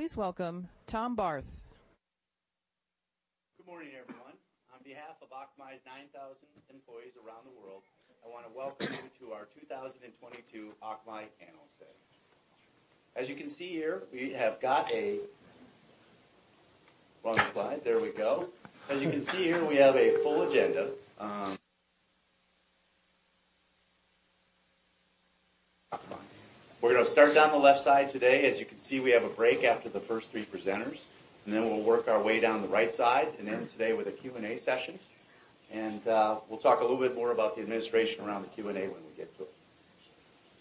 Please welcome Tom Barth. Good morning, everyone. On behalf of Akamai's 9,000 employees around the world, I wanna welcome you to our 2022 Akamai Analyst Day. As you can see here, we have a full agenda. We're gonna start down the left side today. As you can see, we have a break after the first three presenters, and then we'll work our way down the right side and end today with a Q&A session. We'll talk a little bit more about the administration around the Q&A when we get to it.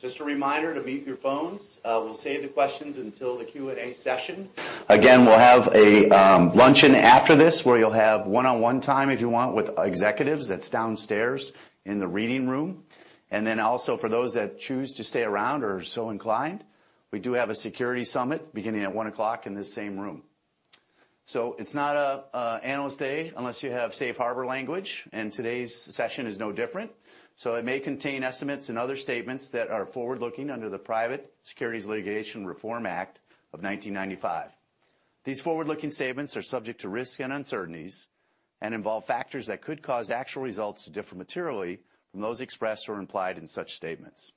Just a reminder to mute your phones. We'll save the questions until the Q&A session. Again, we'll have a luncheon after this where you'll have one-on-one time if you want with executives. That's downstairs in the reading room. For those that choose to stay around or are so inclined, we do have a security summit beginning at 1:00 in the same room. It's not an Analyst Day unless you have Safe Harbor language, and today's session is no different. It may contain estimates and other statements that are forward-looking under the Private Securities Litigation Reform Act of 1995. These forward-looking statements are subject to risks and uncertainties and involve factors that could cause actual results to differ materially from those expressed or implied in such statements.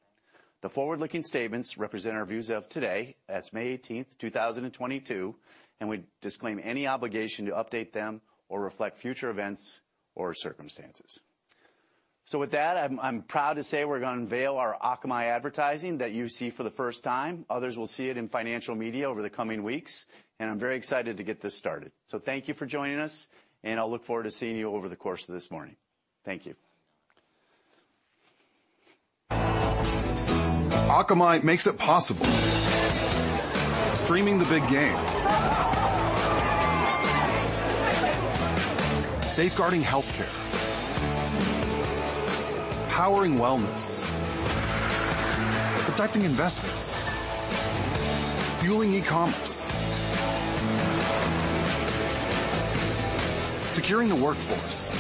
The forward-looking statements represent our views of today, that's May 18th, 2022, and we disclaim any obligation to update them or reflect future events or circumstances. With that, I'm proud to say we're gonna unveil our Akamai advertising that you see for the first time. Others will see it in financial media over the coming weeks, and I'm very excited to get this started. Thank you for joining us, and I'll look forward to seeing you over the course of this morning. Thank you. Akamai makes it possible. Streaming the big game. Safeguarding healthcare. Powering wellness. Protecting investments. Fueling e-commerce. Securing the workforce.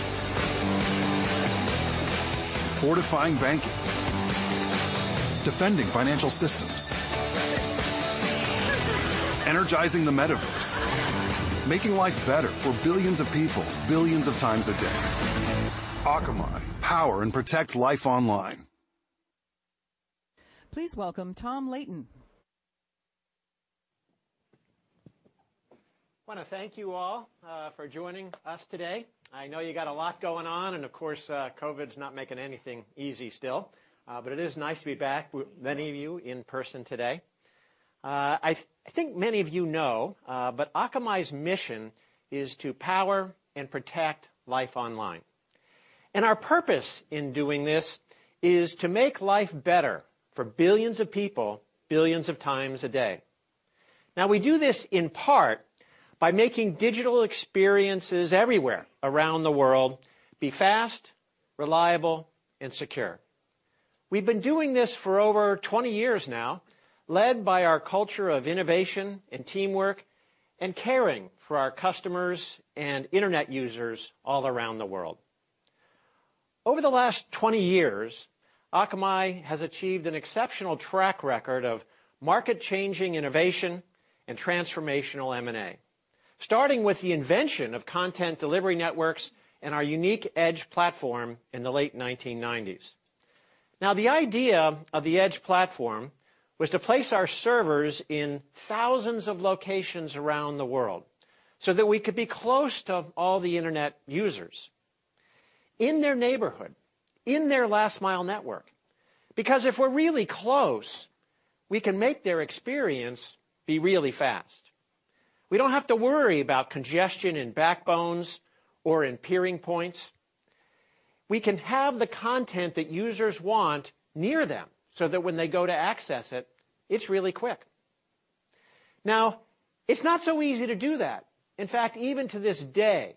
Fortifying banking. Defending financial systems. Energizing the metaverse. Making life better for billions of people, billions of times a day. Akamai: power and protect life online. Please welcome Tom Leighton. I wanna thank you all for joining us today. I know you got a lot going on, and of course, COVID's not making anything easy still. It is nice to be back with many of you in-person today. I think many of you know, but Akamai's mission is to power and protect life online. Our purpose in doing this is to make life better for billions of people, billions of times a day. Now, we do this in part by making digital experiences everywhere around the world be fast, reliable, and secure. We've been doing this for over 20 years now, led by our culture of innovation and teamwork and caring for our customers and internet users all around the world. Over the last 20 years, Akamai has achieved an exceptional track record of market-changing innovation and transformational M&A, starting with the invention of content delivery networks and our unique edge platform in the late 1990s. Now, the idea of the edge platform was to place our servers in thousands of locations around the world so that we could be close to all the internet users, in their neighborhood, in their last-mile network. Because if we're really close, we can make their experience be really fast. We don't have to worry about congestion in backbones or in peering points. We can have the content that users want near them so that when they go to access it's really quick. Now, it's not so easy to do that. In fact, even to this day,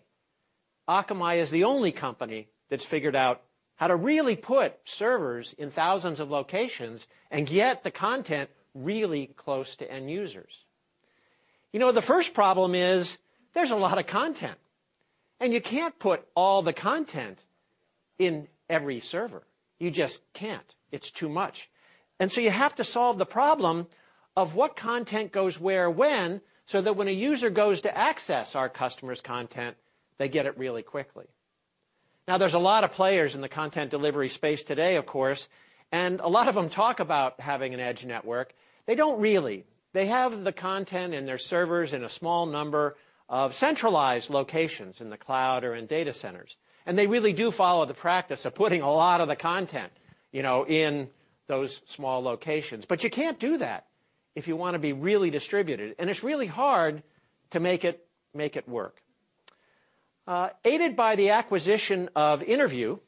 Akamai is the only company that's figured out how to really put servers in thousands of locations and get the content really close to end users. You know, the first problem is there's a lot of content, and you can't put all the content in every server. You just can't. It's too much. You have to solve the problem of what content goes where when so that when a user goes to access our customer's content, they get it really quickly. Now, there's a lot of players in the content delivery space today, of course, and a lot of them talk about having an edge network. They don't really. They have the content in their servers in a small number of centralized locations in the cloud or in data centers. They really do follow the practice of putting a lot of the content, you know, in those small locations. But you can't do that if you wanna be really distributed, and it's really hard to make it work. Aided by the acquisition of InterVu,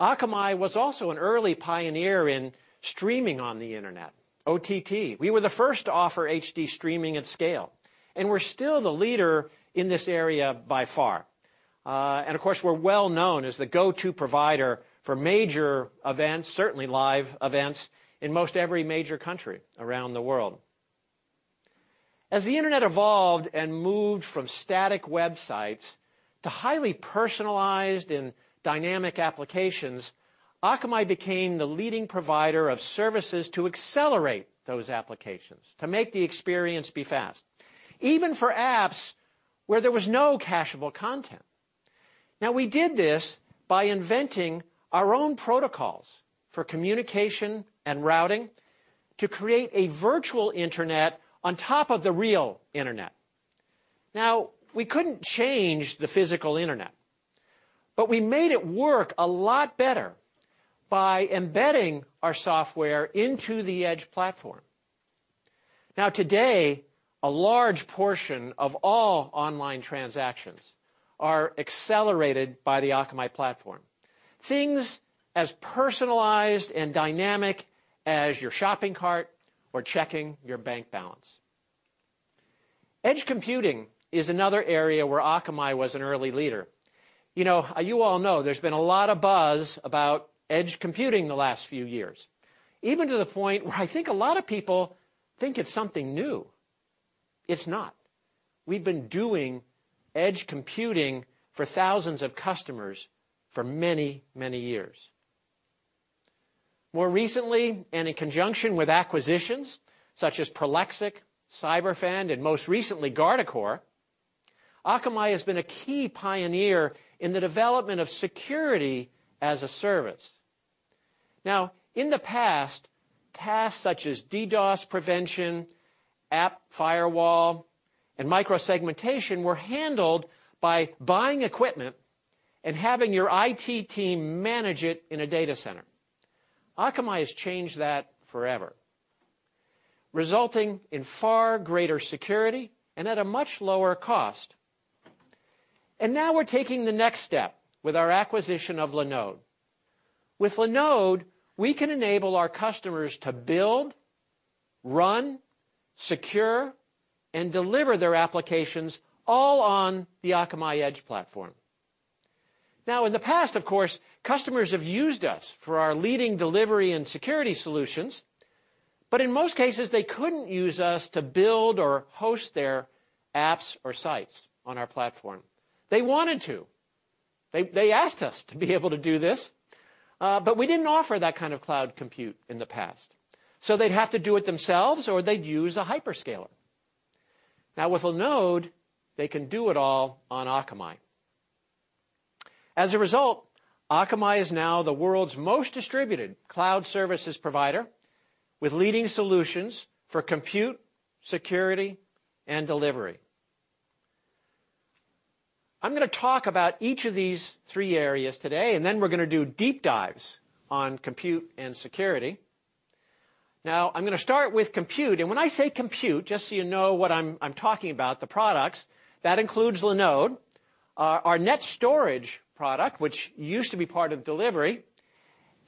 Akamai was also an early pioneer in streaming on the internet, OTT. We were the first to offer HD streaming at scale, and we're still the leader in this area by far. Of course, we're well known as the go-to provider for major events, certainly live events, in most every major country around the world. As the internet evolved and moved from static websites to highly personalized and dynamic applications, Akamai became the leading provider of services to accelerate those applications, to make the experience be fast, even for apps where there was no cacheable content. Now, we did this by inventing our own protocols for communication and routing to create a virtual internet on top of the real internet. Now, we couldn't change the physical internet, but we made it work a lot better by embedding our software into the Edge platform. Now today, a large portion of all online transactions are accelerated by the Akamai platform. Things as personalized and dynamic as your shopping cart or checking your bank balance. Edge computing is another area where Akamai was an early leader. You know, you all know there's been a lot of buzz about edge computing the last few years, even to the point where I think a lot of people think it's something new. It's not. We've been doing edge computing for thousands of customers for many, many years. More recently, and in conjunction with acquisitions such as Prolexic, Cyberfend, and most recently, Guardicore, Akamai has been a key pioneer in the development of security-as-a-service. Now, in the past, tasks such as DDoS prevention, app firewall, and micro-segmentation were handled by buying equipment and having your IT team manage it in a data center. Akamai has changed that forever, resulting in far greater security and at a much lower cost. Now we're taking the next step with our acquisition of Linode. With Linode, we can enable our customers to build, run, secure, and deliver their applications all on the Akamai Edge platform. Now, in the past, of course, customers have used us for our leading delivery and security solutions, but in most cases, they couldn't use us to build or host their apps or sites on our platform. They wanted to. They asked us to be able to do this, but we didn't offer that kind of cloud compute in the past. They'd have to do it themselves or they'd use a hyperscaler. Now, with Linode, they can do it all on Akamai. As a result, Akamai is now the world's most distributed cloud services provider with leading solutions for compute, security, and delivery. I'm gonna talk about each of these three areas today, and then we're gonna do deep dives on compute and security. I'm gonna start with compute, and when I say compute, just so you know what I'm talking about, the products that includes Linode, our NetStorage product, which used to be part of delivery,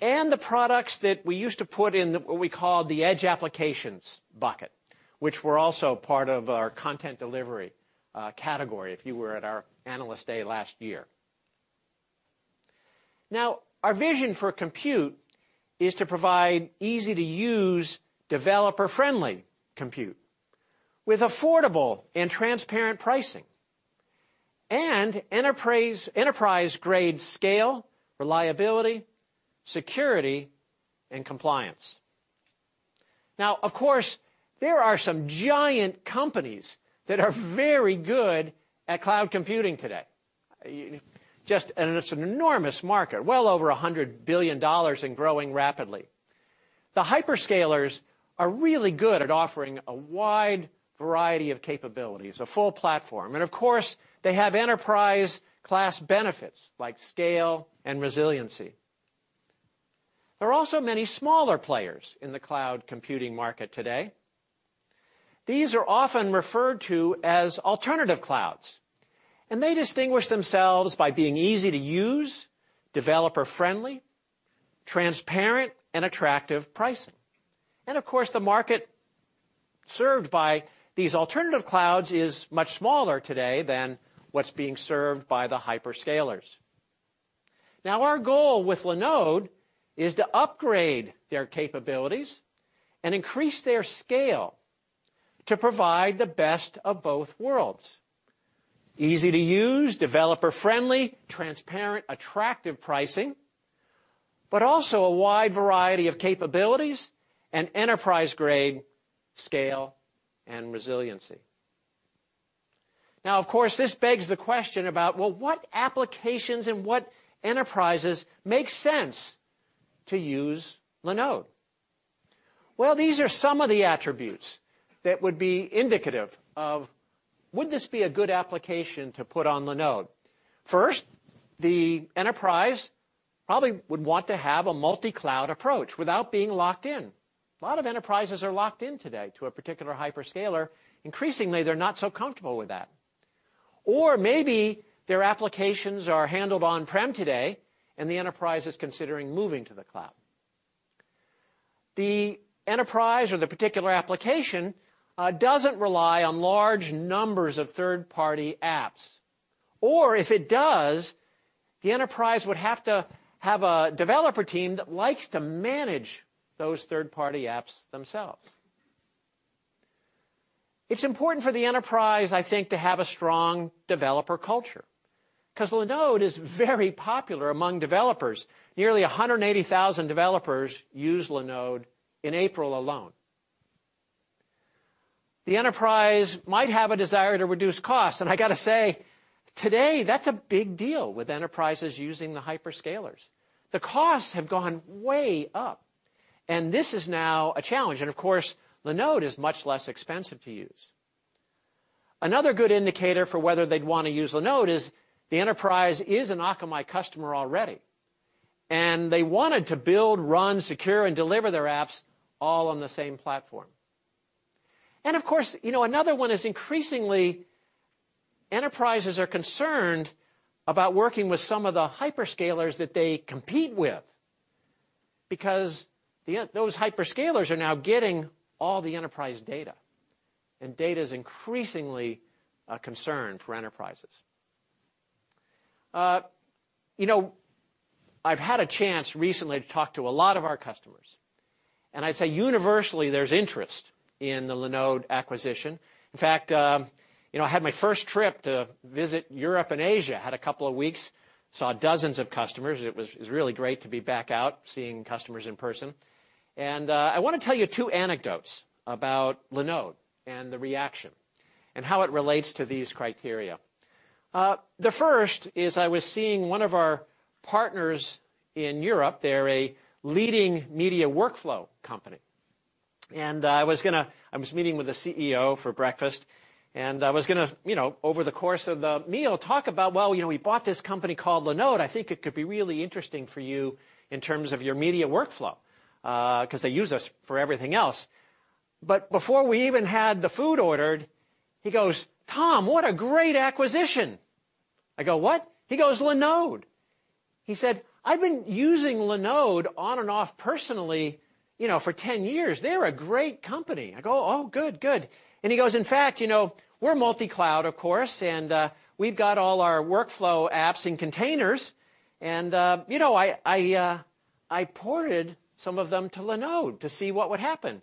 and the products that we used to put in what we call the Edge applications bucket, which were also part of our content delivery category if you were at our Analyst Day last year. Our vision for compute is to provide easy-to-use, developer-friendly compute with affordable and transparent pricing and enterprise-grade scale, reliability, security, and compliance. Of course, there are some giant companies that are very good at cloud computing today. It's an enormous market, well over $100 billion and growing rapidly. The hyperscalers are really good at offering a wide variety of capabilities, a full platform. Of course, they have enterprise class benefits like scale and resiliency. There are also many smaller players in the cloud computing market today. These are often referred to as alternative clouds, and they distinguish themselves by being easy to use, developer friendly, transparent and attractive pricing. Of course, the market served by these alternative clouds is much smaller today than what's being served by the hyperscalers. Now, our goal with Linode is to upgrade their capabilities and increase their scale to provide the best of both worlds. Easy-to-use, developer-friendly, transparent, attractive pricing, but also a wide variety of capabilities and enterprise-grade, scale and resiliency. Now of course, this begs the question about, well, what applications and what enterprises make sense to use Linode? Well, these are some of the attributes that would be indicative of, would this be a good application to put on Linode? First, the enterprise probably would want to have a multi-cloud approach without being locked in. A lot of enterprises are locked in today to a particular hyperscaler. Increasingly, they're not so comfortable with that. Or maybe their applications are handled on-prem today and the enterprise is considering moving to the cloud. The enterprise or the particular application doesn't rely on large numbers of third-party apps. Or if it does, the enterprise would have to have a developer team that likes to manage those third-party apps themselves. It's important for the enterprise, I think, to have a strong developer culture, 'cause Linode is very popular among developers. Nearly 180,000 developers used Linode in April alone. The enterprise might have a desire to reduce costs, and I gotta say, today, that's a big deal with enterprises using the hyperscalers. The costs have gone way up, and this is now a challenge. Of course, Linode is much less expensive to use. Another good indicator for whether they'd wanna use Linode is the enterprise is an Akamai customer already, and they wanted to build, run, secure, and deliver their apps all on the same platform. Of course, you know, another one is increasingly enterprises are concerned about working with some of the hyperscalers that they compete with because the, those hyperscalers are now getting all the enterprise data, and data is increasingly a concern for enterprises. You know, I've had a chance recently to talk to a lot of our customers, and I say universally there's interest in the Linode acquisition. In fact, you know, I had my first trip to visit Europe and Asia, had a couple of weeks, saw dozens of customers. It was really great to be back out, seeing customers in person. I wanna tell you two anecdotes about Linode and the reaction and how it relates to these criteria. The first is I was seeing one of our partners in Europe. They're a leading media workflow company. I was meeting with the CEO for breakfast, and I was gonna, you know, over the course of the meal, talk about, "Well, you know, we bought this company called Linode. I think it could be really interesting for you in terms of your media workflow, 'cause they use us for everything else." Before we even had the food ordered, he goes, "Tom, what a great acquisition." I go, "What?" He goes, "Linode." He said, "I've been using Linode on and off personally, you know, for 10 years. They're a great company." I go, "Oh, good." He goes, "In fact, you know, we're multi-cloud, of course, and we've got all our workflow apps in containers, and you know, I ported some of them to Linode to see what would happen."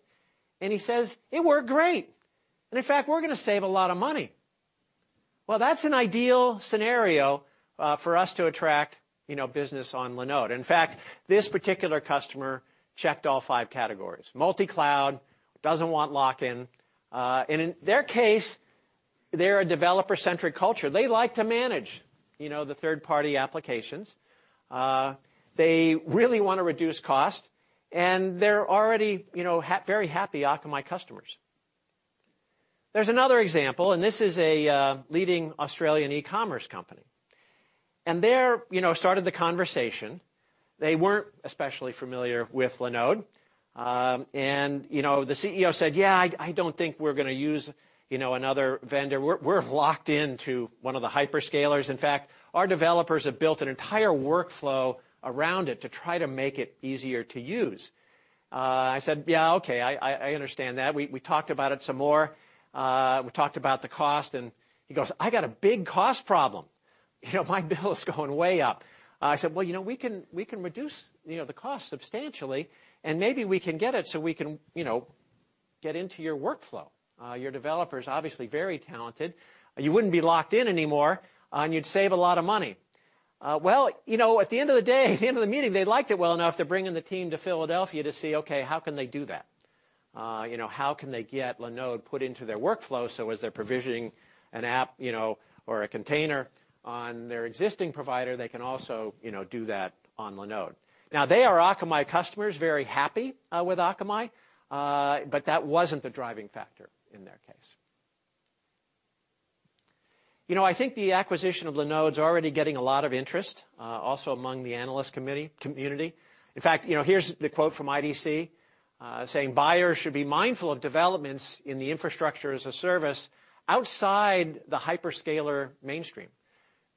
He says, "It worked great. In fact, we're gonna save a lot of money." Well, that's an ideal scenario for us to attract, you know, business on Linode. In fact, this particular customer checked all five categories. Multi-cloud, doesn't want lock-in, and in their case, they're a developer-centric culture. They like to manage, you know, the third-party applications. They really wanna reduce cost, and they're already, you know, very happy Akamai customers. There's another example, and this is a leading Australian e-commerce company. There, you know, started the conversation. They weren't especially familiar with Linode. You know, the CEO said, "Yeah, I don't think we're gonna use, you know, another vendor. We're locked into one of the hyperscalers. In fact, our developers have built an entire workflow around it to try to make it easier to use." I said, "Yeah, okay. I understand that." We talked about it some more. We talked about the cost, and he goes, "I got a big cost problem. You know, my bill is going way up." I said, "Well, you know, we can reduce, you know, the cost substantially, and maybe we can get it so we can, you know, get into your workflow. Your developer's obviously very talented. You wouldn't be locked in anymore, and you'd save a lot of money." Well, you know, at the end of the day, at the end of the meeting, they liked it well enough. They're bringing the team to Philadelphia to see, okay, how can they do that? You know, how can they get Linode put into their workflow so as they're provisioning an app, you know, or a container on their existing provider, they can also, you know, do that on Linode. Now, they are Akamai customers, very happy with Akamai, but that wasn't the driving factor in their case. You know, I think the acquisition of Linode's already getting a lot of interest, also among the analyst community. In fact, you know, here's the quote from IDC saying, "Buyers should be mindful of developments in the infrastructure as a service outside the hyperscaler mainstream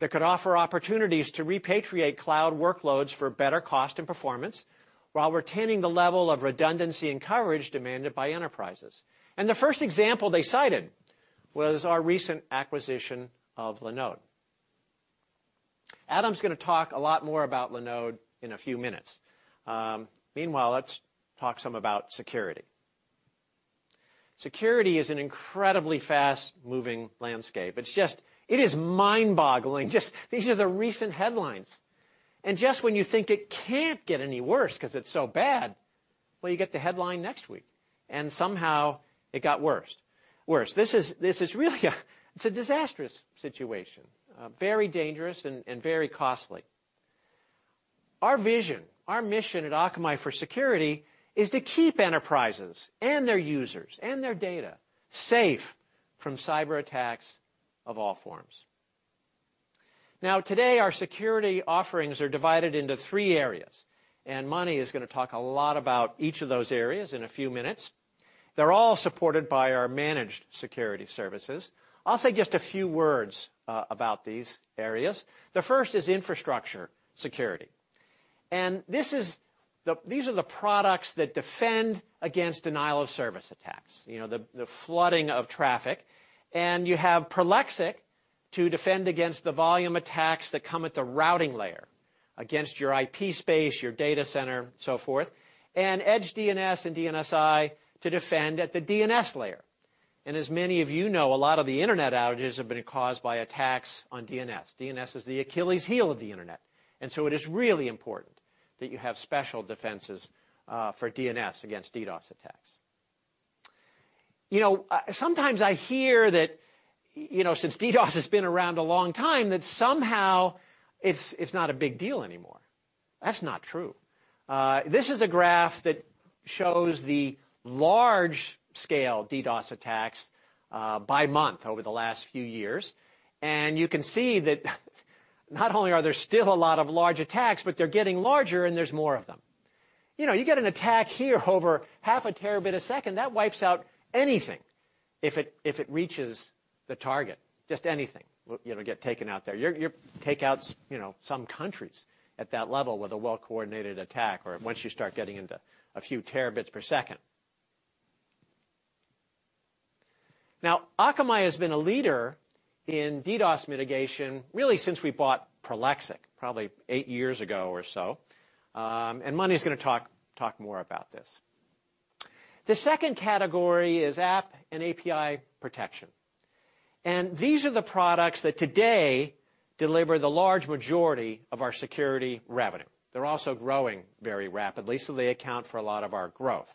that could offer opportunities to repatriate cloud workloads for better cost and performance while retaining the level of redundancy and coverage demanded by enterprises." The first example they cited was our recent acquisition of Linode. Adam's gonna talk a lot more about Linode in a few minutes. Meanwhile, let's talk some about security. Security is an incredibly fast-moving landscape. It's just mind-boggling. Just, these are the recent headlines. And just when you think it can't get any worse because it's so bad, well, you get the headline next week, and somehow it got worse. This is really a disastrous situation. Very dangerous and very costly. Our vision, our mission at Akamai for security is to keep enterprises and their users and their data safe from cyberattacks of all forms. Now, today, our security offerings are divided into three areas, and Mani is gonna talk a lot about each of those areas in a few minutes. They're all supported by our managed security services. I'll say just a few words about these areas. The first is infrastructure security. These are the products that defend against denial of service attacks, you know, the flooding of traffic. You have Prolexic to defend against the volume attacks that come at the routing layer against your IP space, your data center, so forth. Edge DNS and DNSi to defend at the DNS layer. As many of you know, a lot of the Internet outages have been caused by attacks on DNS. DNS is the Achilles' heel of the Internet. It is really important that you have special defenses for DNS against DDoS attacks. You know, sometimes I hear that, you know, since DDoS has been around a long time, that somehow it's not a big deal anymore. That's not true. This is a graph that shows the large-scale DDoS attacks by month over the last few years. You can see that not only are there still a lot of large attacks, but they're getting larger, and there's more of them. You know, you get an attack here over 0.5 Tb/s, that wipes out anything if it reaches the target, just anything, you know, get taken out there. Your takeouts, you know, some countries at that level with a well-coordinated attack or once you start getting into a few terabits per second. Now, Akamai has been a leader in DDoS mitigation really since we bought Prolexic, probably eight years ago or so. Mani is gonna talk more about this. The second category is app and API protection. These are the products that today deliver the large majority of our security revenue. They're also growing very rapidly, so they account for a lot of our growth,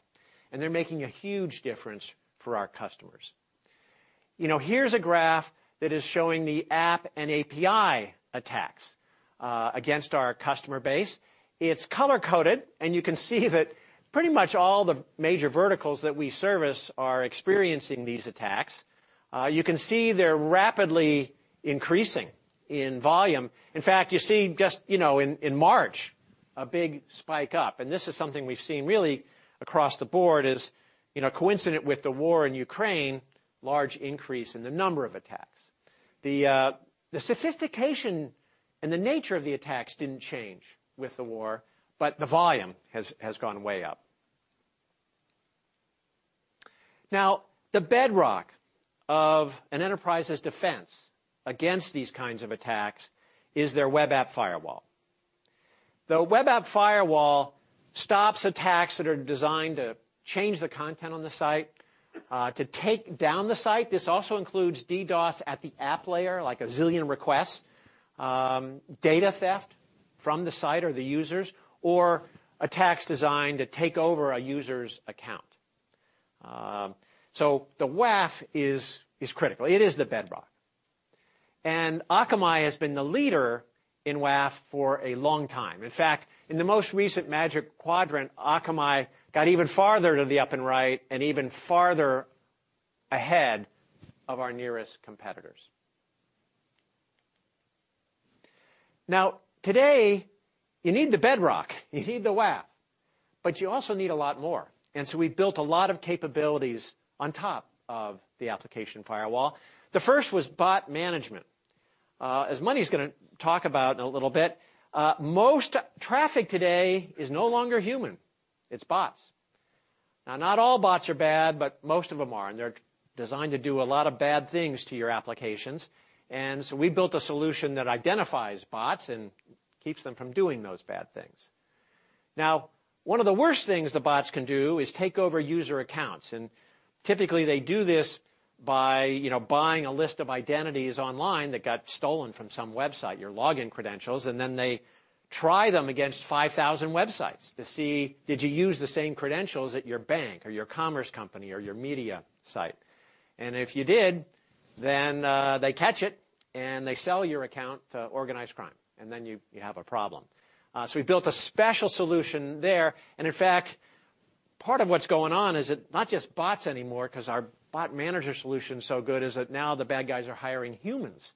and they're making a huge difference for our customers. You know, here's a graph that is showing the app and API attacks against our customer base. It's color-coded, and you can see that pretty much all the major verticals that we service are experiencing these attacks. You can see they're rapidly increasing in volume. In fact, you see just you know in March a big spike up, and this is something we've seen really across the board is you know coincident with the war in Ukraine large increase in the number of attacks. The sophistication and the nature of the attacks didn't change with the war, but the volume has gone way up. Now, the bedrock of an enterprise's defense against these kinds of attacks is their web app firewall. The web app firewall stops attacks that are designed to change the content on the site to take down the site. This also includes DDoS at the app layer, like a zillion requests, data theft from the site or the users, or attacks designed to take over a user's account. So the WAF is critical. It is the bedrock. Akamai has been the leader in WAF for a long time. In fact, in the most recent Magic Quadrant, Akamai got even farther to the up and right and even farther ahead of our nearest competitors. Now, today, you need the bedrock, you need the WAF, but you also need a lot more. We've built a lot of capabilities on top of the application firewall. The first was bot management. As Mani is gonna talk about in a little bit, most traffic today is no longer human. It's bots. Now, not all bots are bad, but most of them are, and they're designed to do a lot of bad things to your applications. We built a solution that identifies bots and keeps them from doing those bad things. Now, one of the worst things the bots can do is take over user accounts. Typically they do this by, you know, buying a list of identities online that got stolen from some website, your login credentials, and then they try them against 5,000 websites to see, did you use the same credentials at your bank or your commerce company or your media site? If you did, then they catch it, and they sell your account to organized crime, and then you have a problem. So we built a special solution there. In fact, part of what's going on is that not just bots anymore, because our Bot Manager solution is so good, now the bad guys are hiring humans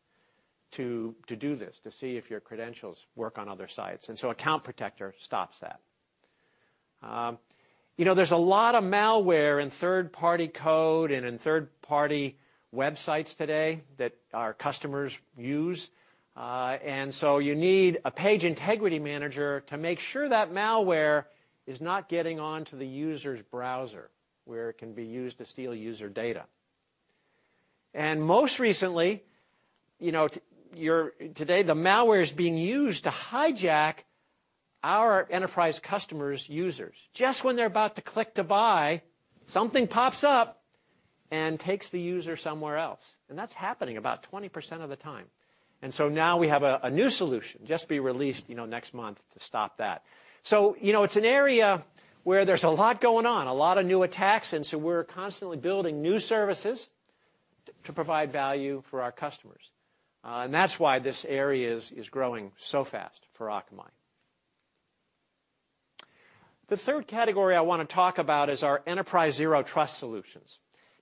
to do this, to see if your credentials work on other sites. Account Protector stops that. You know, there's a lot of malware in third-party code and in third-party websites today that our customers use. You need a Page Integrity Manager to make sure that malware is not getting on to the user's browser, where it can be used to steal user data. Most recently, you know, today, the malware is being used to hijack our enterprise customers' users. Just when they're about to click to buy, something pops up and takes the user somewhere else. That's happening about 20% of the time. Now we have a new solution just be released, you know, next month to stop that. You know, it's an area where there's a lot going on, a lot of new attacks, and so we're constantly building new services to provide value for our customers. That's why this area is growing so fast for Akamai. The third category I wanna talk about is our enterprise Zero Trust solutions.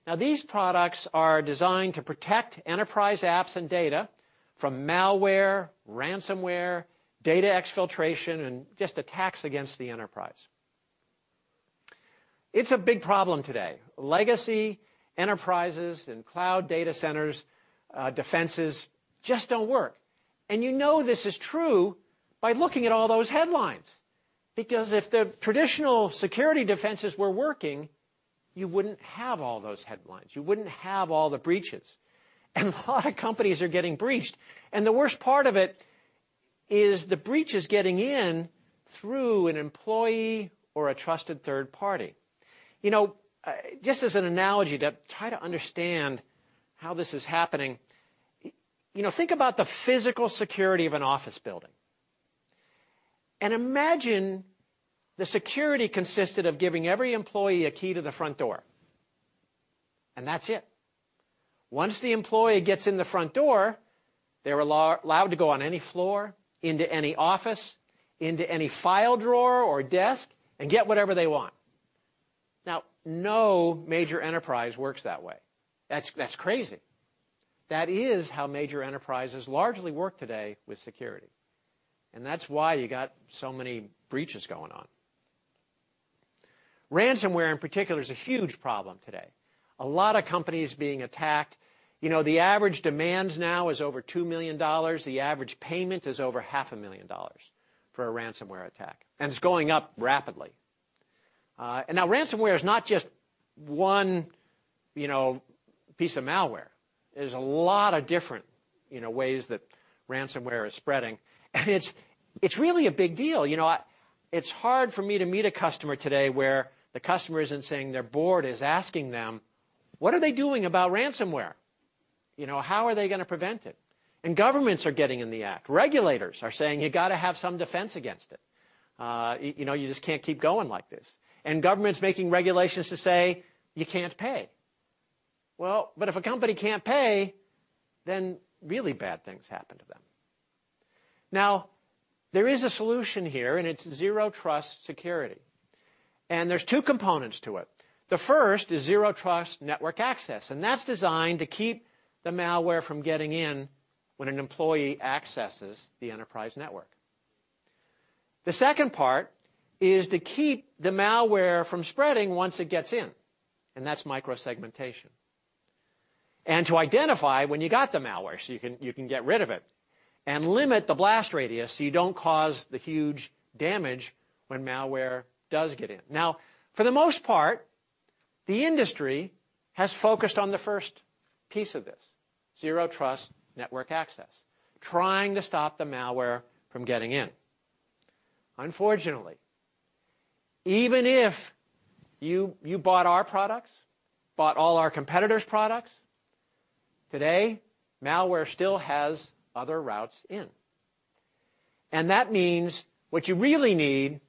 Now, these products are designed to protect enterprise apps and data from malware, ransomware, data exfiltration, and just attacks against the enterprise. It's a big problem today. Legacy enterprises and cloud data centers defenses just don't work. You know this is true by looking at all those headlines, because if the traditional security defenses were working, you wouldn't have all those headlines, you wouldn't have all the breaches. A lot of companies are getting breached, and the worst part of it is the breach is getting in through an employee or a trusted third party. You know, just as an analogy to try to understand how this is happening, you know, think about the physical security of an office building and imagine the security consisted of giving every employee a key to the front door, and that's it. Once the employee gets in the front door, they're allowed to go on any floor, into any office, into any file drawer or desk and get whatever they want. Now, no major enterprise works that way. That's crazy. That is how major enterprises largely work today with security, and that's why you got so many breaches going on. Ransomware, in particular, is a huge problem today. A lot of companies being attacked. You know, the average demands now is over $2 million. The average payment is over $0.5 million for a ransomware attack, and it's going up rapidly. Now ransomware is not just one, you know, piece of malware. There's a lot of different, you know, ways that ransomware is spreading, and it's really a big deal. You know, It's hard for me to meet a customer today where the customer isn't saying their board is asking them, what are they doing about ransomware? You know, how are they gonna prevent it? Governments are getting in the act. Regulators are saying you gotta have some defense against it. You know, you just can't keep going like this. Governments making regulations to say, "You can't pay." Well, but if a company can't pay, then really bad things happen to them. Now, there is a solution here, and it's Zero Trust Security. There's two components to it. The first is Zero Trust Network Access, and that's designed to keep the malware from getting in when an employee accesses the enterprise network. The second part is to keep the malware from spreading once it gets in, and that's micro-segmentation. To identify when you got the malware, so you can get rid of it and limit the blast radius, so you don't cause the huge damage when malware does get in. Now, for the most part, the industry has focused on the first piece of this, Zero Trust Network Access, trying to stop the malware from getting in. Unfortunately, even if you bought our products, bought all our competitors' products, today, malware still has other routes in. That means what you really need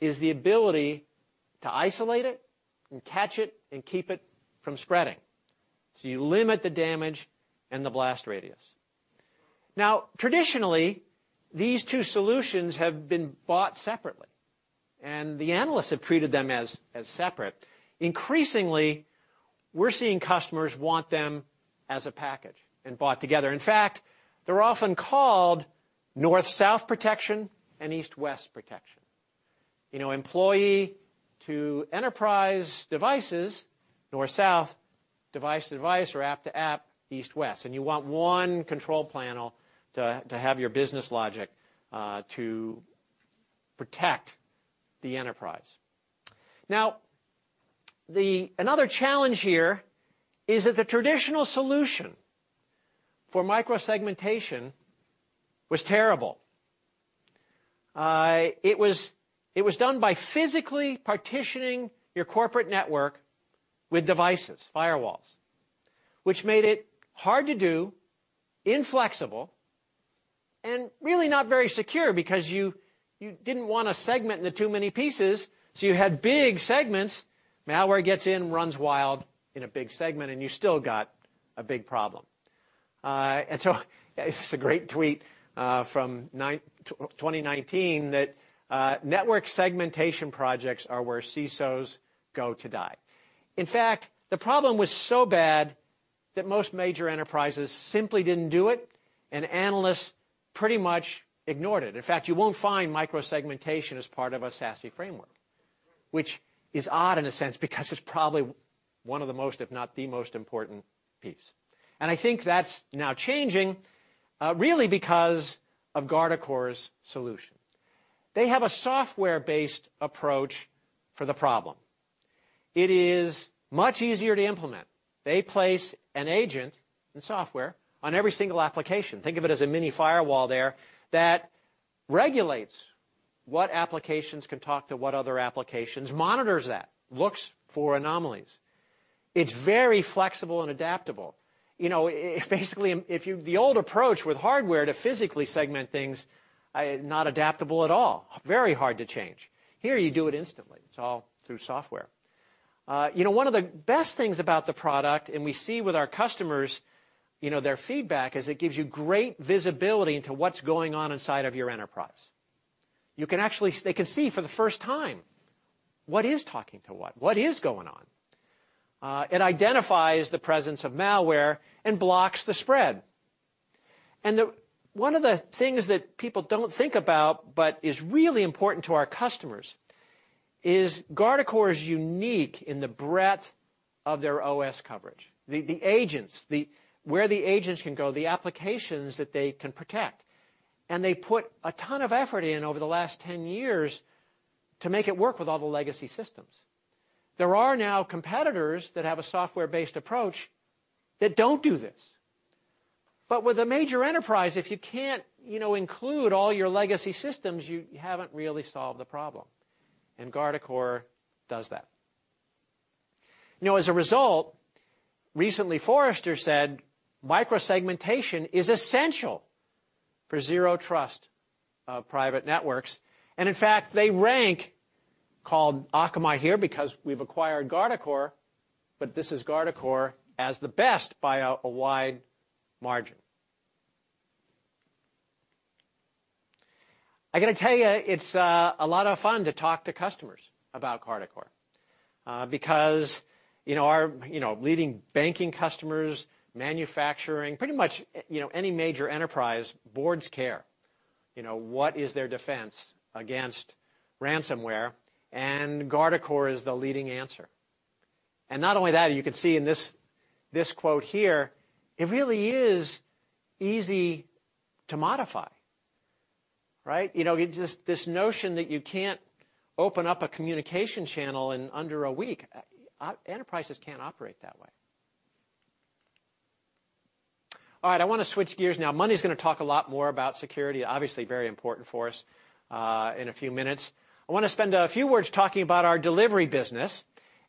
is the ability to isolate it and catch it and keep it from spreading, so you limit the damage and the blast radius. Now, traditionally, these two solutions have been bought separately, and the analysts have treated them as separate. Increasingly, we're seeing customers want them as a package and bought together. In fact, they're often called north-south protection and east-west protection. You know, employee-to-enterprise devices, north-south, device to device or app to app, east-west, and you want one control panel to have your business logic to protect the enterprise. Now, another challenge here is that the traditional solution for micro-segmentation was terrible. It was done by physically partitioning your corporate network with devices, firewalls, which made it hard to do, inflexible, and really not very secure because you didn't wanna segment into too many pieces, so you had big segments. Malware gets in, runs wild in a big segment, and you still got a big problem. It's a great tweet from 2019 that network segmentation projects are where CISOs go to die. In fact, the problem was so bad that most major enterprises simply didn't do it, and analysts pretty much ignored it. In fact, you won't find micro-segmentation as part of a SASE framework, which is odd in a sense, because it's probably one of the most, if not the most important piece. I think that's now changing, really because of Guardicore's solutions. They have a software-based approach for the problem. It is much easier to implement. They place an agent and software on every single application, think of it as a mini firewall there, that regulates what applications can talk to what other applications, monitors that, looks for anomalies. It's very flexible and adaptable. You know, basically, the old approach with hardware to physically segment things, not adaptable at all. Very hard to change. Here, you do it instantly. It's all through software. You know, one of the best things about the product, and we see with our customers, you know, their feedback, is it gives you great visibility into what's going on inside of your enterprise. They can see for the first time what is talking to what is going on. It identifies the presence of malware and blocks the spread. The one of the things that people don't think about but is really important to our customers is Guardicore is unique in the breadth of their OS coverage. The agents where the agents can go, the applications that they can protect. They put a ton of effort in over the last 10 years to make it work with all the legacy systems. There are now competitors that have a software-based approach that don't do this. With a major enterprise, if you can't, you know, include all your legacy systems, you haven't really solved the problem, and Guardicore does that. You know, as a result, recently Forrester said micro-segmentation is essential for Zero Trust Private Networks. In fact, they rank Akamai here because we've acquired Guardicore, but this is Guardicore as the best by a wide margin. I gotta tell you, it's a lot of fun to talk to customers about Guardicore, because you know our you know leading banking customers, manufacturing, pretty much you know any major enterprise. Boards care, you know, what is their defense against ransomware, and Guardicore is the leading answer. Not only that, you can see in this quote here, it really is easy to modify, right? You know, it's just this notion that you can't open up a communication channel in under a week. Enterprises can't operate that way. All right, I wanna switch gears now. Mani's gonna talk a lot more about security, obviously very important for us, in a few minutes. I wanna spend a few words talking about our delivery business,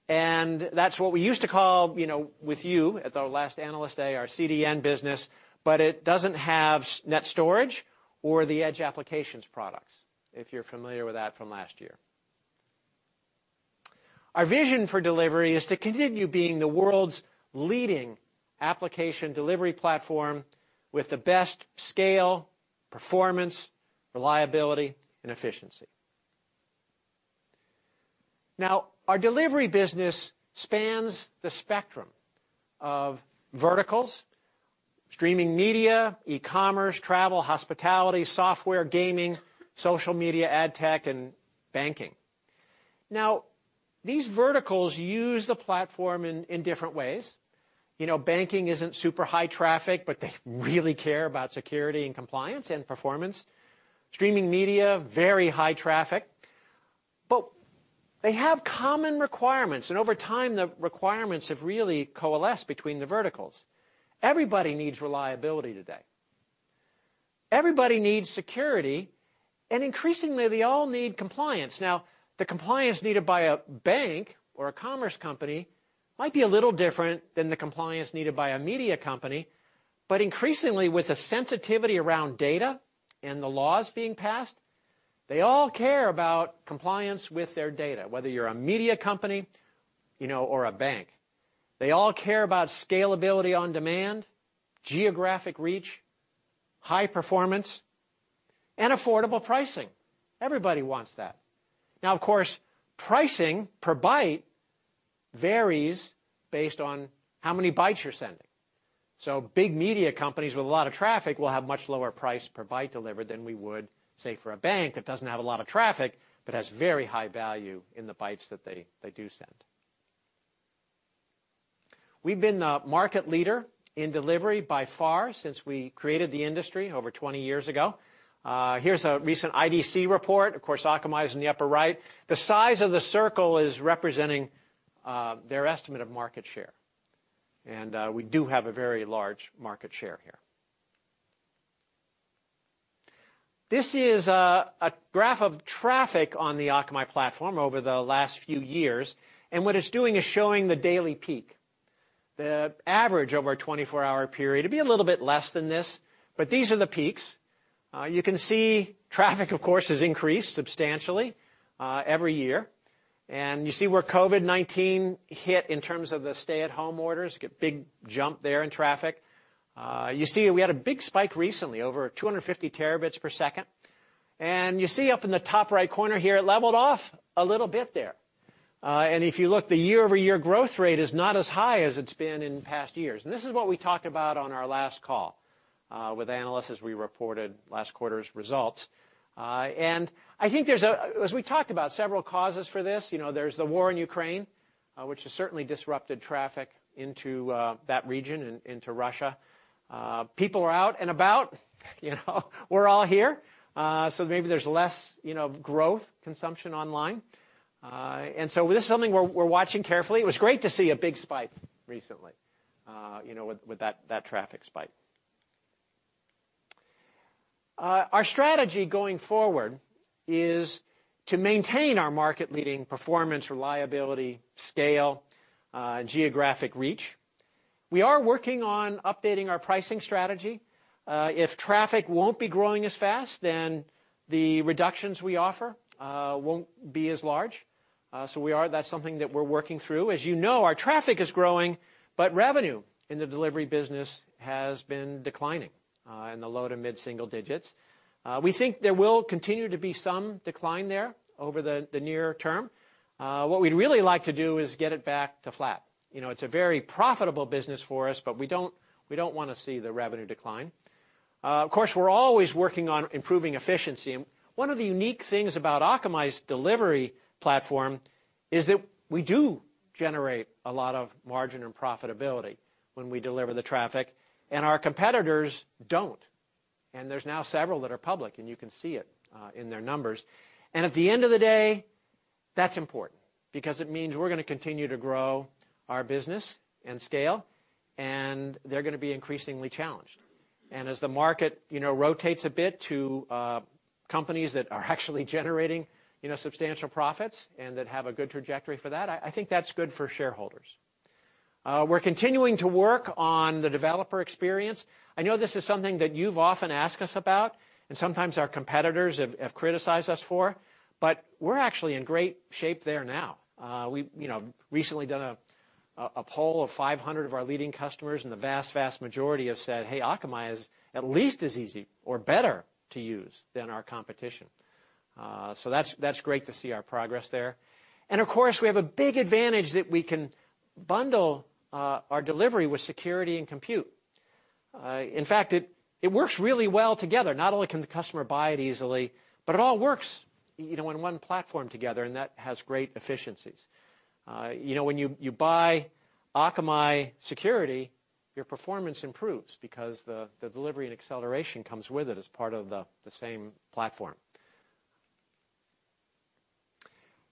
and that's what we used to call, you know, with you at our last Analyst Day, our CDN business, but it doesn't have NetStorage or the Edge Applications products if you're familiar with that from last year. Our vision for delivery is to continue being the world's leading application delivery platform with the best scale, performance, reliability, and efficiency. Now, our delivery business spans the spectrum of verticals, streaming media, e-commerce, travel, hospitality, software, gaming, social media, ad tech, and banking. Now, these verticals use the platform in different ways. You know, banking isn't super high traffic, but they really care about security and compliance and performance. Streaming media, very high traffic, but they have common requirements, and over time, the requirements have really coalesced between the verticals. Everybody needs reliability today. Everybody needs security, and increasingly, they all need compliance. Now, the compliance needed by a bank or a commerce company might be a little different than the compliance needed by a media company, but increasingly, with the sensitivity around data and the laws being passed, they all care about compliance with their data, whether you're a media company, you know, or a bank. They all care about scalability on demand, geographic reach, high performance, and affordable pricing. Everybody wants that. Now, of course, pricing per byte varies based on how many bytes you're sending. So big media companies with a lot of traffic will have much lower price per byte delivered than we would, say, for a bank that doesn't have a lot of traffic but has very high value in the bytes that they do send. We've been the market leader in delivery by far since we created the industry over 20 years ago. Here's a recent IDC report. Of course, Akamai is in the upper right. The size of the circle is representing their estimate of market share, and we do have a very large market share here. This is a graph of traffic on the Akamai platform over the last few years, and what it's doing is showing the daily peak. The average over a 24-hour period, it'd be a little bit less than this, but these are the peaks. You can see traffic, of course, has increased substantially every year. You see where COVID-19 hit in terms of the stay-at-home orders. Got big jump there in traffic. You see we had a big spike recently, over 250 Tb/s. You see up in the top right corner here, it leveled off a little bit there. If you look, the year-over-year growth rate is not as high as it's been in past years. This is what we talked about on our last call with analysts as we reported last quarter's results. I think, as we talked about, several causes for this, you know, there's the war in Ukraine, which has certainly disrupted traffic into that region and into Russia. People are out and about, you know we're all here, so maybe there's less, you know, growth consumption online. This is something we're watching carefully. It was great to see a big spike recently with that traffic spike. Our strategy going forward is to maintain our market-leading performance, reliability, scale, and geographic reach. We are working on updating our pricing strategy. If traffic won't be growing as fast, then the reductions we offer won't be as large. That's something that we're working through. As you know, our traffic is growing, but revenue in the delivery business has been declining in the low- to mid-single-digit. We think there will continue to be some decline there over the near term. What we'd really like to do is get it back to flat. You know, it's a very profitable business for us, but we don't wanna see the revenue decline. Of course, we're always working on improving efficiency. One of the unique things about Akamai's delivery platform is that we do generate a lot of margin and profitability when we deliver the traffic, and our competitors don't. There's now several that are public, and you can see it in their numbers. At the end of the day, that's important because it means we're gonna continue to grow our business and scale, and they're gonna be increasingly challenged. As the market, you know, rotates a bit to companies that are actually generating, you know, substantial profits and that have a good trajectory for that, I think that's good for shareholders. We're continuing to work on the developer experience. I know this is something that you've often asked us about, and sometimes our competitors have criticized us for, but we're actually in great shape there now. We've, you know, recently done a poll of 500 of our leading customers, and the vast majority have said, "Hey, Akamai is at least as easy or better to use than our competition." That's great to see our progress there. Of course, we have a big advantage that we can bundle our delivery with security and compute. In fact, it works really well together. Not only can the customer buy it easily, but it all works, you know, in one platform together, and that has great efficiencies. You know, when you buy Akamai security, your performance improves because the delivery and acceleration comes with it as part of the same platform.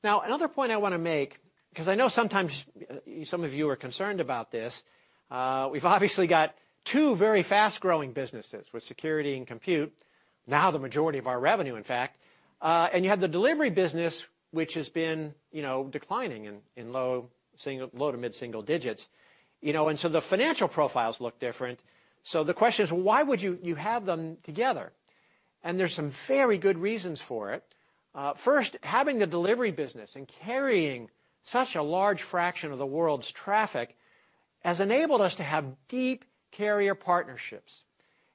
Now, another point I wanna make, 'cause I know sometimes some of you are concerned about this. We've obviously got two very fast-growing businesses with security and compute, now the majority of our revenue, in fact. You have the delivery business, which has been, you know, declining in low to mid single digits, you know, and so the financial profiles look different. The question is, why would you have them together? There's some very good reasons for it. First, having the delivery business and carrying such a large fraction of the world's traffic has enabled us to have deep carrier partnerships,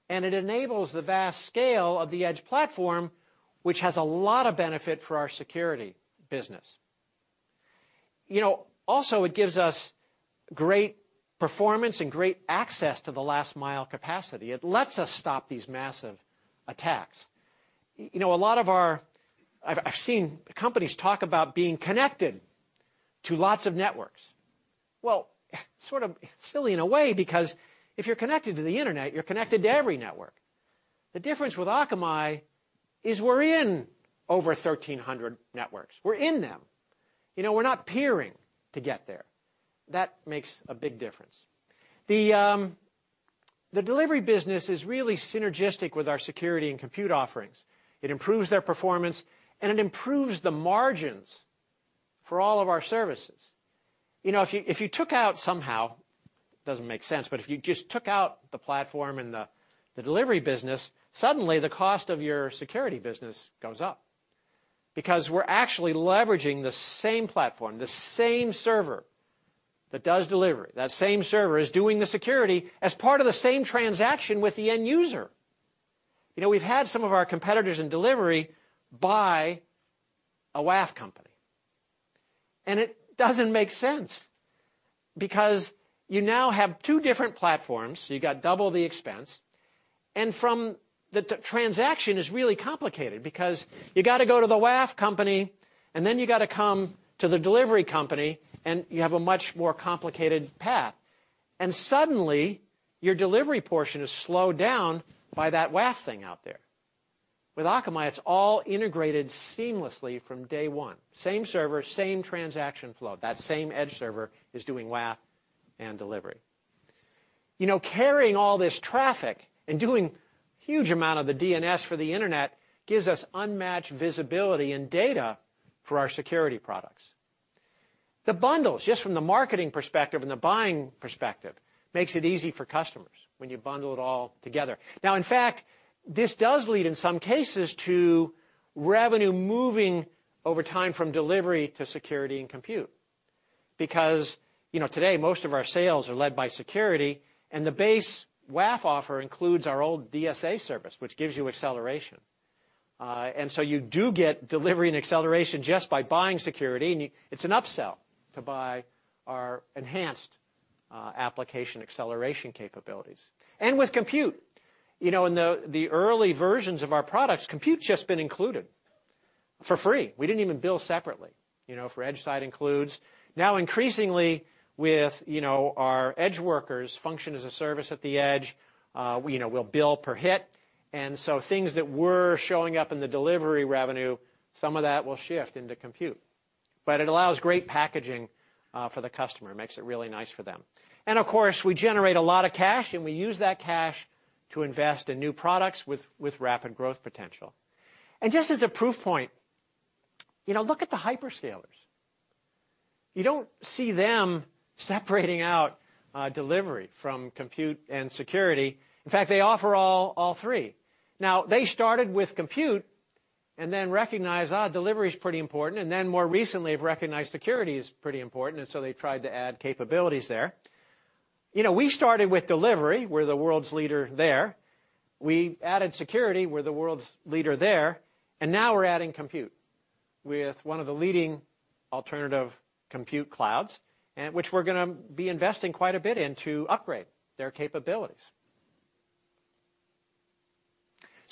and it enables the vast scale of the Edge platform, which has a lot of benefit for our security business. You know, also it gives us great performance and great access to the last mile capacity. It lets us stop these massive attacks. You know, a lot of our I've seen companies talk about being connected to lots of networks. Well, sort of silly in a way because if you're connected to the Internet, you're connected to every network. The difference with Akamai is we're in over 1,300 networks. We're in them. You know, we're not peering to get there. That makes a big difference. The delivery business is really synergistic with our security and compute offerings. It improves their performance, and it improves the margins for all of our services. You know, if you took out somehow, doesn't make sense, but if you just took out the platform and the delivery business, suddenly the cost of your security business goes up because we're actually leveraging the same platform, the same server that does delivery. That same server is doing the security as part of the same transaction with the end user. You know, we've had some of our competitors in delivery by a WAF company, and it doesn't make sense because you now have two different platforms, so you got double the expense. The transaction is really complicated because you gotta go to the WAF company, and then you gotta come to the delivery company, and you have a much more complicated path. Suddenly, your delivery portion is slowed down by that WAF thing out there. With Akamai, it's all integrated seamlessly from day one. Same server, same transaction flow. That same Edge server is doing WAF and delivery. You know, carrying all this traffic and doing huge amount of the DNS for the Internet gives us unmatched visibility and data for our security products. The bundles, just from the marketing perspective and the buying perspective, makes it easy for customers when you bundle it all together. Now in fact, this does lead in some cases to revenue moving over time from delivery to security and compute. Because, you know, today, most of our sales are led by security, and the base WAF offer includes our old DSA service, which gives you acceleration. You do get delivery and acceleration just by buying security, and you. It's an upsell to buy our enhanced, application acceleration capabilities. With compute, you know, in the early versions of our products, compute's just been included for free. We didn't even bill separately, you know, for Edge side includes. Now increasingly, with, you know, our EdgeWorkers function as a service at the Edge, you know, we'll bill per hit. Things that were showing up in the delivery revenue, some of that will shift into compute. It allows great packaging, for the customer, makes it really nice for them. Of course, we generate a lot of cash, and we use that cash to invest in new products with rapid growth potential. Just as a proof point, you know, look at the hyperscalers. You don't see them separating out, delivery from compute and security. In fact, they offer all three. Now, they started with compute and then recognized, delivery is pretty important, and then more recently have recognized security is pretty important, and so they tried to add capabilities there. You know, we started with delivery. We're the world's leader there. We added security. We're the world's leader there. Now we're adding compute with one of the leading alternative compute clouds, and which we're gonna be investing quite a bit in to upgrade their capabilities.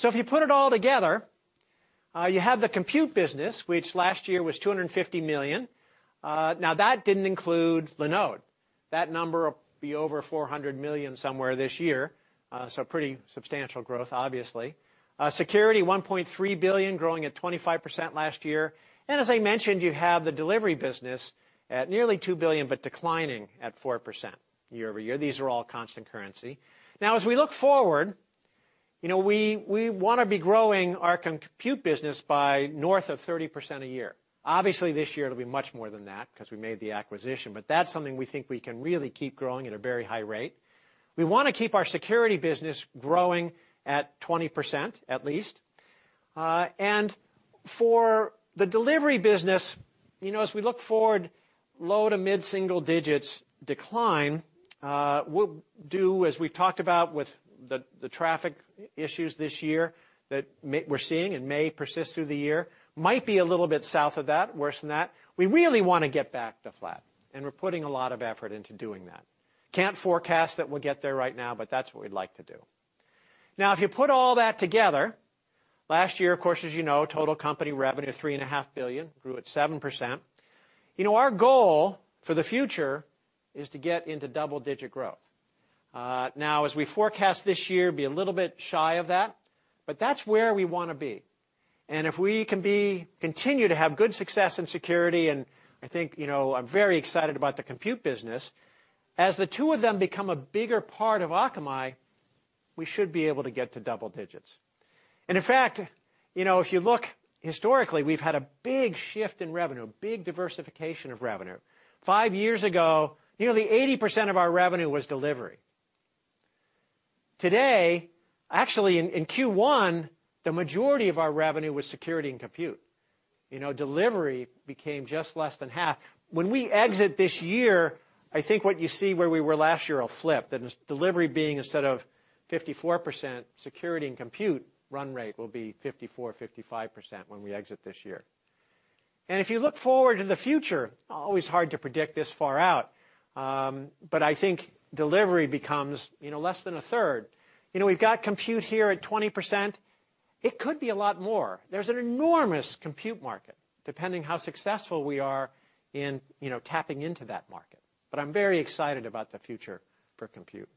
If you put it all together, you have the compute business, which last year was $250 million. Now that didn't include Linode. That number will be over $400 million somewhere this year, so pretty substantial growth, obviously. Security $1.3 billion, growing at 25% last year. As I mentioned, you have the delivery business at nearly $2 billion, but declining at 4% year-over-year. These are all constant currency. Now as we look forward, you know, we wanna be growing our compute business by north of 30% a year. Obviously, this year it'll be much more than that 'cause we made the acquisition, but that's something we think we can really keep growing at a very high rate. We wanna keep our security business growing at 20%, at least. For the delivery business, you know, as we look forward, low-to mid-single-digits decline will do as we've talked about with the traffic issues this year that we're seeing and may persist through the year. Might be a little bit south of that, worse than that. We really wanna get back to flat, and we're putting a lot of effort into doing that. Can't forecast that we'll get there right now, but that's what we'd like to do. Now if you put all that together, last year, of course, as you know, total company revenue of $3.5 billion, grew at 7%. You know, our goal for the future is to get into double-digit growth. Now as we forecast this year, be a little bit shy of that, but that's where we wanna be. If we can continue to have good success in security, and I think, you know, I'm very excited about the compute business. As the two of them become a bigger part of Akamai, we should be able to get to double digits. In fact, you know, if you look historically, we've had a big shift in revenue, big diversification of revenue. five years ago, nearly 80% of our revenue was delivery. Today, actually in Q1, the majority of our revenue was security and compute. You know, delivery became just less than half. When we exit this year, I think what you see where we were last year will flip. The delivery being instead of 54% security and compute run rate will be 54%-55% when we exit this year. If you look forward in the future, always hard to predict this far out, but I think delivery becomes, you know, less than a third. You know, we've got compute here at 20%. It could be a lot more. There's an enormous compute market, depending how successful we are in, you know, tapping into that market, but I'm very excited about the future for compute.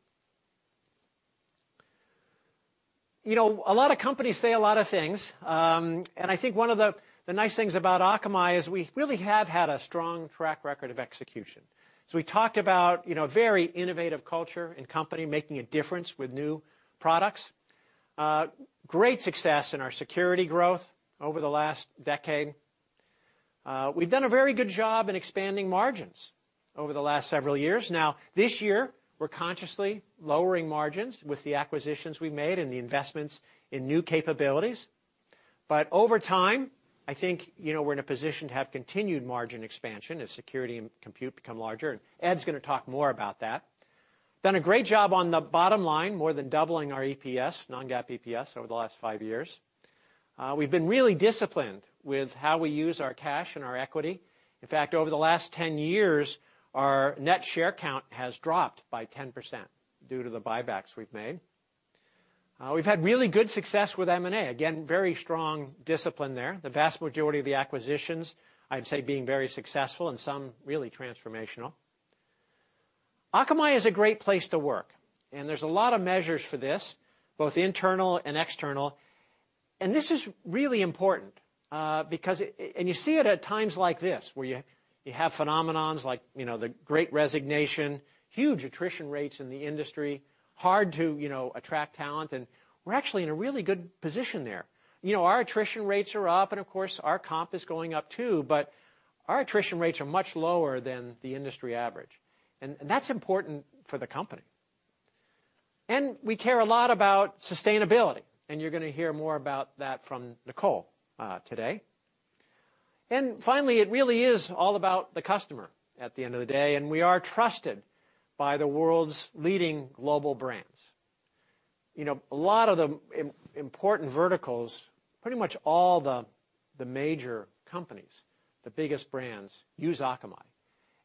You know, a lot of companies say a lot of things, and I think one of the nice things about Akamai is we really have had a strong track record of execution. We talked about, you know, a very innovative culture and company making a difference with new products. Great success in our security growth over the last decade. We've done a very good job in expanding margins over the last several years. Now, this year, we're consciously lowering margins with the acquisitions we made and the investments in new capabilities. Over time, I think, you know, we're in a position to have continued margin expansion as security and compute become larger. Ed's gonna talk more about that. Done a great job on the bottom line, more than doubling our EPS, non-GAAP EPS over the last five years. We've been really disciplined with how we use our cash and our equity. In fact, over the last 10 years, our net share count has dropped by 10% due to the buybacks we've made. We've had really good success with M&A. Again, very strong discipline there. The vast majority of the acquisitions, I'd say, being very successful and some really transformational. Akamai is a great place to work, and there's a lot of measures for this, both internal and external. This is really important, because it and you see it at times like this, where you have phenomena like, you know, the Great Resignation, huge attrition rates in the industry, hard to, you know, attract talent, and we're actually in a really good position there. You know, our attrition rates are up, and of course, our comp is going up too, but our attrition rates are much lower than the industry average. That's important for the company. We care a lot about sustainability, and you're gonna hear more about that from Nicole today. Finally, it really is all about the customer at the end of the day, and we are trusted by the world's leading global brands. You know, a lot of the important verticals, pretty much all the major companies, the biggest brands use Akamai.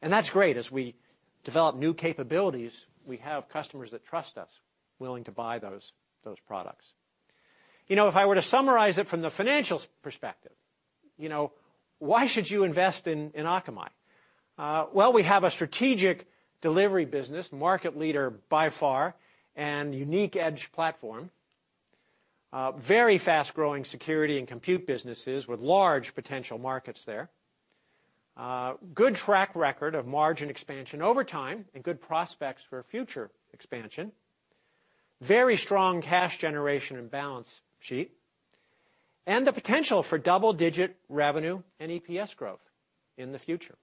That's great. As we develop new capabilities, we have customers that trust us, willing to buy those products. You know, if I were to summarize it from the financial perspective, you know, why should you invest in Akamai? Well, we have a strategic delivery business, market leader by far and unique edge platform. Very fast-growing security and compute businesses with large potential markets there. Good track record of margin expansion over time and good prospects for future expansion. Very strong cash generation and balance sheet. The potential for double-digit revenue and EPS growth in the future.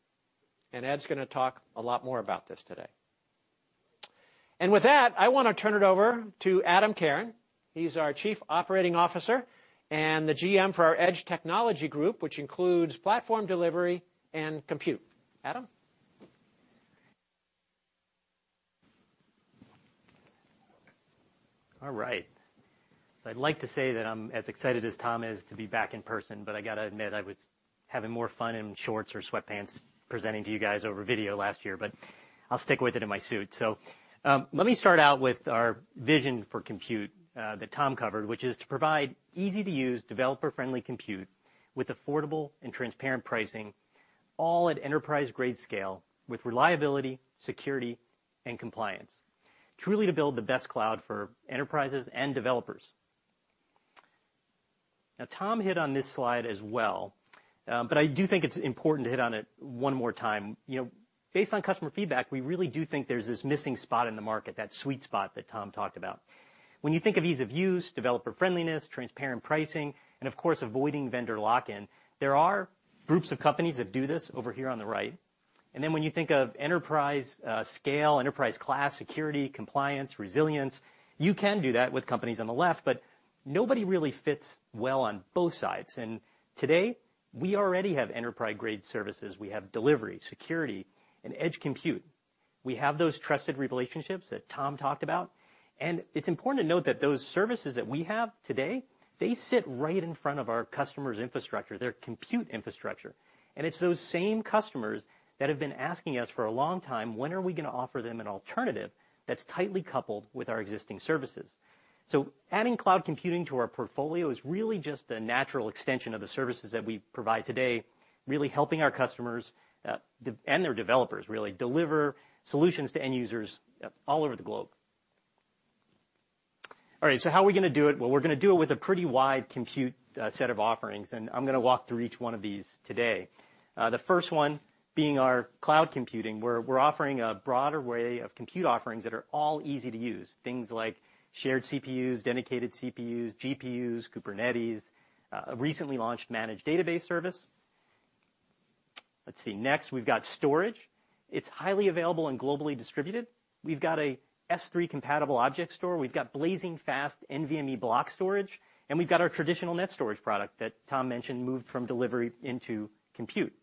Ed's gonna talk a lot more about this today. With that, I wanna turn it over to Adam Karon. He's our Chief Operating Officer and the GM for our Edge Technology Group, which includes platform delivery and compute. Adam? All right. I'd like to say that I'm as excited as Tom is to be back in person, but I gotta admit, I was having more fun in shorts or sweatpants presenting to you guys over video last year, but I'll stick with it in my suit. Let me start out with our vision for compute, that Tom covered, which is to provide easy-to-use, developer-friendly compute with affordable and transparent pricing, all at enterprise-grade scale, with reliability, security, and compliance, truly to build the best cloud for enterprises and developers. Now, Tom hit on this slide as well, but I do think it's important to hit on it one more time. You know, based on customer feedback, we really do think there's this missing spot in the market, that sweet spot that Tom talked about. When you think of ease of use, developer friendliness, transparent pricing, and of course avoiding vendor lock-in, there are groups of companies that do this over here on the right. When you think of enterprise scale, enterprise class, security, compliance, resilience, you can do that with companies on the left, but nobody really fits well on both sides. Today, we already have enterprise-grade services. We have delivery, security, and edge compute. We have those trusted relationships that Tom talked about. It's important to note that those services that we have today, they sit right in front of our customers' infrastructure, their compute infrastructure. It's those same customers that have been asking us for a long time, when are we gonna offer them an alternative that's tightly coupled with our existing services? Adding cloud computing to our portfolio is really just a natural extension of the services that we provide today, really helping our customers and their developers really deliver solutions to end users all over the globe. All right, how are we gonna do it? Well, we're gonna do it with a pretty wide compute set of offerings, and I'm gonna walk through each one of these today. The first one being our cloud computing, where we're offering a broader way of compute offerings that are all easy to use, things like shared CPUs, dedicated CPUs, GPUs, Kubernetes, a recently launched managed database service. Let's see. Next, we've got storage. It's highly available and globally distributed. We've got a S3-compatible object store. We've got blazing fast NVMe block storage, and we've got our traditional NetStorage product that Tom mentioned moved from delivery into compute.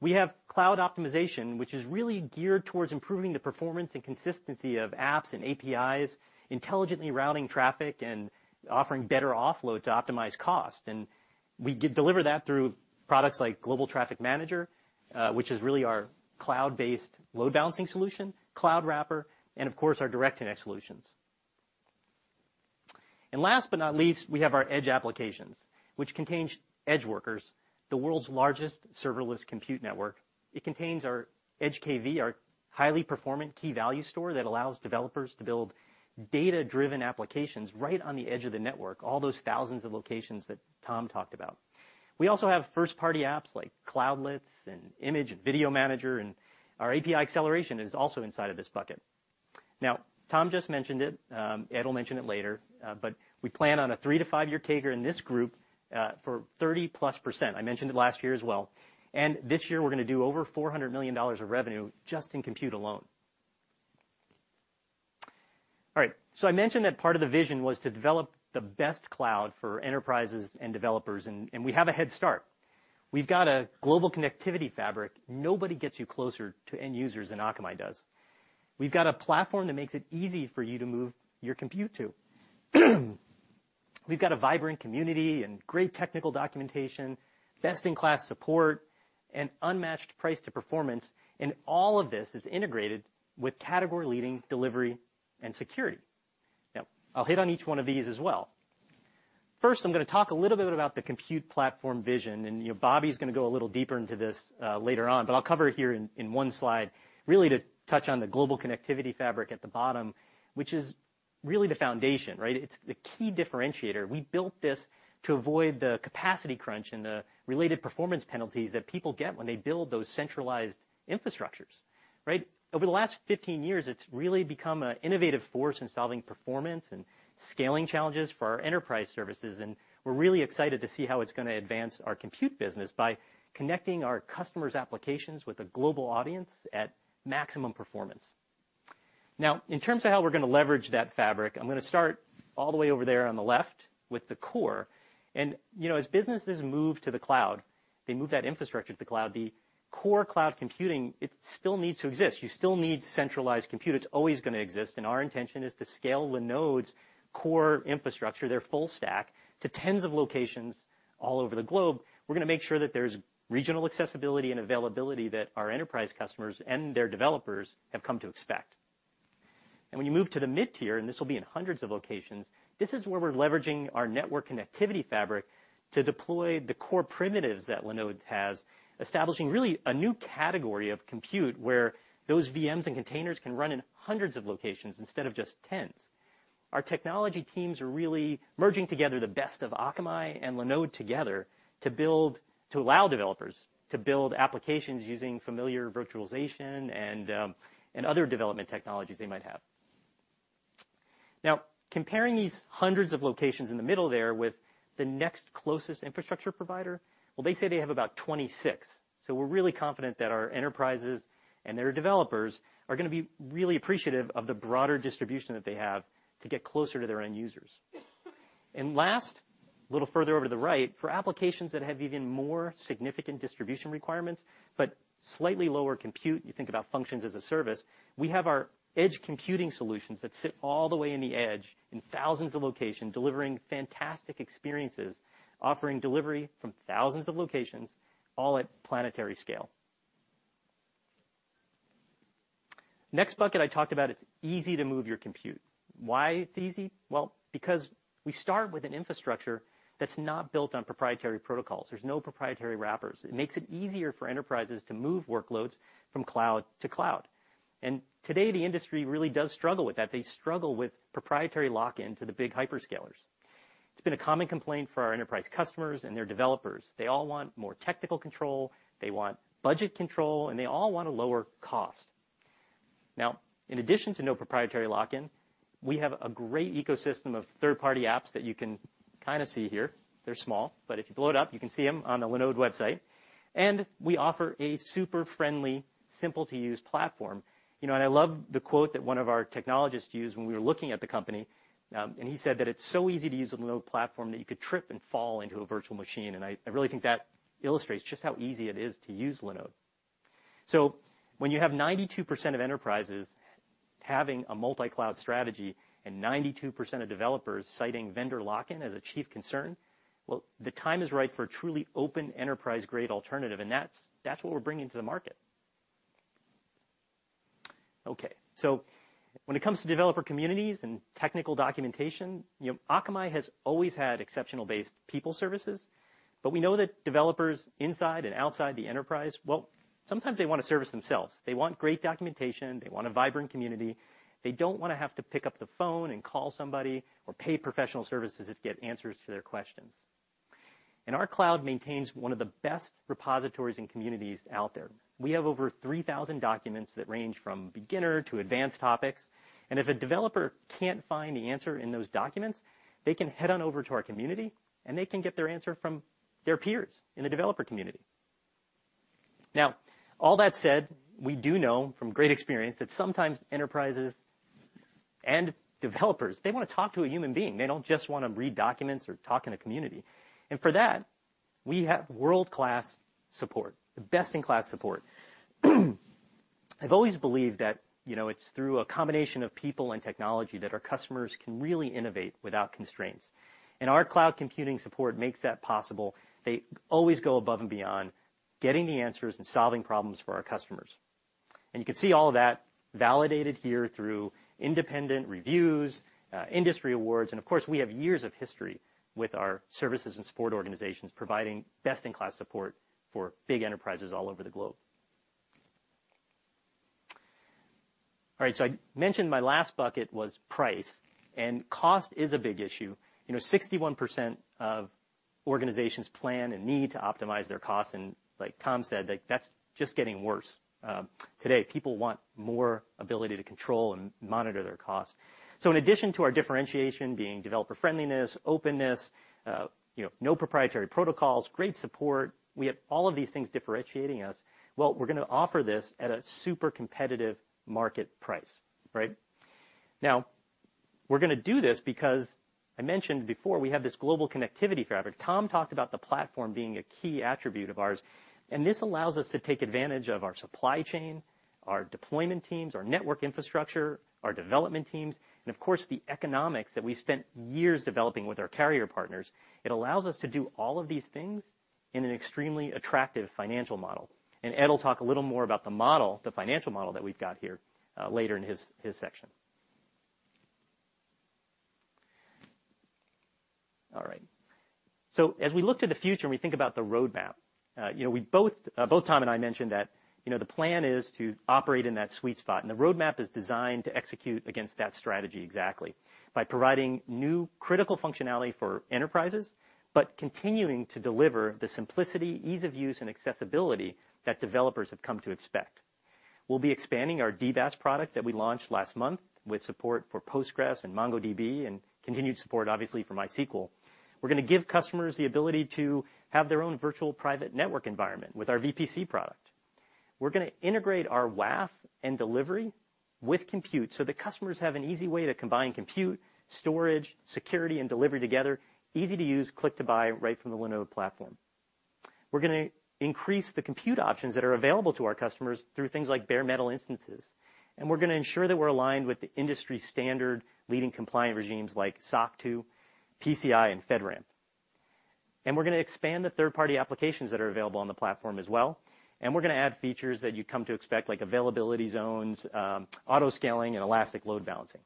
We have cloud optimization, which is really geared towards improving the performance and consistency of apps and APIs, intelligently routing traffic and offering better offload to optimize cost. We deliver that through products like Global Traffic Manager, which is really our cloud-based load balancing solution, Cloud Wrapper, and of course, our Direct Connect solutions. Last but not least, we have our Edge applications, which contains EdgeWorkers, the world's largest serverless compute network. It contains our EdgeKV, our highly performant key value store that allows developers to build data-driven applications right on the edge of the network, all those thousands of locations that Tom talked about. We also have first-party apps like Cloudlets and Image and Video Manager, and our API acceleration is also inside of this bucket. Now, Tom just mentioned it. Ed will mention it later, but we plan on a three-five-year CAGR in this group for 30%+. I mentioned it last year as well. This year, we're gonna do over $400 million of revenue just in compute alone. All right. I mentioned that part of the vision was to develop the best cloud for enterprises and developers, and we have a head start. We've got a global connectivity fabric. Nobody gets you closer to end users than Akamai does. We've got a platform that makes it easy for you to move your compute to. We've got a vibrant community and great technical documentation, best-in-class support, and unmatched price to performance, and all of this is integrated with category-leading delivery and security. Now, I'll hit on each one of these as well. First, I'm gonna talk a little bit about the compute platform vision, and you know, Bobby's gonna go a little deeper into this, later on. I'll cover it here in one slide, really to touch on the global connectivity fabric at the bottom, which is really the foundation, right? It's the key differentiator. We built this to avoid the capacity crunch and the related performance penalties that people get when they build those centralized infrastructures, right? Over the last 15 years, it's really become an innovative force in solving performance and scaling challenges for our enterprise services, and we're really excited to see how it's gonna advance our compute business by connecting our customers' applications with a global audience at maximum performance. Now, in terms of how we're gonna leverage that fabric, I'm gonna start all the way over there on the left with the core. You know, as businesses move to the cloud, they move that infrastructure to the cloud, the core cloud computing, it still needs to exist. You still need centralized compute. It's always gonna exist, and our intention is to scale Linode's core infrastructure, their full stack, to tens of locations all over the globe. We're gonna make sure that there's regional accessibility and availability that our enterprise customers and their developers have come to expect. When you move to the mid tier, and this will be in hundreds of locations, this is where we're leveraging our network connectivity fabric to deploy the core primitives that Linode has, establishing really a new category of compute where those VMs and containers can run in hundreds of locations instead of just tens. Our technology teams are really merging together the best of Akamai and Linode together to allow developers to build applications using familiar virtualization and other development technologies they might have. Now, comparing these hundreds of locations in the middle there with the next closest infrastructure provider, well, they say they have about 26. We're really confident that our enterprises and their developers are gonna be really appreciative of the broader distribution that they have to get closer to their end users. Last, a little further over to the right, for applications that have even more significant distribution requirements, but slightly lower compute, you think about functions as a service, we have our Edge computing solutions that sit all the way in the edge in thousands of locations, delivering fantastic experiences, offering delivery from thousands of locations, all at planetary scale. Next bucket I talked about, it's easy to move your compute. Why it's easy? Well, because we start with an infrastructure that's not built on proprietary protocols. There's no proprietary wrappers. It makes it easier for enterprises to move workloads from cloud to cloud. Today, the industry really does struggle with that. They struggle with proprietary lock-in to the big hyperscalers. It's been a common complaint for our enterprise customers and their developers. They all want more technical control, they want budget control, and they all want a lower cost. Now, in addition to no proprietary lock-in, we have a great ecosystem of third-party apps that you can kinda see here. They're small, but if you blow it up, you can see them on the Linode website. We offer a super friendly, simple to use platform. You know, I love the quote that one of our technologists used when we were looking at the company, and he said that, "It's so easy to use a Linode platform that you could trip and fall into a virtual machine." I really think that illustrates just how easy it is to use Linode. When you have 92% of enterprises having a multi-cloud strategy and 92% of developers citing vendor lock-in as a chief concern, well, the time is right for a truly open enterprise-grade alternative, and that's what we're bringing to the market. Okay. When it comes to developer communities and technical documentation, you know, Akamai has always had exceptional based people services, but we know that developers inside and outside the enterprise, well, sometimes they want to service themselves. They want great documentation. They want a vibrant community. They don't wanna have to pick up the phone and call somebody or pay professional services to get answers to their questions. Our cloud maintains one of the best repositories and communities out there. We have over 3,000 documents that range from beginner to advanced topics, and if a developer can't find the answer in those documents, they can head on over to our community, and they can get their answer from their peers in the developer community. Now, all that said, we do know from great experience that sometimes enterprises and developers, they wanna talk to a human being. They don't just wanna read documents or talk in a community. For that, we have world-class support, the best in class support. I've always believed that, you know, it's through a combination of people and technology that our customers can really innovate without constraints. Our cloud computing support makes that possible. They always go above and beyond getting the answers and solving problems for our customers. You can see all of that validated here through independent reviews, industry awards, and of course, we have years of history with our services and support organizations providing best in class support for big enterprises all over the globe. All right. I mentioned my last bucket was price, and cost is a big issue. You know, 61% of organizations plan and need to optimize their costs, and like Tom said, like, that's just getting worse, today. People want more ability to control and monitor their costs. In addition to our differentiation being developer friendliness, openness, you know, no proprietary protocols, great support, we have all of these things differentiating us. Well, we're gonna offer this at a super competitive market price, right? Now, we're gonna do this because I mentioned before we have this global connectivity fabric. Tom talked about the platform being a key attribute of ours, and this allows us to take advantage of our supply chain, our deployment teams, our network infrastructure, our development teams, and of course, the economics that we spent years developing with our carrier partners. It allows us to do all of these things in an extremely attractive financial model. Ed will talk a little more about the model, the financial model that we've got here, later in his section. All right. As we look to the future, and we think about the roadmap, both Tom and I mentioned that the plan is to operate in that sweet spot, and the roadmap is designed to execute against that strategy exactly by providing new critical functionality for enterprises, but continuing to deliver the simplicity, ease of use, and accessibility that developers have come to expect. We'll be expanding our DBaaS product that we launched last month with support for Postgres and MongoDB and continued support, obviously for MySQL. We're gonna give customers the ability to have their own virtual private network environment with our VPC product. We're gonna integrate our WAF and delivery with compute so that customers have an easy way to combine compute, storage, security, and delivery together, easy to use, click to buy right from the Linode platform. We're gonna increase the compute options that are available to our customers through things like bare metal instances. We're gonna ensure that we're aligned with the industry standard leading compliant regimes like SOC 2, PCI, and FedRAMP. We're gonna expand the third-party applications that are available on the platform as well. We're gonna add features that you've come to expect, like availability zones, auto-scaling, and elastic load balancing.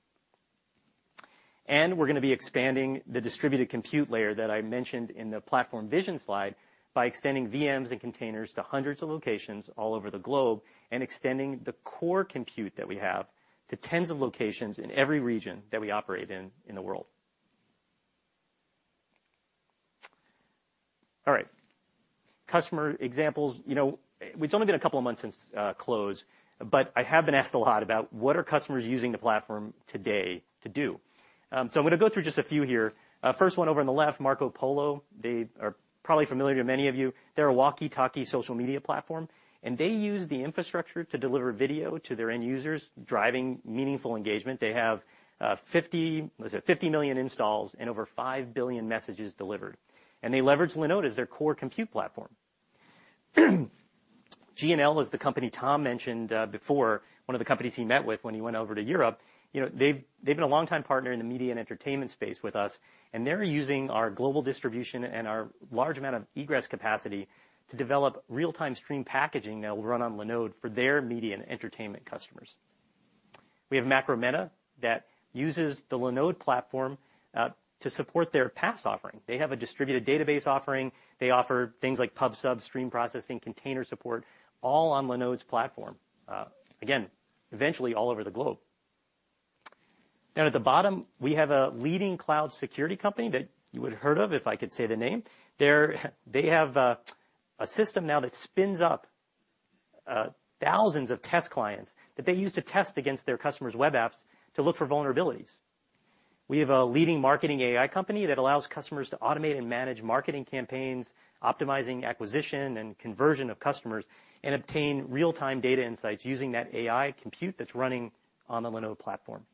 We're gonna be expanding the distributed compute layer that I mentioned in the platform vision slide by extending VMs and containers to hundreds of locations all over the globe and extending the core compute that we have to tens of locations in every region that we operate in in the world. All right. Customer examples. You know, it's only been a couple of months since close, but I have been asked a lot about what are customers using the platform today to do. So I'm gonna go through just a few here. First one over on the left, Marco Polo, they are probably familiar to many of you. They're a walkie-talkie social media platform, and they use the infrastructure to deliver video to their end users, driving meaningful engagement. They have fifty, what is it, 50 million installs and over 5 billion messages delivered. They leverage Linode as their core compute platform. G&L is the company Tom mentioned before, one of the companies he met with when he went over to Europe. You know, they've been a longtime partner in the media and entertainment space with us, and they're using our global distribution and our large amount of egress capacity to develop real-time stream packaging that will run on Linode for their media and entertainment customers. We have Macrometa that uses the Linode platform to support their PaaS offering. They have a distributed database offering. They offer things like Pub/Sub stream processing, container support, all on Linode's platform. Again, eventually all over the globe. Then at the bottom, we have a leading cloud security company that you would've heard of, if I could say the name. They have a system now that spins up thousands of test clients that they use to test against their customers' web apps to look for vulnerabilities. We have a leading marketing AI company that allows customers to automate and manage marketing campaigns, optimizing acquisition and conversion of customers, and obtain real-time data insights using that AI compute that's running on the Linode platform.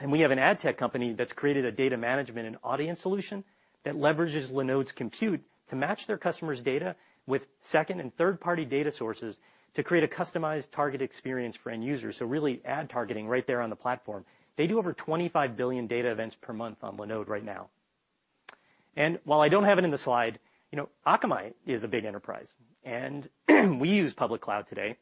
We have an ad tech company that's created a data management and audience solution that leverages Linode's compute to match their customers' data with second- and third-party data sources to create a customized target experience for end users. Really ad targeting right there on the platform. They do over 25 billion data events per month on Linode right now. While I don't have it in the slide, you know, Akamai is a big enterprise, and we use public cloud today.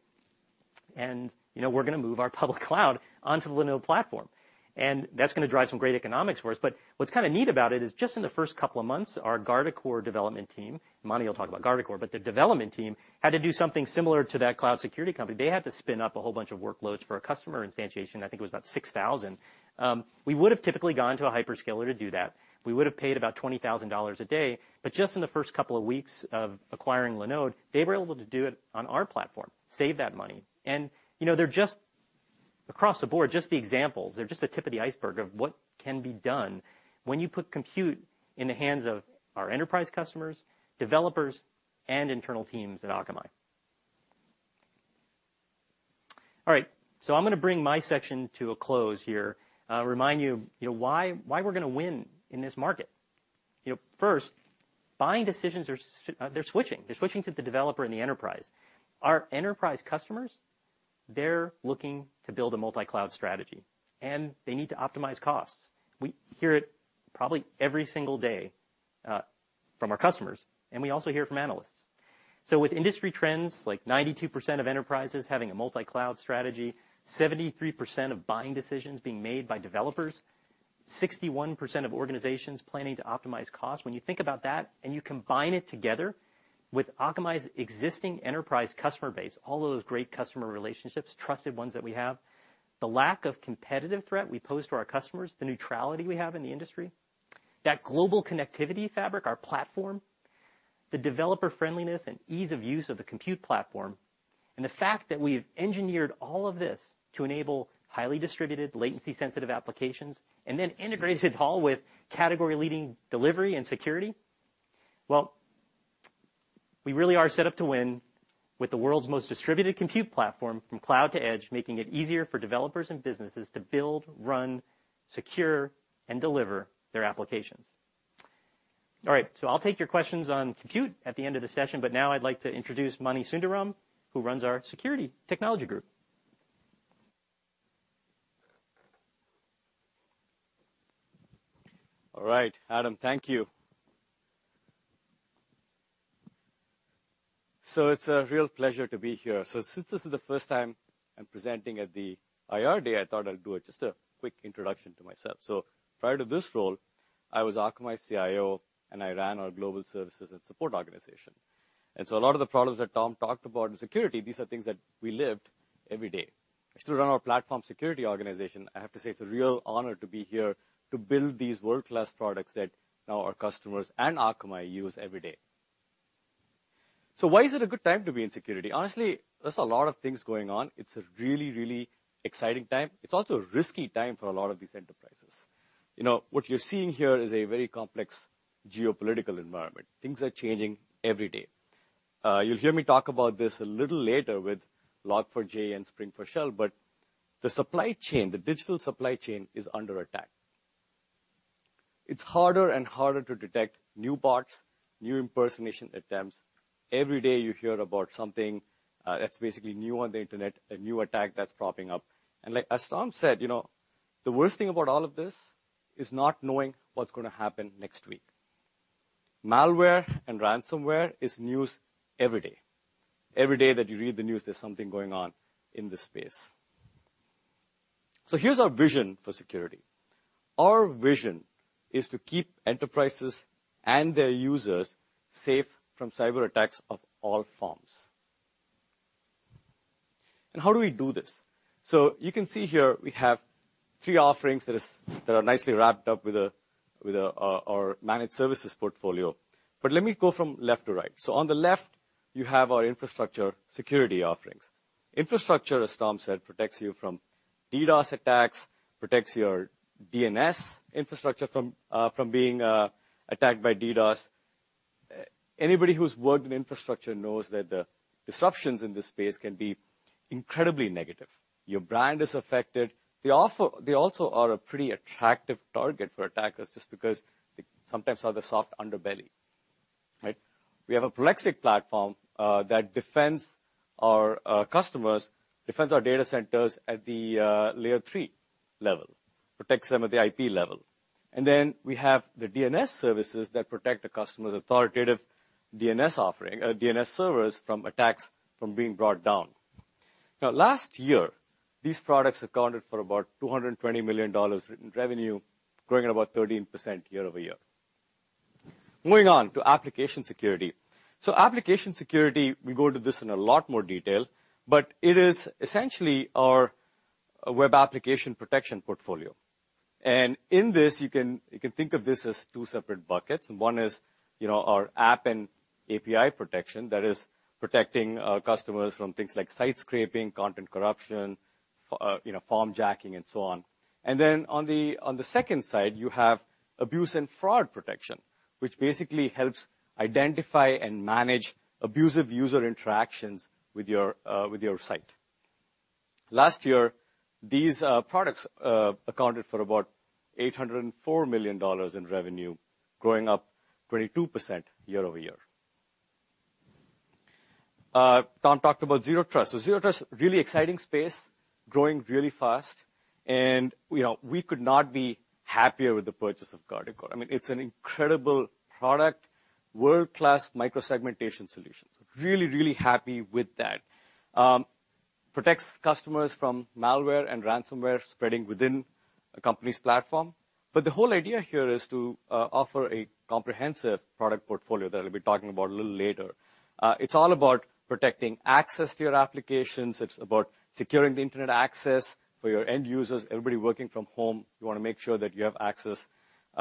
You know, we're gonna move our public cloud onto the Linode platform. That's gonna drive some great economics for us, but what's kinda neat about it is just in the first couple of months, our Guardicore development team, Mani will talk about Guardicore, but the development team had to do something similar to that cloud security company. They had to spin up a whole bunch of workloads for a customer instantiation. I think it was about 6,000. We would have typically gone to a hyperscaler to do that. We would have paid about $20,000 a day, but just in the first couple of weeks of acquiring Linode, they were able to do it on our platform, save that money. You know, they're just across the board, just the examples. They're just the tip of the iceberg of what can be done when you put compute in the hands of our enterprise customers, developers, and internal teams at Akamai. All right. I'm gonna bring my section to a close here. Remind you know, why we're gonna win in this market. You know, first, buying decisions are switching to the developer and the enterprise. Our enterprise customers, they're looking to build a multi-cloud strategy, and they need to optimize costs. We hear it probably every single day from our customers, and we also hear from analysts. With industry trends, like 92% of enterprises having a multi-cloud strategy, 73% of buying decisions being made by developers, 61% of organizations planning to optimize cost. When you think about that and you combine it together with Akamai's existing enterprise customer base, all of those great customer relationships, trusted ones that we have, the lack of competitive threat we pose to our customers, the neutrality we have in the industry, that global connectivity fabric, our platform, the developer friendliness and ease of use of the compute platform, and the fact that we've engineered all of this to enable highly distributed, latency-sensitive applications, and then integrated it all with category-leading delivery and security, well, we really are set up to win with the world's most distributed compute platform from cloud to edge, making it easier for developers and businesses to build, run, secure, and deliver their applications. All right. I'll take your questions on compute at the end of the session, but now I'd like to introduce Mani Sundaram, who runs our Security Technology Group. All right. Adam, thank you. It's a real pleasure to be here. Since this is the first time I'm presenting at the IR day, I thought I'd do just a quick introduction to myself. Prior to this role, I was Akamai's CIO, and I ran our global services and support organization. A lot of the problems that Tom talked about in security, these are things that we lived every day. I still run our platform security organization. I have to say it's a real honor to be here to build these world-class products that now our customers and Akamai use every day. Why is it a good time to be in security? Honestly, there's a lot of things going on. It's a really, really exciting time. It's also a risky time for a lot of these enterprises. You know, what you're seeing here is a very complex geopolitical environment. Things are changing every day. You'll hear me talk about this a little later with Log4j and Spring4Shell, but the supply chain, the digital supply chain is under attack. It's harder and harder to detect new bots, new impersonation attempts. Every day you hear about something that's basically new on the internet, a new attack that's popping up. Like, as Tom said, you know, the worst thing about all of this is not knowing what's gonna happen next week. Malware and ransomware is news every day. Every day that you read the news, there's something going on in this space. Here's our vision for security. Our vision is to keep enterprises and their users safe from cyberattacks of all forms. How do we do this? You can see here we have three offerings that are nicely wrapped up with our managed services portfolio. Let me go from left to right. On the left, you have our infrastructure security offerings. Infrastructure, as Tom said, protects you from DDoS attacks, protects your DNS infrastructure from being attacked by DDoS. Anybody who's worked in infrastructure knows that the disruptions in this space can be incredibly negative. Your brand is affected. They also are a pretty attractive target for attackers just because they sometimes are the soft underbelly, right? We have a Prolexic platform that defends our customers, defends our data centers at the layer three level, protects them at the IP level. We have the DNS services that protect the customer's authoritative DNS offering, DNS servers from attacks from being brought down. Now last year, these products accounted for about $220 million in revenue, growing at about 13% year-over-year. Moving on to application security. Application security, we go into this in a lot more detail, but it is essentially our web application protection portfolio. In this, you can think of this as two separate buckets. One is, you know, our app and API protection that is protecting our customers from things like site scraping, content corruption, you know, form jacking, and so on. On the second side, you have abuse and fraud protection, which basically helps identify and manage abusive user interactions with your, with your site. Last year, these products accounted for about $804 million in revenue, growing up 22% year-over-year. Tom talked about Zero Trust. Zero trust, really exciting space, growing really fast. You know, we could not be happier with the purchase of Guardicore. I mean, it's an incredible product, world-class micro-segmentation solutions. Really happy with that. Protects customers from malware and ransomware spreading within a company's platform. The whole idea here is to offer a comprehensive product portfolio that I'll be talking about a little later. It's all about protecting access to your applications. It's about securing the internet access for your end users, everybody working from home. You wanna make sure that you have access,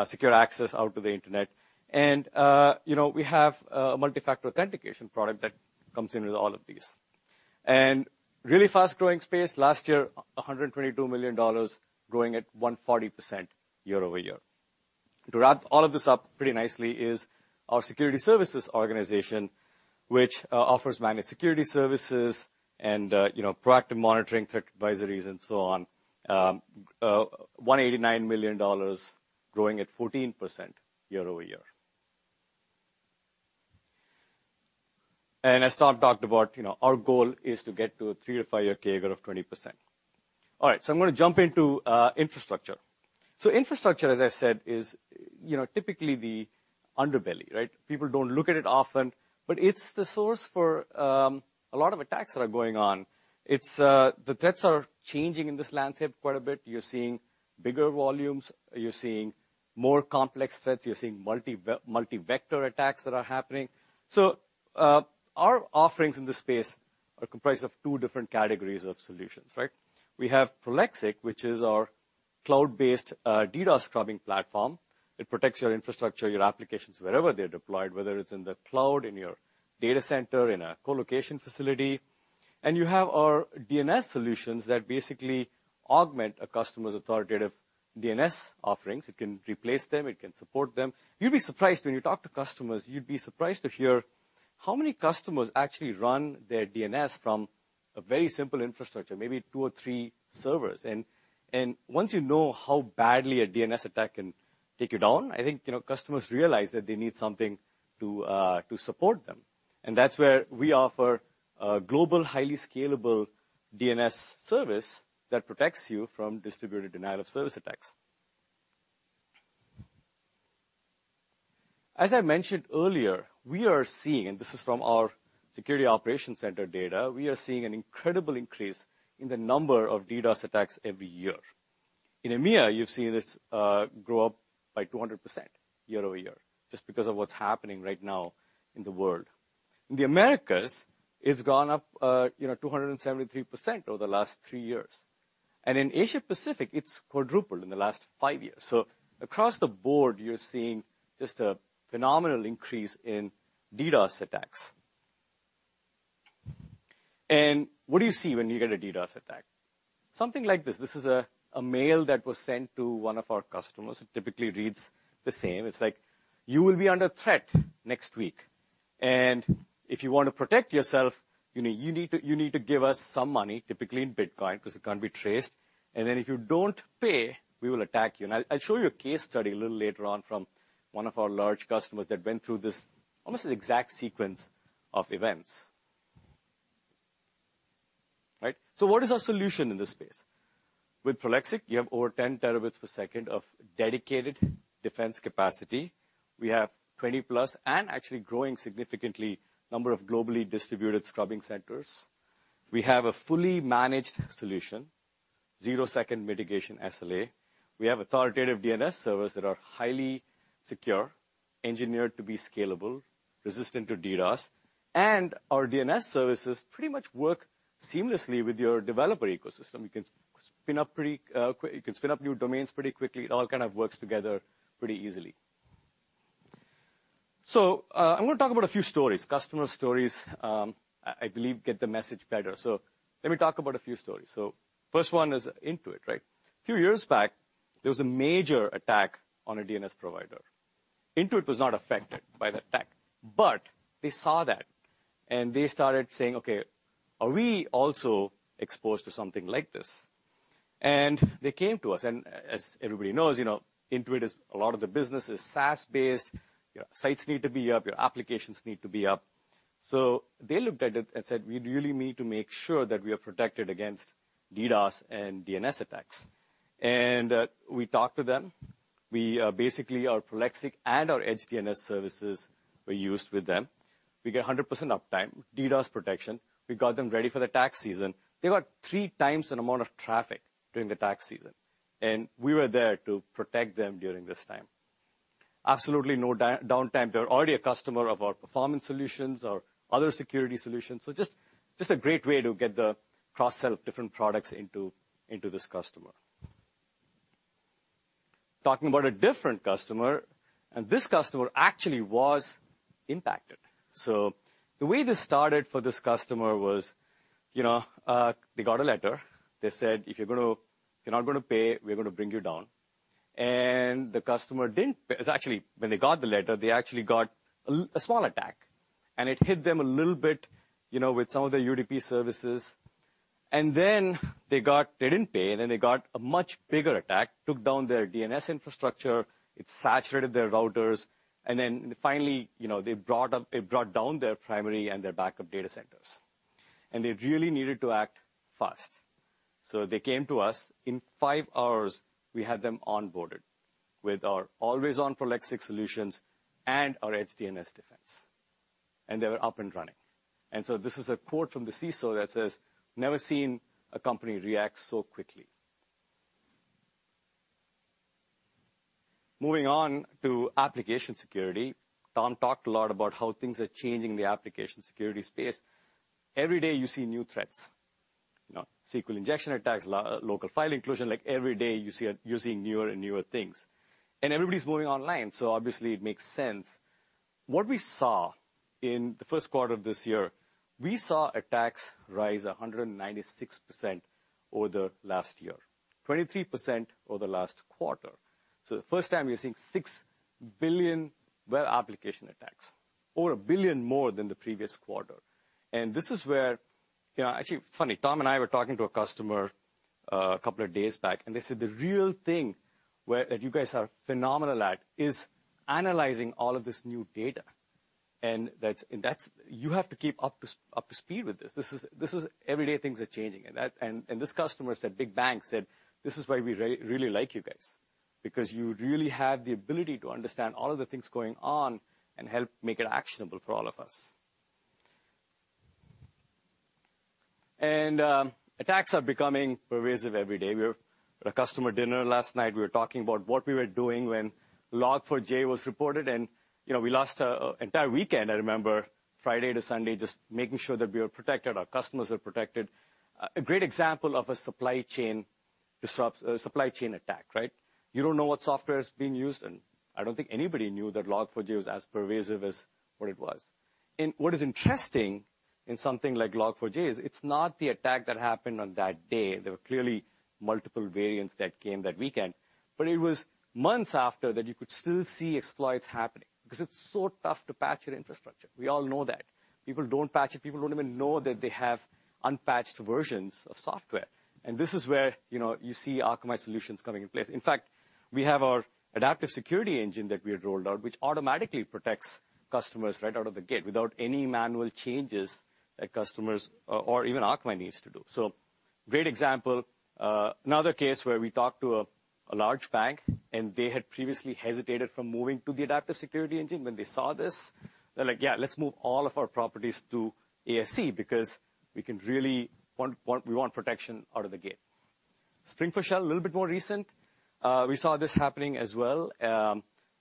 secure access out to the internet. You know, we have a multi-factor authentication product that comes in with all of these. Really fast-growing space. Last year, $122 million, growing at 140% year-over-year. To wrap all of this up pretty nicely is our security services organization, which offers managed security services and, you know, proactive monitoring, threat advisories, and so on. $189 million, growing at 14% year-over-year. As Tom talked about, you know, our goal is to get to a three-five-year CAGR of 20%. All right, I'm gonna jump into infrastructure. Infrastructure, as I said, is, you know, typically the underbelly, right? People don't look at it often, but it's the source for a lot of attacks that are going on. It's The threats are changing in this landscape quite a bit. You're seeing bigger volumes, you're seeing more complex threats, you're seeing multi-vector attacks that are happening. Our offerings in this space are comprised of two different categories of solutions, right? We have Prolexic, which is our cloud-based DDoS scrubbing platform. It protects your infrastructure, your applications wherever they're deployed, whether it's in the cloud, in your data center, in a colocation facility. You have our DNS solutions that basically augment a customer's authoritative DNS offerings. It can replace them, it can support them. You'd be surprised when you talk to customers, you'd be surprised to hear how many customers actually run their DNS from a very simple infrastructure, maybe two or three servers. Once you know how badly a DNS attack can take you down, I think, you know, customers realize that they need something to support them. That's where we offer a global, highly scalable DNS service that protects you from distributed denial of service attacks. As I mentioned earlier, we are seeing, and this is from our security operations center data, we are seeing an incredible increase in the number of DDoS attacks every year. In EMEA, you've seen this grow up by 200% year over year, just because of what's happening right now in the world. In the Americas, it's gone up, you know, 273% over the last three years. In Asia Pacific, it's quadrupled in the last five years. Across the board, you're seeing just a phenomenal increase in DDoS attacks. What do you see when you get a DDoS attack? Something like this. This is a mail that was sent to one of our customers. It typically reads the same. It's like, "You will be under threat next week. If you want to protect yourself, you know, you need to give us some money," typically in Bitcoin, 'cause it can't be traced. "Then if you don't pay, we will attack you." I'll show you a case study a little later on from one of our large customers that went through this, almost the exact sequence of events. Right? What is our solution in this space? With Prolexic, you have over 10 terabits per second of dedicated defense capacity. We have 20+, and actually growing significantly, number of globally distributed scrubbing centers. We have a fully managed solution, zero-second mitigation SLA. We have authoritative DNS servers that are highly secure, engineered to be scalable, resistant to DDoS. Our DNS services pretty much work seamlessly with your developer ecosystem. You can spin up new domains pretty quickly. It all kind of works together pretty easily. I wanna talk about a few stories. Customer stories, I believe, get the message better. Let me talk about a few stories. First one is Intuit, right? A few years back, there was a major attack on a DNS provider. Intuit was not affected by the attack, but they saw that and they started saying, "Okay, are we also exposed to something like this?" They came to us, and as everybody knows, you know, Intuit is a lot of the business is SaaS-based. Your sites need to be up, your applications need to be up. They looked at it and said, "We really need to make sure that we are protected against DDoS and DNS attacks." We talked to them. We basically our Prolexic and our Edge DNS services were used with them. We get 100% uptime, DDoS protection. We got them ready for the tax season. They got 3x an amount of traffic during the tax season, and we were there to protect them during this time. Absolutely no downtime. They're already a customer of our performance solutions, our other security solutions. Just a great way to get the cross-sell of different products into this customer. Talking about a different customer, and this customer actually was impacted. The way this started for this customer was, they got a letter. They said, "If you're not gonna pay, we're gonna bring you down." The customer didn't pay. 'Cause actually when they got the letter, they actually got a small attack, and it hit them a little bit with some of their UDP services. They didn't pay, and then they got a much bigger attack, took down their DNS infrastructure, it saturated their routers, and then finally it brought down their primary and their backup data centers. They really needed to act fast. They came to us. In five hours, we had them onboarded with our always-on Prolexic solutions and our Edge DNS defense, and they were up and running. This is a quote from the CISO that says, "Never seen a company react so quickly." Moving on to application security. Tom talked a lot about how things are changing in the application security space. Every day you see new threats. You know, SQL injection attacks, local file inclusion. Like every day you're seeing newer and newer things. Everybody's moving online, so obviously it makes sense. What we saw in the first quarter of this year, we saw attacks rise 196% over the last year. 23% over the last quarter. The first time you're seeing 6 billion web application attacks, over 1 billion more than the previous quarter. This is where. You know, actually it's funny, Tom and I were talking to a customer a couple of days back, and they said, "The real thing where you guys are phenomenal at is analyzing all of this new data, and that's. You have to keep up to speed with this. This is every day things are changing." This customer, big bank, said, "This is why we really like you guys, because you really have the ability to understand all of the things going on and help make it actionable for all of us." Attacks are becoming pervasive every day. We were at a customer dinner last night. We were talking about what we were doing when Log4j was reported, and, you know, we lost an entire weekend, I remember, Friday to Sunday, just making sure that we were protected, our customers were protected. A great example of a supply chain attack, right? You don't know what software is being used, and I don't think anybody knew that Log4j was as pervasive as what it was. What is interesting in something like Log4j is it's not the attack that happened on that day. There were clearly multiple variants that came that weekend, but it was months after that you could still see exploits happening because it's so tough to patch your infrastructure. We all know that. People don't patch it. People don't even know that they have unpatched versions of software. This is where, you know, you see Akamai solutions coming in place. In fact, we have our Adaptive Security Engine that we had rolled out, which automatically protects customers right out of the gate without any manual changes that customers or even Akamai needs to do. Great example. Another case where we talked to a large bank, and they had previously hesitated from moving to the Adaptive Security Engine. When they saw this, they're like, "Yeah, let's move all of our properties to ASE because we really want protection out of the gate." Spring4Shell, a little bit more recent. We saw this happening as well.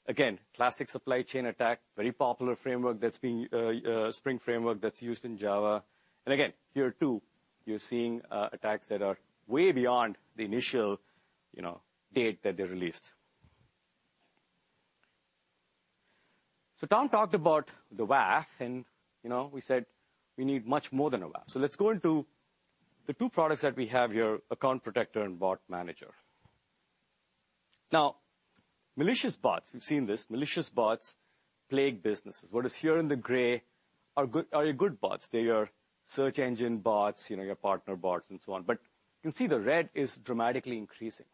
Again, classic supply chain attack, very popular framework, Spring framework that's used in Java. Again, here too, you're seeing attacks that are way beyond the initial, you know, date that they released. Tom talked about the WAF, and, you know, we said we need much more than a WAF. Let's go into the two products that we have here, Account Protector and Bot Manager. Now, malicious bots, we've seen this. Malicious bots plague businesses. What is here in the gray are good, your good bots. They're your search engine bots, you know, your partner bots and so on. You can see the red is dramatically increasing.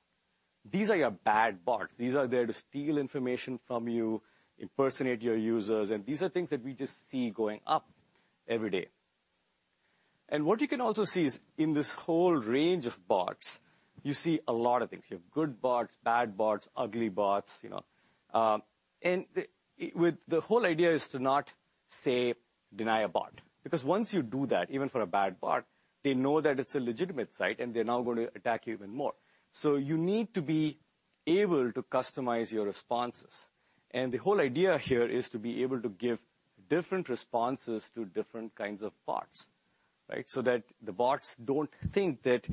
These are your bad bots. These are there to steal information from you, impersonate your users, and these are things that we just see going up every day. What you can also see is in this whole range of bots, you see a lot of things. You have good bots, bad bots, ugly bots, you know. The whole idea is to not just deny a bot, because once you do that, even for a bad bot, they know that it's a legitimate site and they're now going to attack you even more. You need to be able to customize your responses. The whole idea here is to be able to give different responses to different kinds of bots, right? That the bots don't think that,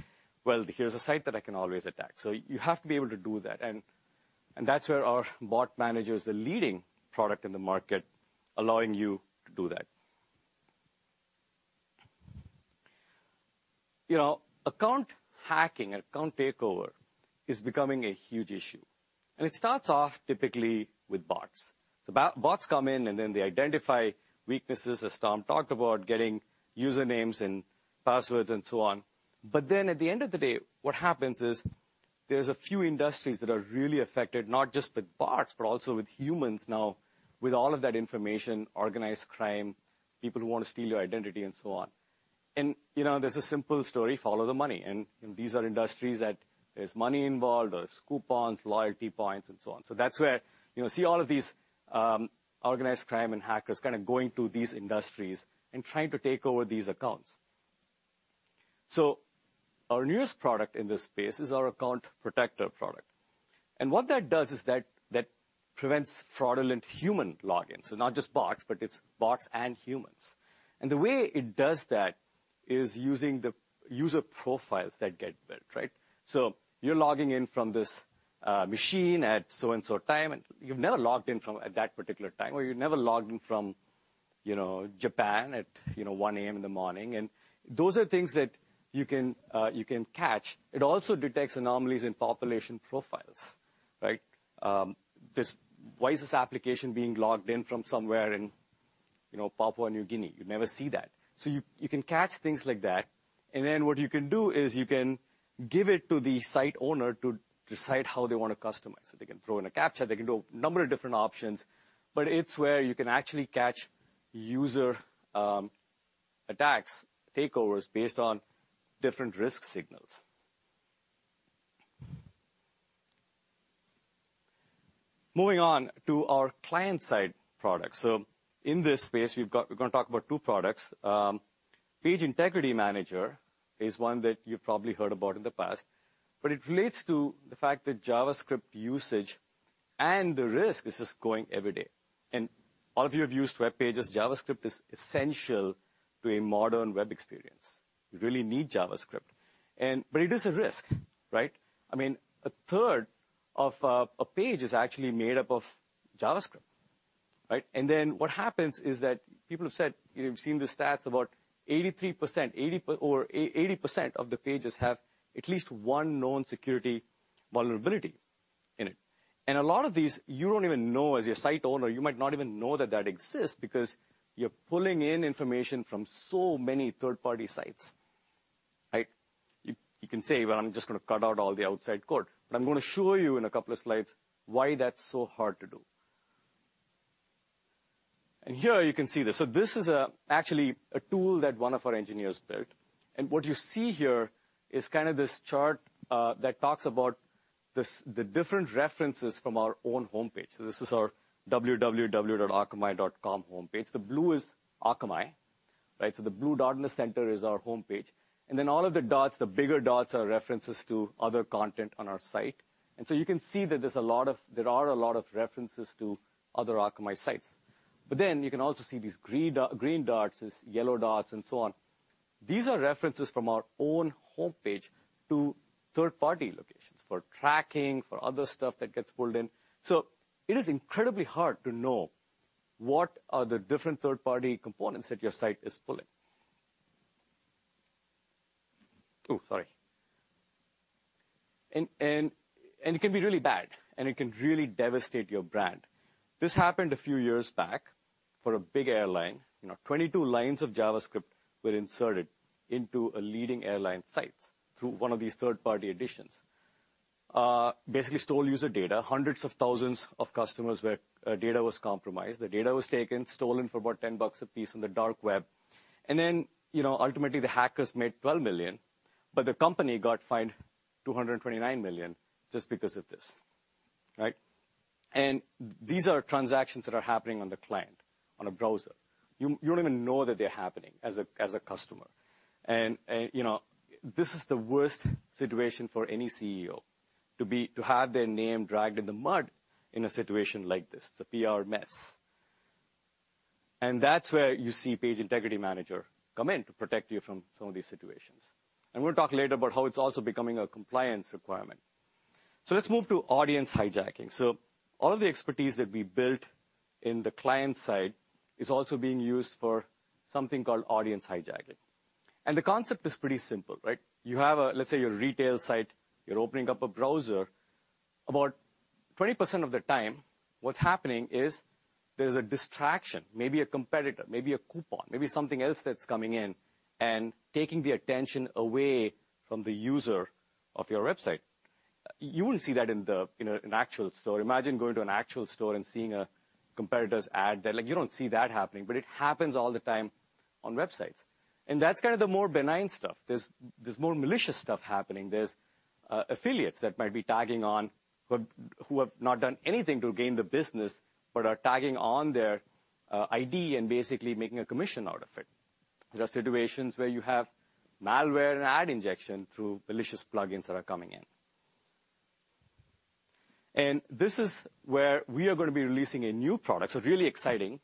well, here's a site that I can always attack. You have to be able to do that. That's where our Bot Manager is the leading product in the market, allowing you to do that. You know, account hacking, account takeover is becoming a huge issue. It starts off typically with bots. Bots come in, and then they identify weaknesses, as Tom talked about, getting usernames and passwords and so on. Then at the end of the day, what happens is there's a few industries that are really affected, not just with bots, but also with humans now, with all of that information, organized crime, people who wanna steal your identity and so on. You know, there's a simple story, follow the money, and these are industries that there's money involved, there's coupons, loyalty points and so on. That's where, you know, see all of these, organized crime and hackers kinda going to these industries and trying to take over these accounts. Our newest product in this space is our Account Protector product. What that does is that prevents fraudulent human logins. Not just bots, but it's bots and humans. The way it does that is using the user profiles that get built, right? So you're logging in from this machine at so and so time, and you've never logged in from at that particular time, or you've never logged in from, you know, Japan at, you know, 1 A.M. in the morning. Those are things that you can catch. It also detects anomalies in population profiles, right? Why is this application being logged in from somewhere in, you know, Papua New Guinea? You never see that. You can catch things like that, and then what you can do is you can give it to the site owner to decide how they wanna customize it. They can throw in a captcha, they can do a number of different options, but it's where you can actually catch user attacks, takeovers based on different risk signals. Moving on to our client side products. In this space, we're gonna talk about two products. Page Integrity Manager is one that you've probably heard about in the past, but it relates to the fact that JavaScript usage and the risk is just growing every day. All of you have used web pages. JavaScript is essential to a modern web experience. You really need JavaScript. But it is a risk, right? I mean, a page is actually made up of JavaScript, right? What happens is that people have said, you know, we've seen the stats about 83%, 80% or 88% of the pages have at least one known security vulnerability in it. A lot of these, you don't even know as your site owner, you might not even know that that exists because you're pulling in information from so many third-party sites. Like, you can say, "Well, I'm just gonna cut out all the outside code," but I'm gonna show you in a couple of slides why that's so hard to do. Here you can see this. This is actually a tool that one of our engineers built. What you see here is kinda this chart that talks about this, the different references from our own homepage. This is our www.akamai.com homepage. The blue is Akamai, right? The blue dot in the center is our homepage. Then all of the dots, the bigger dots are references to other content on our site. You can see that there are a lot of references to other Akamai sites. Then you can also see these green dots, these yellow dots and so on. These are references from our own homepage to third-party locations for tracking, for other stuff that gets pulled in. It is incredibly hard to know what are the different third-party components that your site is pulling. Oh, sorry. It can be really bad, and it can really devastate your brand. This happened a few years back for a big airline. You know, 22 lines of JavaScript were inserted into a leading airline sites through one of these third-party additions. Basically stole user data. Hundreds of thousands of customers were, data was compromised. The data was taken, stolen for about $10 a piece on the dark web. Then, you know, ultimately the hackers made $12 million, but the company got fined $229 million just because of this, right? These are transactions that are happening on the client, on a browser. You don't even know that they're happening as a customer. You know, this is the worst situation for any CEO, to have their name dragged in the mud in a situation like this. It's a PR mess. That's where you see Page Integrity Manager come in to protect you from some of these situations. We'll talk later about how it's also becoming a compliance requirement. Let's move to audience hijacking. All of the expertise that we built in the client side is also being used for something called audience hijacking. The concept is pretty simple, right? You have a, let's say, your retail site, you're opening up a browser. About 20% of the time, what's happening is there's a distraction, maybe a competitor, maybe a coupon, maybe something else that's coming in and taking the attention away from the user of your website. You wouldn't see that in the, you know, an actual store. Imagine going to an actual store and seeing a competitor's ad there. Like, you don't see that happening, but it happens all the time on websites. That's kinda the more benign stuff. There's more malicious stuff happening. There's affiliates that might be tagging on but who have not done anything to gain the business, but are tagging on their ID and basically making a commission out of it. There are situations where you have malware and ad injection through malicious plugins that are coming in. This is where we are gonna be releasing a new product, so really exciting,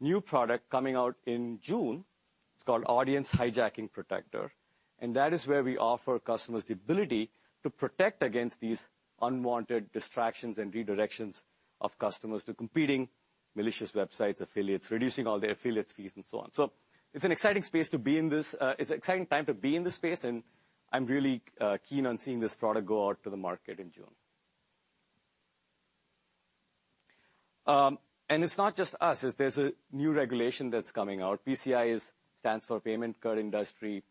new product coming out in June. It's called Audience Hijacking Protector, and that is where we offer customers the ability to protect against these unwanted distractions and redirections of customers to competing malicious websites, affiliates, reducing all the affiliates' fees and so on. It's an exciting time to be in this space, and I'm really keen on seeing this product go out to the market in June. It's not just us, there's a new regulation that's coming out. PCI stands for Payment Card Industry,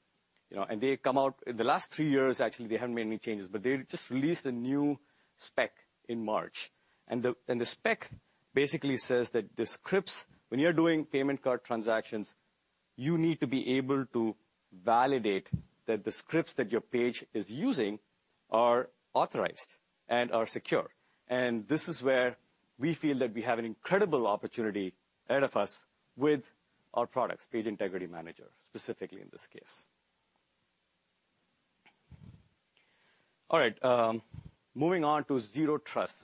you know. They come out in the last three years, actually, they haven't made any changes, but they just released a new spec in March. The spec basically says that the scripts, when you're doing payment card transactions, you need to be able to validate that the scripts that your page is using are authorized and are secure. This is where we feel that we have an incredible opportunity ahead of us with our products, Page Integrity Manager, specifically in this case. All right. Moving on to Zero Trust.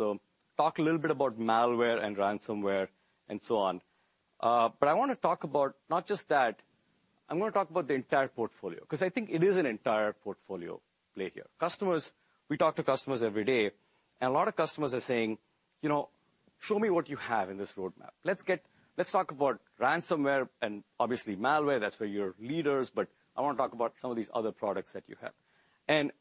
Talk a little bit about malware and ransomware and so on. I wanna talk about not just that, I'm gonna talk about the entire portfolio, 'cause I think it is an entire portfolio play here. Customers, we talk to customers every day, and a lot of customers are saying, "You know, show me what you have in this roadmap. Let's talk about ransomware and obviously malware. That's where you're leaders, but I wanna talk about some of these other products that you have."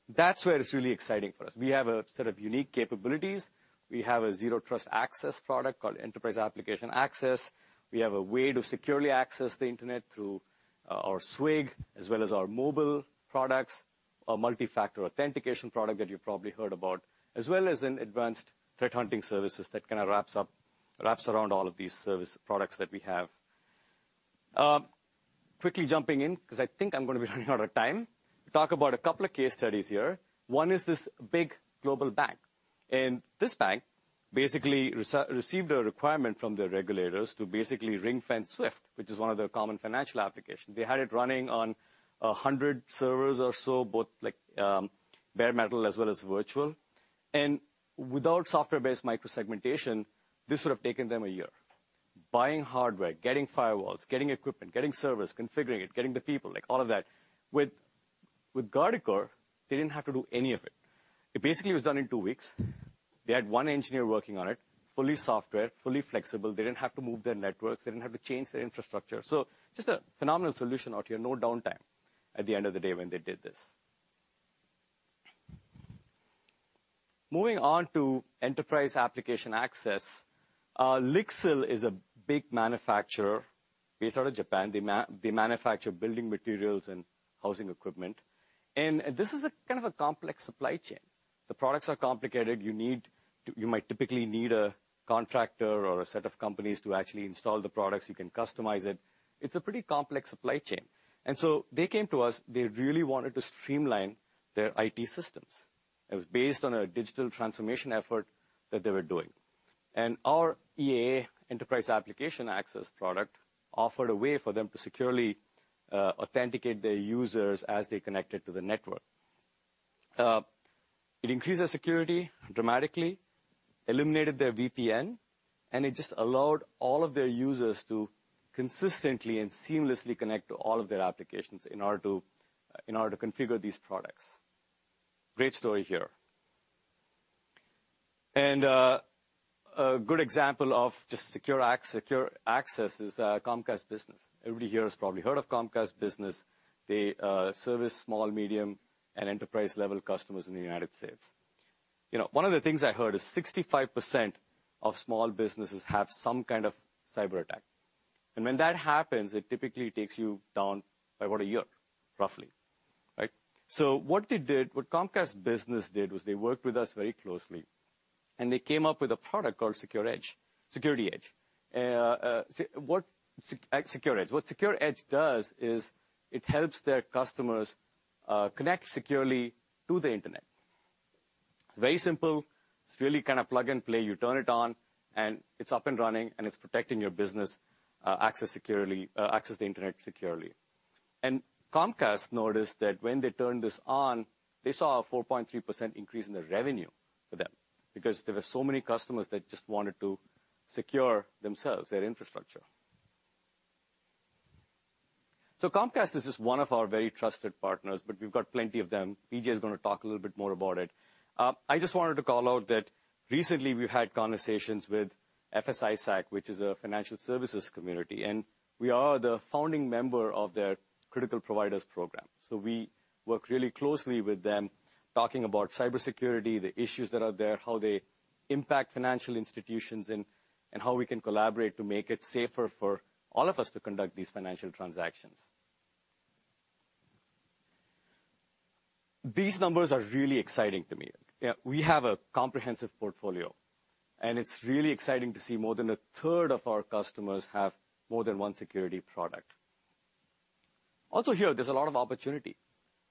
That's where it's really exciting for us. We have a set of unique capabilities. We have a Zero Trust Access product called Enterprise Application Access. We have a way to securely access the Internet through our SWG, as well as our mobile products, our multi-factor authentication product that you've probably heard about, as well as an advanced threat hunting services that kinda wraps around all of these service products that we have. Quickly jumping in 'cause I think I'm gonna be running out of time, talk about a couple of case studies here. One is this big global bank, and this bank basically received a requirement from the regulators to basically ring-fence SWIFT, which is one of their common financial applications. They had it running on 100 servers or so, both like bare metal as well as virtual. Without software-based micro-segmentation, this would have taken them a year. Buying hardware, getting firewalls, getting equipment, getting servers, configuring it, getting the people, like all of that. With Guardicore, they didn't have to do any of it. It basically was done in two weeks. They had one engineer working on it, fully software, fully flexible. They didn't have to move their networks. They didn't have to change their infrastructure. Just a phenomenal solution out here. No downtime at the end of the day when they did this. Moving on to Enterprise Application Access. LIXIL is a big manufacturer based out of Japan. They manufacture building materials and housing equipment. This is a kind of a complex supply chain. The products are complicated. You might typically need a contractor or a set of companies to actually install the products. You can customize it. It's a pretty complex supply chain. They came to us, they really wanted to streamline their IT systems. It was based on a digital transformation effort that they were doing. Our EAA, Enterprise Application Access product, offered a way for them to securely authenticate their users as they connected to the network. It increased their security dramatically, eliminated their VPN, and it just allowed all of their users to consistently and seamlessly connect to all of their applications in order to configure these products. Great story here. A good example of just secure access is Comcast Business. Everybody here has probably heard of Comcast Business. They service small, medium, and enterprise-level customers in the United States. You know, one of the things I heard is 65% of small businesses have some kind of cyberattack, and when that happens, it typically takes you down by about a year, roughly, right? What they did, what Comcast Business did was they worked with us very closely, and they came up with a product called SecurityEdge. What SecurityEdge does is it helps their customers connect securely to the internet. Very simple. It's really kind of plug and play. You turn it on, and it's up and running, and it's protecting your business access to the internet securely. Comcast noticed that when they turned this on, they saw a 4.3% increase in their revenue for them because there were so many customers that just wanted to secure themselves, their infrastructure. Comcast is just one of our very trusted partners, but we've got plenty of them. PJ is gonna talk a little bit more about it. I just wanted to call out that recently we've had conversations with FS-ISAC, which is a financial services community, and we are the founding member of their Critical Providers program. We work really closely with them, talking about cybersecurity, the issues that are there, how they impact financial institutions, and how we can collaborate to make it safer for all of us to conduct these financial transactions. These numbers are really exciting to me. Yeah, we have a comprehensive portfolio, and it's really exciting to see more than a third of our customers have more than one security product. Also here, there's a lot of opportunity.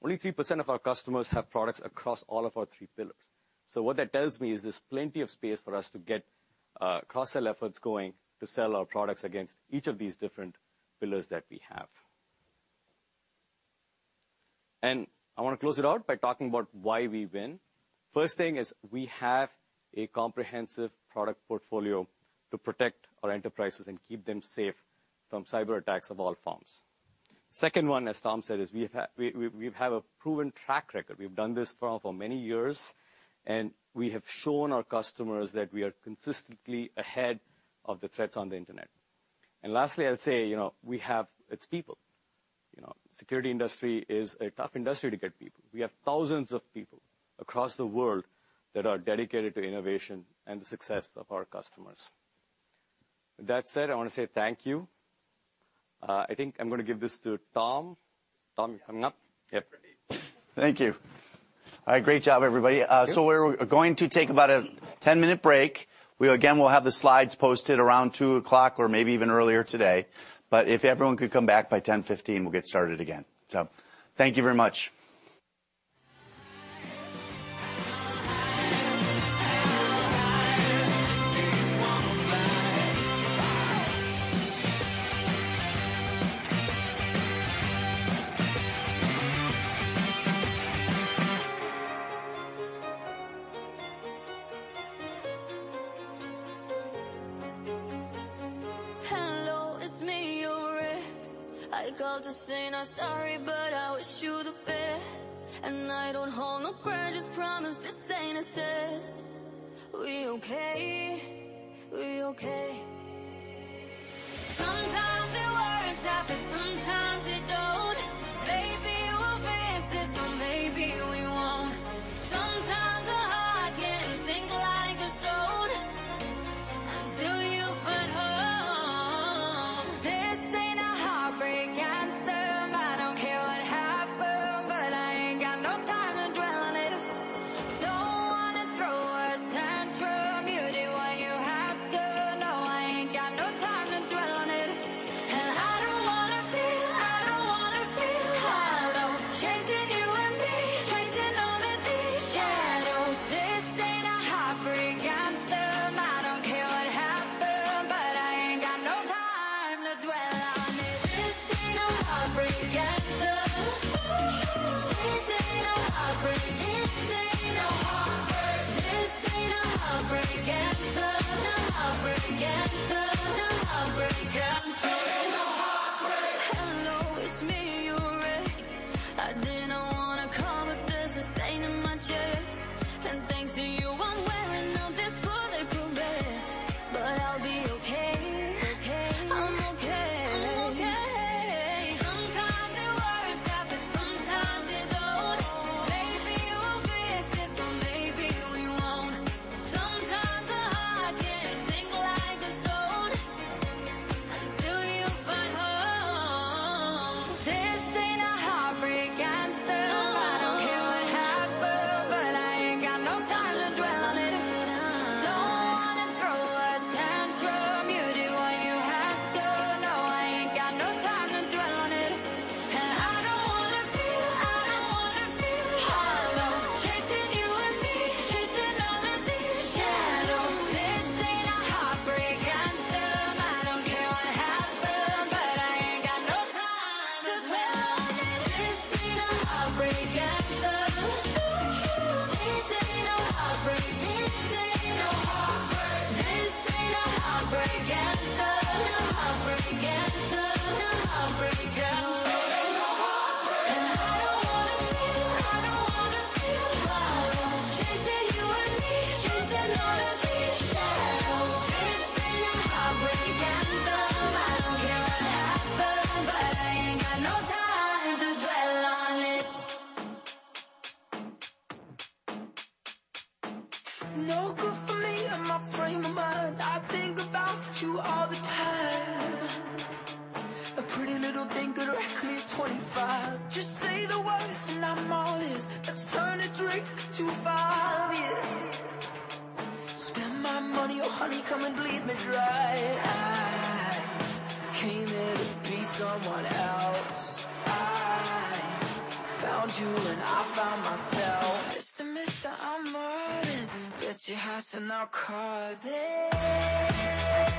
Only 3% of our customers have products across all of our three pillars. What that tells me is there's plenty of space for us to get cross-sell efforts going to sell our products against each of these different pillars that we have. I wanna close it out by talking about why we win. First thing is we have a comprehensive product portfolio to protect our enterprises and keep them safe from cyberattacks of all forms. Second one, as Tom said, is we have a proven track record. We've done this for many years, and we have shown our customers that we are consistently ahead of the threats on the Internet. Lastly, I'd say, you know, we have its people. You know, security industry is a tough industry to get people. We have thousands of people across the world that are dedicated to innovation and the success of our customers. With that said, I wanna say thank you. I think I'm gonna give this to Tom. Tom, you coming up? Yep. Thank you. All right. Great job, everybody. Thank you. We're going to take about a 10-minute break. We'll have the slides posted around 2:00 or maybe even earlier today. If everyone could come back by 10:15, we'll get started again. Thank you very much. Welcome to United. Once again, please check that all your items are with you. Thank you. Please take your seats. Thank you.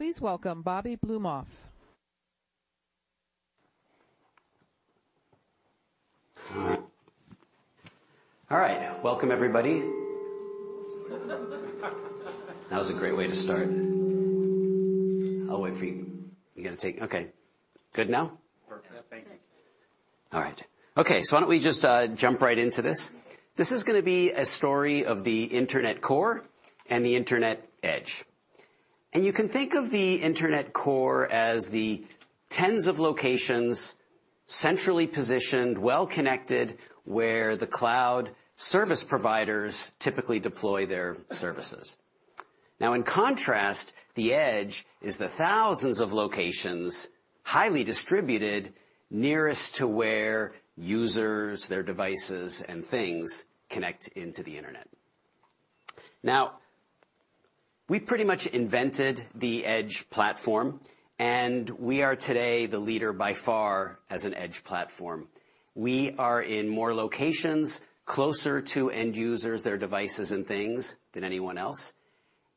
Please welcome Robert Blumofe. All right. Welcome, everybody. That was a great way to start. I'll wait for you. Okay, good now? Perfect. Thank you. All right. Okay, so why don't we just jump right into this? This is gonna be a story of the Internet core and the Internet edge. You can think of the Internet core as the tens of locations, centrally positioned, well-connected, where the cloud service providers typically deploy their services. Now, in contrast, the edge is the thousands of locations, highly distributed, nearest to where users, their devices, and things connect into the Internet. Now, we pretty much invented the Edge platform, and we are today the leader by far as an Edge platform. We are in more locations closer to end users, their devices and things than anyone else.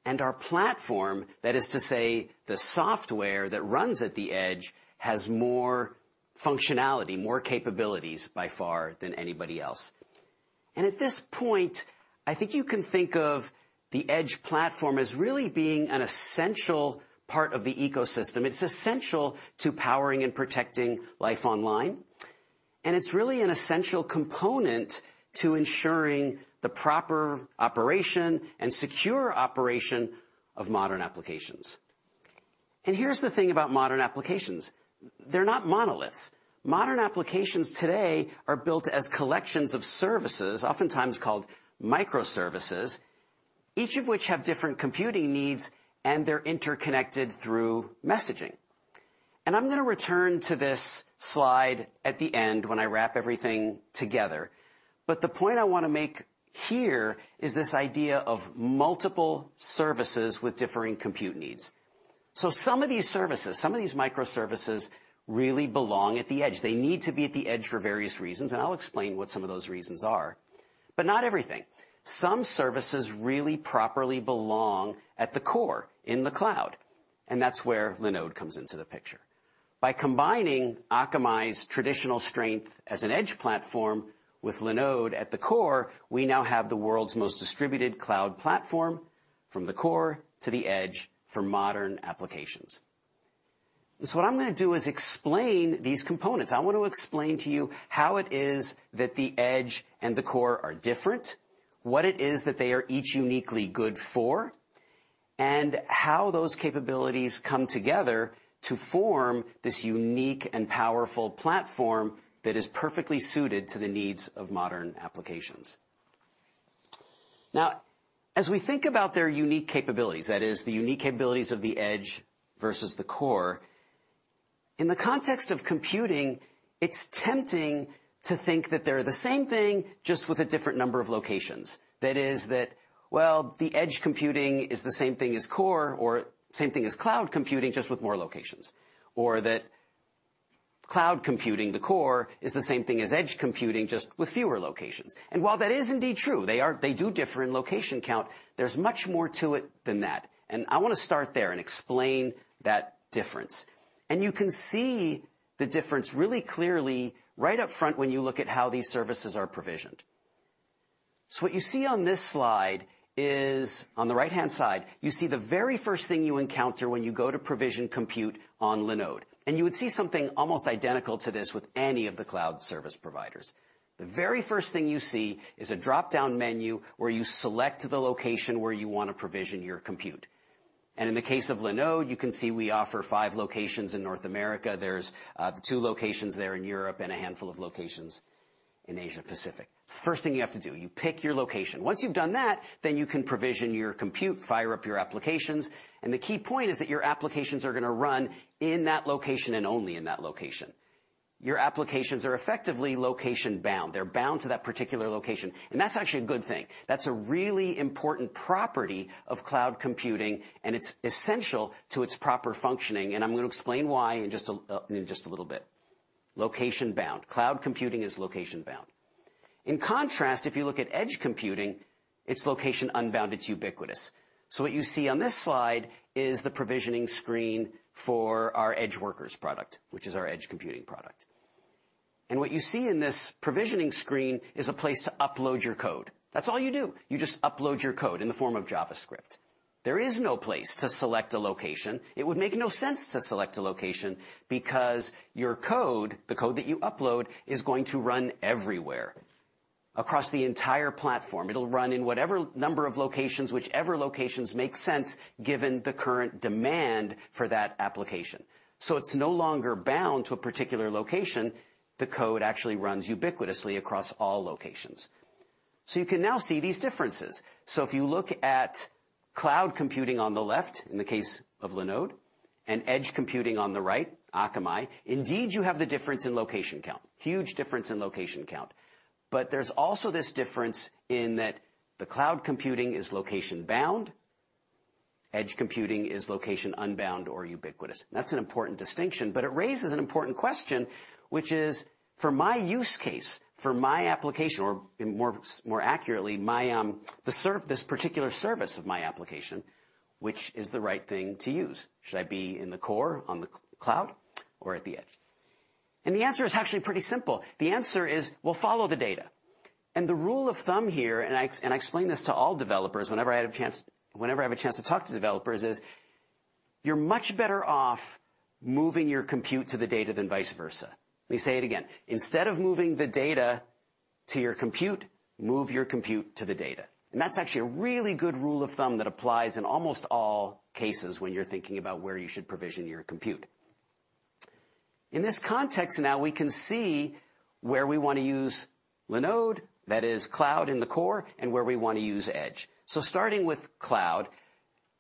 Our platform, that is to say, the software that runs at the Edge, has more functionality, more capabilities by far than anybody else. At this point, I think you can think of the Edge platform as really being an essential part of the ecosystem. It's essential to powering and protecting life online, and it's really an essential component to ensuring the proper operation and secure operation of modern applications. Here's the thing about modern applications. They're not monoliths. Modern applications today are built as collections of services, oftentimes called microservices, each of which have different computing needs, and they're interconnected through messaging. I'm gonna return to this slide at the end when I wrap everything together. The point I wanna make here is this idea of multiple services with differing compute needs. Some of these services, some of these microservices really belong at the edge. They need to be at the edge for various reasons, and I'll explain what some of those reasons are, but not everything. Some services really properly belong at the core in the cloud, and that's where Linode comes into the picture. By combining Akamai's traditional strength as an Edge platform with Linode at the core, we now have the world's most distributed cloud platform from the core to the Edge for modern applications. What I'm gonna do is explain these components. I want to explain to you how it is that the edge and the core are different, what it is that they are each uniquely good for, and how those capabilities come together to form this unique and powerful platform that is perfectly suited to the needs of modern applications. Now, as we think about their unique capabilities, that is the unique capabilities of the edge versus the core. In the context of computing, it's tempting to think that they're the same thing, just with a different number of locations. That is that, well, the edge computing is the same thing as core or same thing as cloud computing, just with more locations. That cloud computing, the core, is the same thing as edge computing, just with fewer locations. While that is indeed true, they do differ in location count, there's much more to it than that. I wanna start there and explain that difference. You can see the difference really clearly right up front when you look at how these services are provisioned. What you see on this slide is, on the right-hand side, you see the very first thing you encounter when you go to provision compute on Linode, and you would see something almost identical to this with any of the cloud service providers. The very first thing you see is a dropdown menu where you select the location where you wanna provision your compute. In the case of Linode, you can see we offer five locations in North America. There's two locations there in Europe and a handful of locations in Asia-Pacific. It's the first thing you have to do. You pick your location. Once you've done that, then you can provision your compute, fire up your applications. The key point is that your applications are gonna run in that location and only in that location. Your applications are effectively location-bound. They're bound to that particular location. That's actually a good thing. That's a really important property of cloud computing, and it's essential to its proper functioning. I'm gonna explain why in just a little bit. Location-bound. Cloud computing is location-bound. In contrast, if you look at edge computing, it's location unbound, it's ubiquitous. What you see on this slide is the provisioning screen for our EdgeWorkers product, which is our edge computing product. What you see in this provisioning screen is a place to upload your code. That's all you do. You just upload your code in the form of JavaScript. There is no place to select a location. It would make no sense to select a location because your code, the code that you upload, is going to run everywhere across the entire platform. It'll run in whatever number of locations, whichever locations make sense given the current demand for that application. It's no longer bound to a particular location. The code actually runs ubiquitously across all locations. You can now see these differences. If you look at cloud computing on the left, in the case of Linode, and edge computing on the right, Akamai, indeed, you have the difference in location count. Huge difference in location count. But there's also this difference in that the cloud computing is location bound, edge computing is location unbound or ubiquitous. That's an important distinction, but it raises an important question, which is, for my use case, for my application, or more accurately, my, this particular service of my application, which is the right thing to use? Should I be in the core on the cloud or at the edge? The answer is actually pretty simple. The answer is, well, follow the data. The rule of thumb here, and I explain this to all developers whenever I have a chance to talk to developers, is you're much better off moving your compute to the data than vice versa. Let me say it again. Instead of moving the data to your compute, move your compute to the data. That's actually a really good rule of thumb that applies in almost all cases when you're thinking about where you should provision your compute. In this context now, we can see where we wanna use Linode, that is cloud in the core, and where we wanna use edge. Starting with cloud,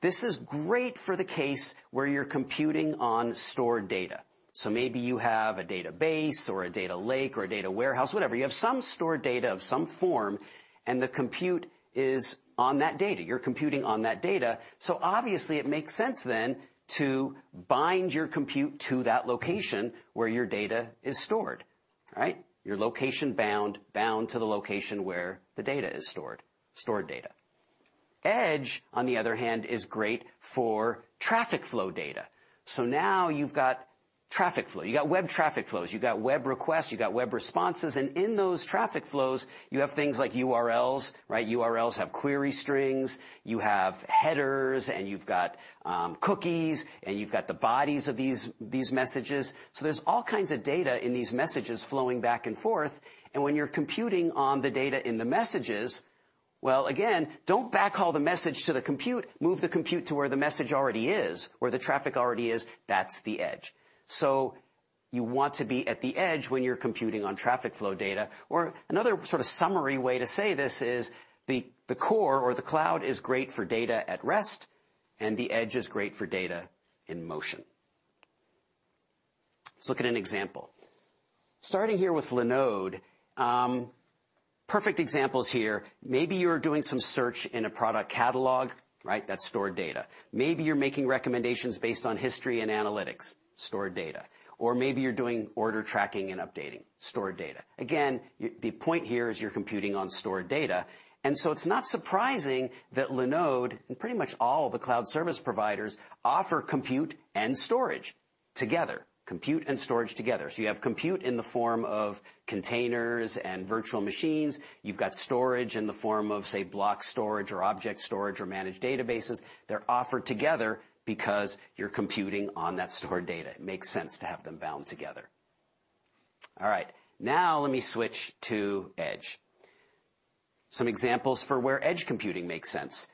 this is great for the case where you're computing on stored data. Maybe you have a database or a data lake or a data warehouse, whatever. You have some stored data of some form, and the compute is on that data. You're computing on that data, so obviously it makes sense then to bind your compute to that location where your data is stored. All right? You're location bound to the location where the data is stored. Stored data. Edge, on the other hand, is great for traffic flow data. Now you've got traffic flow. You got web traffic flows. You got web requests, you got web responses, and in those traffic flows you have things like URLs, right? URLs have query strings, you have headers, and you've got cookies, and you've got the bodies of these messages. There's all kinds of data in these messages flowing back and forth, and when you're computing on the data in the messages, well, again, don't backhaul the message to the compute, move the compute to where the message already is, where the traffic already is. That's the edge. You want to be at the edge when you're computing on traffic flow data. Another sort of summary way to say this is the core or the cloud is great for data at rest, and the edge is great for data in motion. Let's look at an example. Starting here with Linode, perfect examples here. Maybe you're doing some search in a product catalog, right? That's stored data. Maybe you're making recommendations based on history and analytics. Stored data. Or maybe you're doing order tracking and updating. Stored data. Again, the point here is you're computing on stored data, and so it's not surprising that Linode, and pretty much all the cloud service providers, offer compute and storage together. Compute and storage together. You have compute in the form of containers and virtual machines. You've got storage in the form of, say, block storage or object storage or managed databases. They're offered together because you're computing on that stored data. It makes sense to have them bound together. All right. Now let me switch to edge. Some examples for where edge computing makes sense.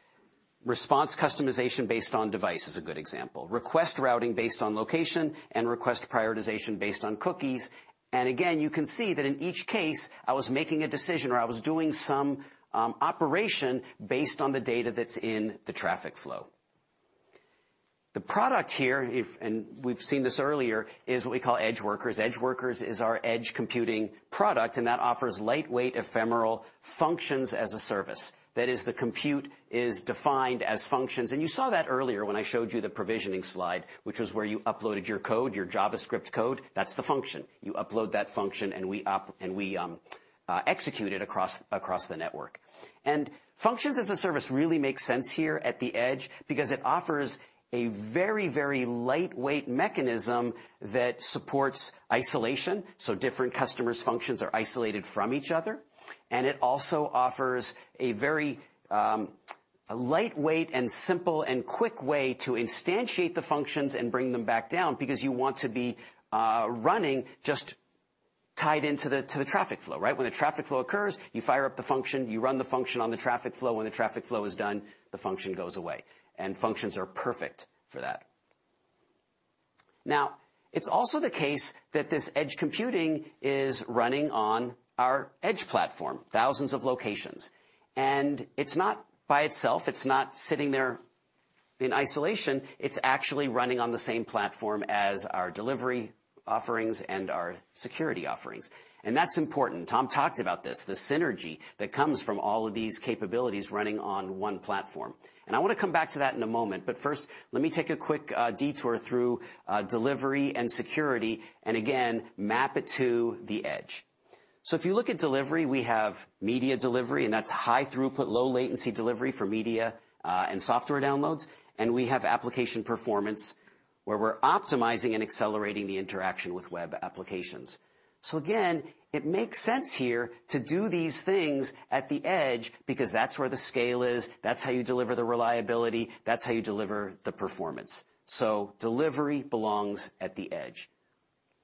Response customization based on device is a good example. Request routing based on location and request prioritization based on cookies. Again, you can see that in each case, I was making a decision, or I was doing some operation based on the data that's in the traffic flow. The product here, we've seen this earlier, is what we call EdgeWorkers. EdgeWorkers is our edge computing product, and that offers lightweight, ephemeral functions as a service. That is, the compute is defined as functions. You saw that earlier when I showed you the provisioning slide, which was where you uploaded your code, your JavaScript code. That's the function. You upload that function, and we execute it across the network. Functions as a service really make sense here at the edge because it offers a very, very lightweight mechanism that supports isolation, so different customers' functions are isolated from each other, and it also offers a very, a lightweight and simple and quick way to instantiate the functions and bring them down because you want to be running just tied into the traffic flow, right? When the traffic flow occurs, you fire up the function, you run the function on the traffic flow. When the traffic flow is done, the function goes away. Functions are perfect for that. Now, it's also the case that this edge computing is running on our edge platform, thousands of locations. It's not by itself. It's not sitting there in isolation. It's actually running on the same platform as our delivery offerings and our security offerings. That's important. Tom talked about this, the synergy that comes from all of these capabilities running on one platform. I wanna come back to that in a moment, but first, let me take a quick detour through delivery and security, and again, map it to the edge. If you look at delivery, we have media delivery, and that's high throughput, low latency delivery for media and software downloads. We have application performance, where we're optimizing and accelerating the interaction with web applications. Again, it makes sense here to do these things at the edge because that's where the scale is, that's how you deliver the reliability, that's how you deliver the performance. Delivery belongs at the edge.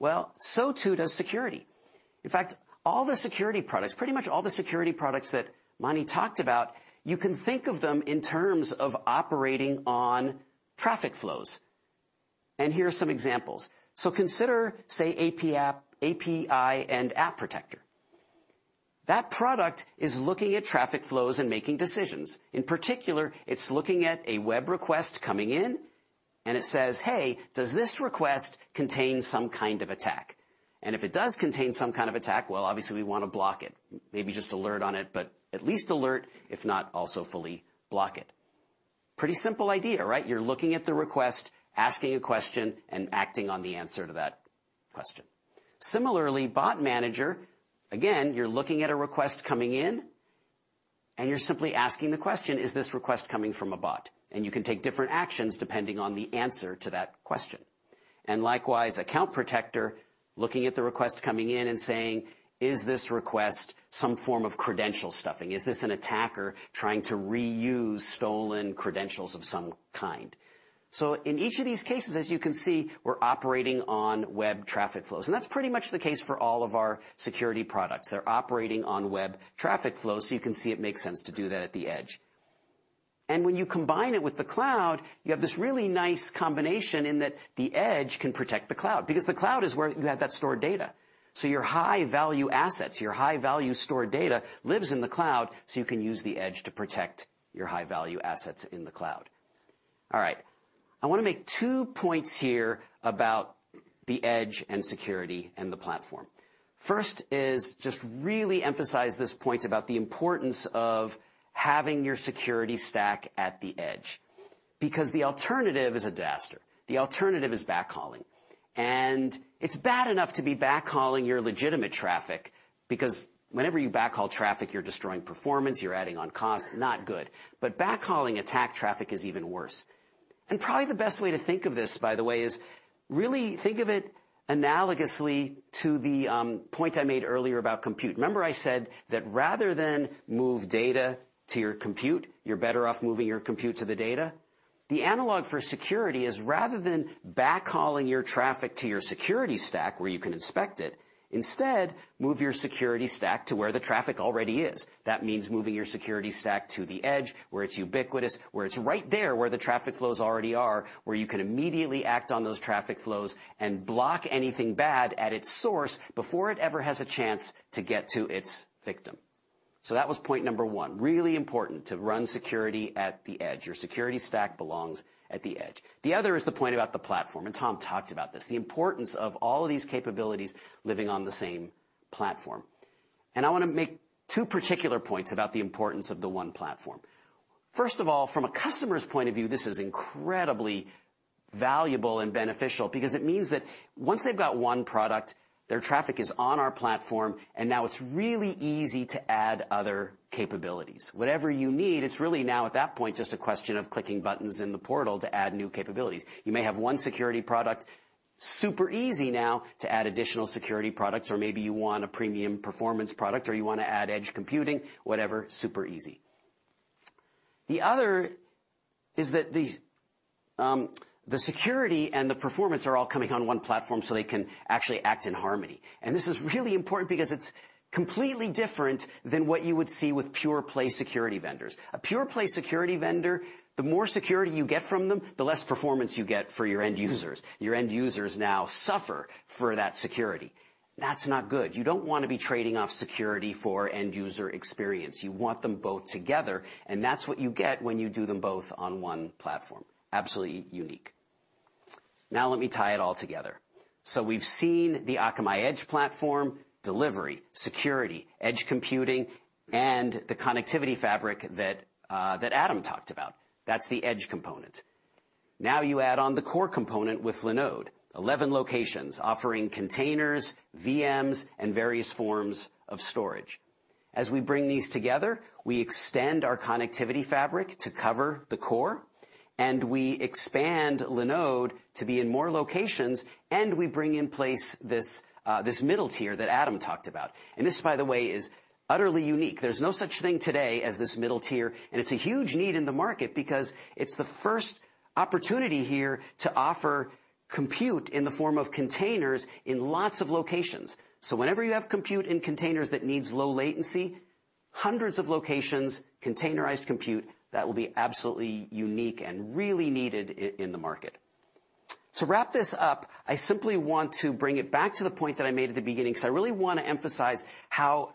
Well, so too does security. In fact, all the security products, pretty much all the security products that Mani talked about, you can think of them in terms of operating on traffic flows. Here are some examples. Consider, say, App & API Protector. That product is looking at traffic flows and making decisions. In particular, it's looking at a web request coming in, and it says, "Hey, does this request contain some kind of attack?" If it does contain some kind of attack, well, obviously we wanna block it. Maybe just alert on it, but at least alert, if not also fully block it. Pretty simple idea, right? You're looking at the request, asking a question, and acting on the answer to that question. Similarly, Bot Manager, again, you're looking at a request coming in, and you're simply asking the question, "Is this request coming from a bot?" You can take different actions depending on the answer to that question. Likewise, Account Protector, looking at the request coming in and saying, "Is this request some form of credential stuffing? Is this an attacker trying to reuse stolen credentials of some kind?" In each of these cases, as you can see, we're operating on web traffic flows, and that's pretty much the case for all of our security products. They're operating on web traffic flow, so you can see it makes sense to do that at the Edge. When you combine it with the cloud, you have this really nice combination in that the Edge can protect the cloud. Because the cloud is where you have that stored data. Your high-value assets, your high-value stored data lives in the cloud, so you can use the Edge to protect your high-value assets in the cloud. All right. I wanna make two points here about the Edge and security and the platform. First is just really emphasize this point about the importance of having your security stack at the Edge. Because the alternative is a disaster. The alternative is backhauling. It's bad enough to be backhauling your legitimate traffic because whenever you backhaul traffic, you're destroying performance, you're adding on cost. Not good. Backhauling attack traffic is even worse. Probably the best way to think of this, by the way, is really think of it analogously to the point I made earlier about compute. Remember I said that rather than move data to your compute, you're better off moving your compute to the data? The analog for security is rather than backhauling your traffic to your security stack where you can inspect it, instead move your security stack to where the traffic already is. That means moving your security stack to the edge, where it's ubiquitous, where it's right there where the traffic flows already are, where you can immediately act on those traffic flows and block anything bad at its source before it ever has a chance to get to its victim. That was point number one, really important to run security at the edge. Your security stack belongs at the edge. The other is the point about the platform, and Tom talked about this, the importance of all of these capabilities living on the same platform. I wanna make two particular points about the importance of the one platform. First of all, from a customer's point of view, this is incredibly valuable and beneficial because it means that once they've got one product, their traffic is on our platform, and now it's really easy to add other capabilities. Whatever you need, it's really now at that point, just a question of clicking buttons in the portal to add new capabilities. You may have one security product, super easy now to add additional security products, or maybe you want a premium performance product or you wanna add edge computing, whatever, super easy. The other is that these, the security and the performance are all coming on one platform, so they can actually act in harmony. This is really important because it's completely different than what you would see with pure-play security vendors. A pure-play security vendor, the more security you get from them, the less performance you get for your end users. Your end users now suffer for that security. That's not good. You don't wanna be trading off security for end user experience. You want them both together, and that's what you get when you do them both on one platform. Absolutely unique. Now let me tie it all together. We've seen the Akamai Edge platform, delivery, security, edge computing, and the connectivity fabric that that Adam talked about. That's the edge component. Now you add on the core component with Linode, 11 locations offering containers, VMs, and various forms of storage. As we bring these together, we extend our connectivity fabric to cover the core, and we expand Linode to be in more locations, and we bring into place this this middle tier that Adam talked about. This, by the way, is utterly unique. There's no such thing today as this middle tier, and it's a huge need in the market because it's the first opportunity here to offer compute in the form of containers in lots of locations. Whenever you have compute in containers that needs low latency, hundreds of locations, containerized compute, that will be absolutely unique and really needed in the market. To wrap this up, I simply want to bring it back to the point that I made at the beginning, 'cause I really wanna emphasize how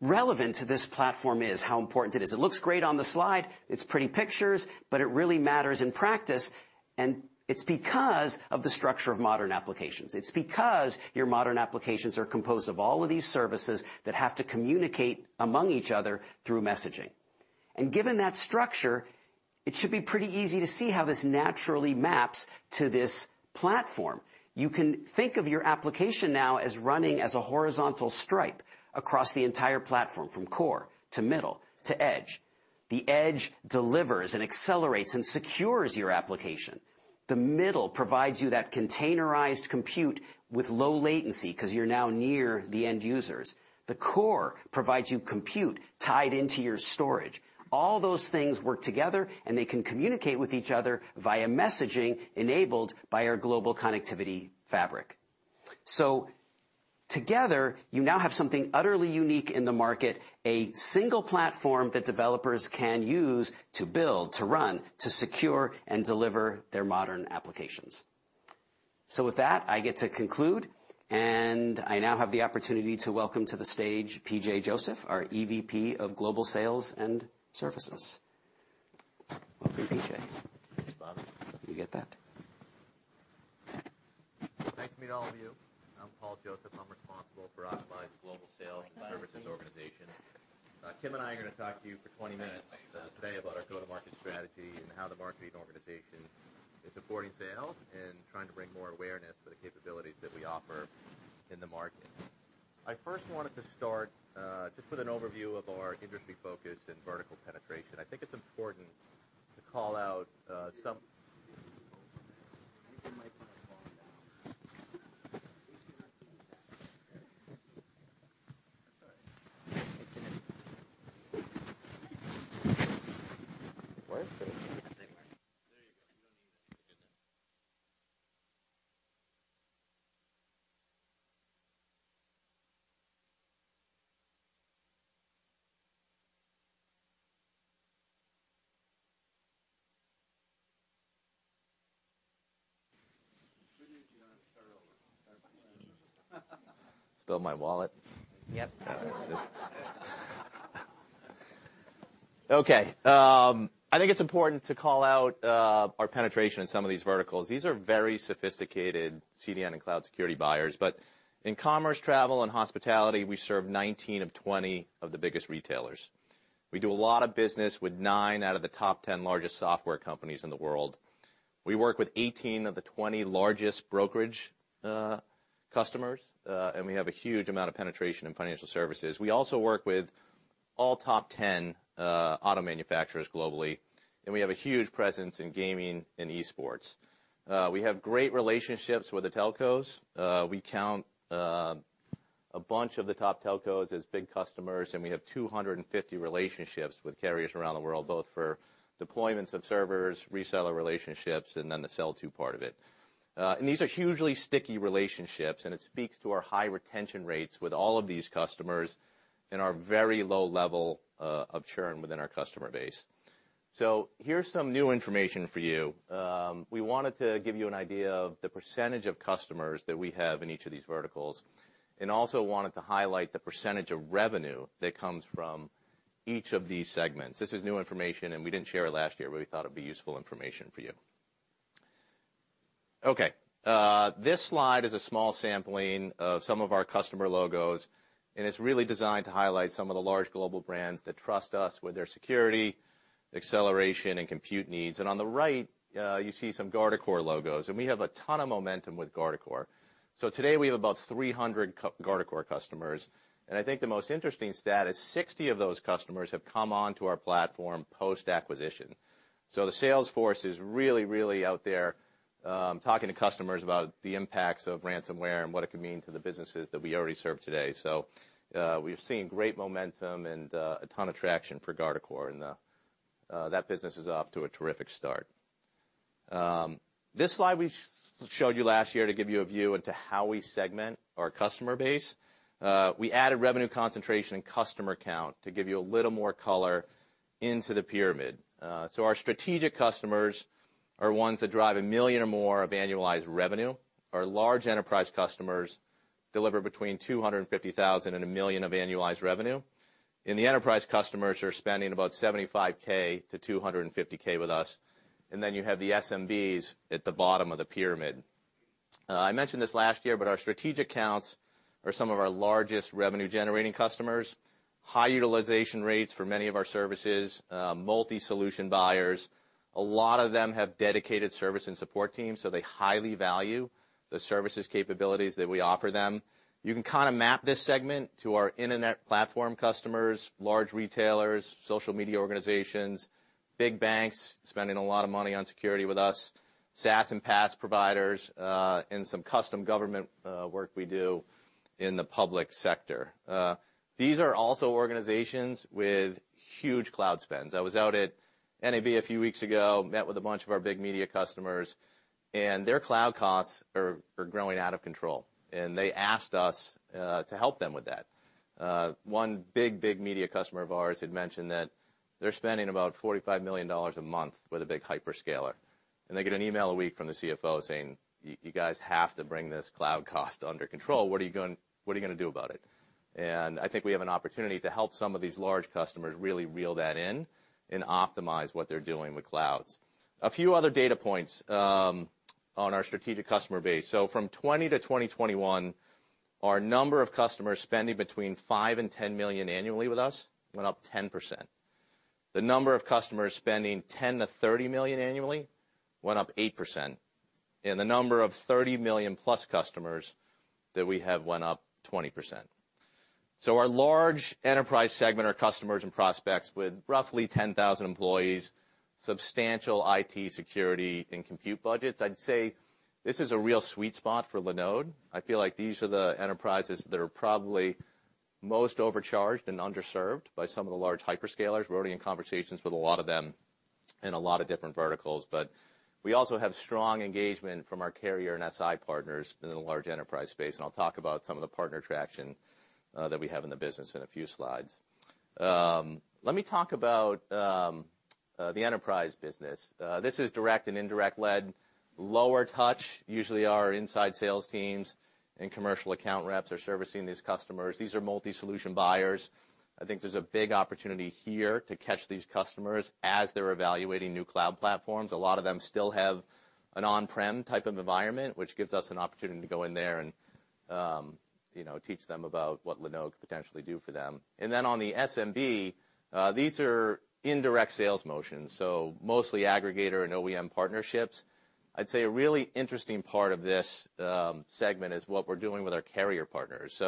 relevant this platform is, how important it is. It looks great on the slide. It's pretty pictures, but it really matters in practice, and it's because of the structure of modern applications. It's because your modern applications are composed of all of these services that have to communicate among each other through messaging. Given that structure, it should be pretty easy to see how this naturally maps to this platform. You can think of your application now as running as a horizontal stripe across the entire platform, from core to middle to edge. The edge delivers and accelerates and secures your application. The middle provides you that containerized compute with low latency 'cause you're now near the end users. The core provides you compute tied into your storage. All those things work together, and they can communicate with each other via messaging enabled by our global connectivity fabric. Together, you now have something utterly unique in the market, a single platform that developers can use to build, to run, to secure, and deliver their modern applications. with that, I get to conclude, and I now have the opportunity to welcome to the stage PJ Joseph, our EVP of Global Sales and Services. Welcome, PJ. Thanks, Bob. Will you get that? Thanks to all of you. I'm Paul Joseph. I'm responsible for Akamai's global sales and services organization. Kim and I are gonna talk to you for 20 minutes today about our go-to-market strategy and how the marketing organization is supporting sales and trying to bring more awareness to the capabilities that we offer in the market. I first wanted to start just with an overview of our industry focus and vertical penetration. I think it's important to call out. I think you might wanna calm down. At least you're not too bad. Yeah. That's all right. Where is it? There you are. There you go. You don't need it. You're good now. Start over. Stole my wallet. Yep. Okay. I think it's important to call out our penetration in some of these verticals. These are very sophisticated CDN and cloud security buyers. In commerce, travel, and hospitality, we serve 19 of 20 of the biggest retailers. We do a lot of business with 9 out of the top 10 largest software companies in the world. We work with 18 of the 20 largest brokerage customers, and we have a huge amount of penetration in financial services. We also work with all top 10 auto manufacturers globally, and we have a huge presence in gaming and esports. We have great relationships with the telcos. We count a bunch of the top telcos as big customers, and we have 250 relationships with carriers around the world, both for deployments of servers, reseller relationships, and then the sell-to part of it. These are hugely sticky relationships, and it speaks to our high retention rates with all of these customers and our very low level of churn within our customer base. Here's some new information for you. We wanted to give you an idea of the percentage of customers that we have in each of these verticals, and also wanted to highlight the percentage of revenue that comes from each of these segments. This is new information, and we didn't share it last year. We thought it'd be useful information for you. Okay, this slide is a small sampling of some of our customer logos, and it's really designed to highlight some of the large global brands that trust us with their security, acceleration, and compute needs. On the right, you see some Guardicore logos, and we have a ton of momentum with Guardicore. Today, we have about 300 Guardicore customers, and I think the most interesting stat is 60 of those customers have come onto our platform post-acquisition. The sales force is really out there, talking to customers about the impacts of ransomware and what it could mean to the businesses that we already serve today. We've seen great momentum and a ton of traction for Guardicore, and that business is off to a terrific start. This slide we showed you last year to give you a view into how we segment our customer base. We added revenue concentration and customer count to give you a little more color into the pyramid. Our strategic customers are ones that drive $1 million or more of annualized revenue. Our large enterprise customers deliver between $250,000 and $1 million of annualized revenue. The enterprise customers are spending about $75K-$250K with us. Then you have the SMBs at the bottom of the pyramid. I mentioned this last year, but our strategic accounts are some of our largest revenue-generating customers, high utilization rates for many of our services, multi-solution buyers. A lot of them have dedicated service and support teams, so they highly value the services capabilities that we offer them. You can kinda map this segment to our internet platform customers, large retailers, social media organizations, big banks spending a lot of money on security with us, SaaS and PaaS providers, and some custom government work we do in the public sector. These are also organizations with huge cloud spends. I was out at NAB a few weeks ago, met with a bunch of our big media customers, and their cloud costs are growing out of control, and they asked us to help them with that. One big media customer of ours had mentioned that they're spending about $45 million a month with a big hyperscaler, and they get an email a week from the CFO saying, "You guys have to bring this cloud cost under control. What are you gonna do about it?" I think we have an opportunity to help some of these large customers really reel that in and optimize what they're doing with clouds. A few other data points on our strategic customer base. From 2020 to 2021. Our number of customers spending between $5 million and $10 million annually with us went up 10%. The number of customers spending $10 million to $30 million annually went up 8%, and the number of $30 million-plus customers that we have went up 20%. Our large enterprise segment are customers and prospects with roughly 10,000 employees, substantial IT security and compute budgets. I'd say this is a real sweet spot for Linode. I feel like these are the enterprises that are probably most overcharged and underserved by some of the large hyperscalers. We're already in conversations with a lot of them in a lot of different verticals, but we also have strong engagement from our carrier and SI partners within the large enterprise space. I'll talk about some of the partner traction that we have in the business in a few slides. Let me talk about the enterprise business. This is direct and indirect led, lower touch. Usually our inside sales teams and commercial account reps are servicing these customers. These are multi-solution buyers. I think there's a big opportunity here to catch these customers as they're evaluating new cloud platforms. A lot of them still have an on-prem type of environment, which gives us an opportunity to go in there and, you know, teach them about what Linode could potentially do for them. Then on the SMB, these are indirect sales motions, so mostly aggregator and OEM partnerships. I'd say a really interesting part of this segment is what we're doing with our carrier partners.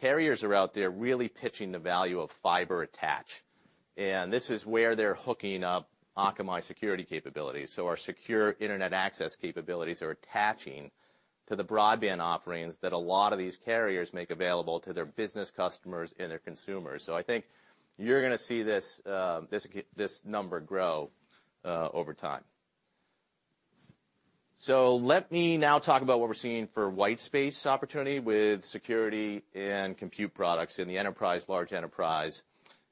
Carriers are out there really pitching the value of fiber attach, and this is where they're hooking up Akamai security capabilities. Our secure internet access capabilities are attaching to the broadband offerings that a lot of these carriers make available to their business customers and their consumers. I think you're gonna see this number grow over time. Let me now talk about what we're seeing for white space opportunity with security and compute products in the enterprise, large enterprise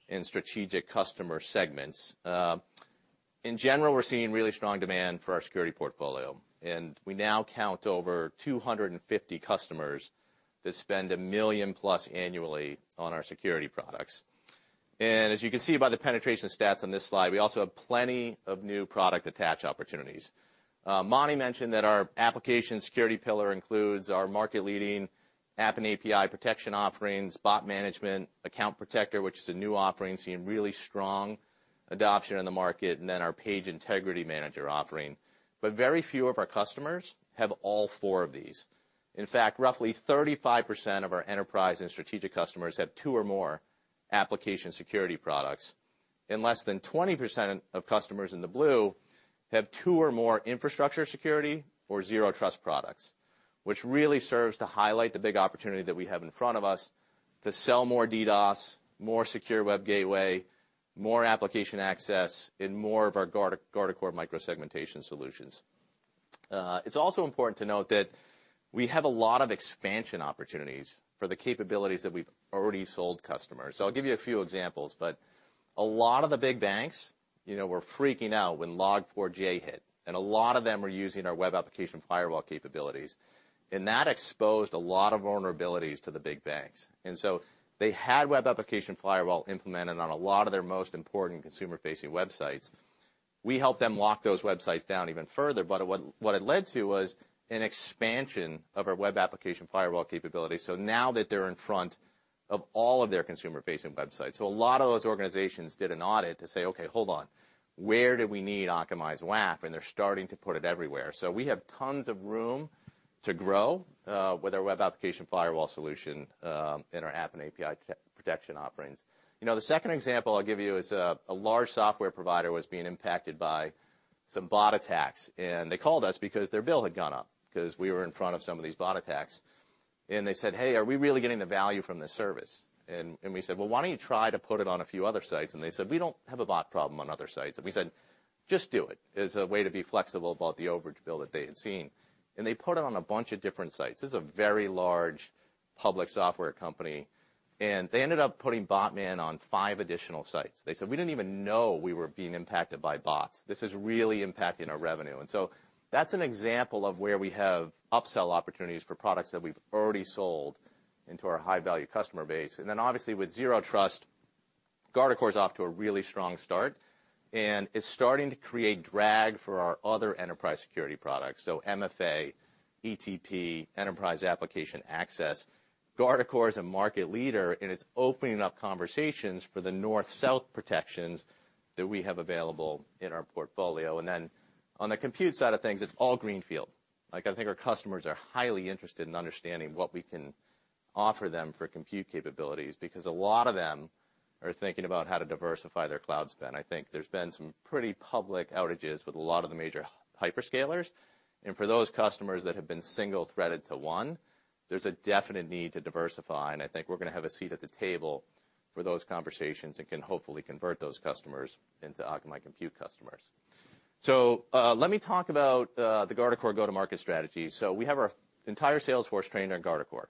and strategic customer segments. In general, we're seeing really strong demand for our security portfolio, and we now count over 250 customers that spend $1 million+ annually on our security products. As you can see by the penetration stats on this slide, we also have plenty of new product attach opportunities. Mani mentioned that our application security pillar includes our market-leading App & API Protector offerings, Bot Manager, Account Protector, which is a new offering seeing really strong adoption in the market, and then our Page Integrity Manager offering. Very few of our customers have all four of these. In fact, roughly 35% of our enterprise and strategic customers have two or more application security products, and less than 20% of customers in the blue have two or more infrastructure security or zero trust products, which really serves to highlight the big opportunity that we have in front of us to sell more DDoS, more secure web gateway, more application access and more of our Guardicore micro-segmentation solutions. It's also important to note that we have a lot of expansion opportunities for the capabilities that we've already sold customers. I'll give you a few examples, but a lot of the big banks, you know, were freaking out when Log4j hit, and a lot of them were using our web application firewall capabilities, and that exposed a lot of vulnerabilities to the big banks. They had web application firewall implemented on a lot of their most important consumer-facing websites. We helped them lock those websites down even further, but what it led to was an expansion of our web application firewall capabilities, so now that they're in front of all of their consumer-facing websites. A lot of those organizations did an audit to say, "Okay, hold on. Where do we need Akamai's WAF?" They're starting to put it everywhere. We have tons of room to grow with our web application firewall solution and our App & API Protector offerings. You know, the second example I'll give you is a large software provider was being impacted by some bot attacks, and they called us because their bill had gone up, 'cause we were in front of some of these bot attacks. They said, "Hey, are we really getting the value from this service?" We said, "Well, why don't you try to put it on a few other sites?" They said, "We don't have a bot problem on other sites." We said, "Just do it," as a way to be flexible about the overage bill that they had seen. They put it on a bunch of different sites. This is a very large public software company, and they ended up putting Bot Manager on five additional sites. They said, "We didn't even know we were being impacted by bots. This is really impacting our revenue." That's an example of where we have upsell opportunities for products that we've already sold into our high-value customer base. Obviously with Zero Trust, Guardicore's off to a really strong start and is starting to create drag for our other enterprise security products, so MFA, ETP, Enterprise Application Access. Guardicore is a market leader, and it's opening up conversations for the north-south protections that we have available in our portfolio. On the compute side of things, it's all greenfield. Like, I think our customers are highly interested in understanding what we can offer them for compute capabilities, because a lot of them are thinking about how to diversify their cloud spend. I think there's been some pretty public outages with a lot of the major hyperscalers, and for those customers that have been single-threaded to one, there's a definite need to diversify, and I think we're gonna have a seat at the table for those conversations and can hopefully convert those customers into Akamai compute customers. Let me talk about the Guardicore go-to-market strategy. We have our entire sales force trained on Guardicore.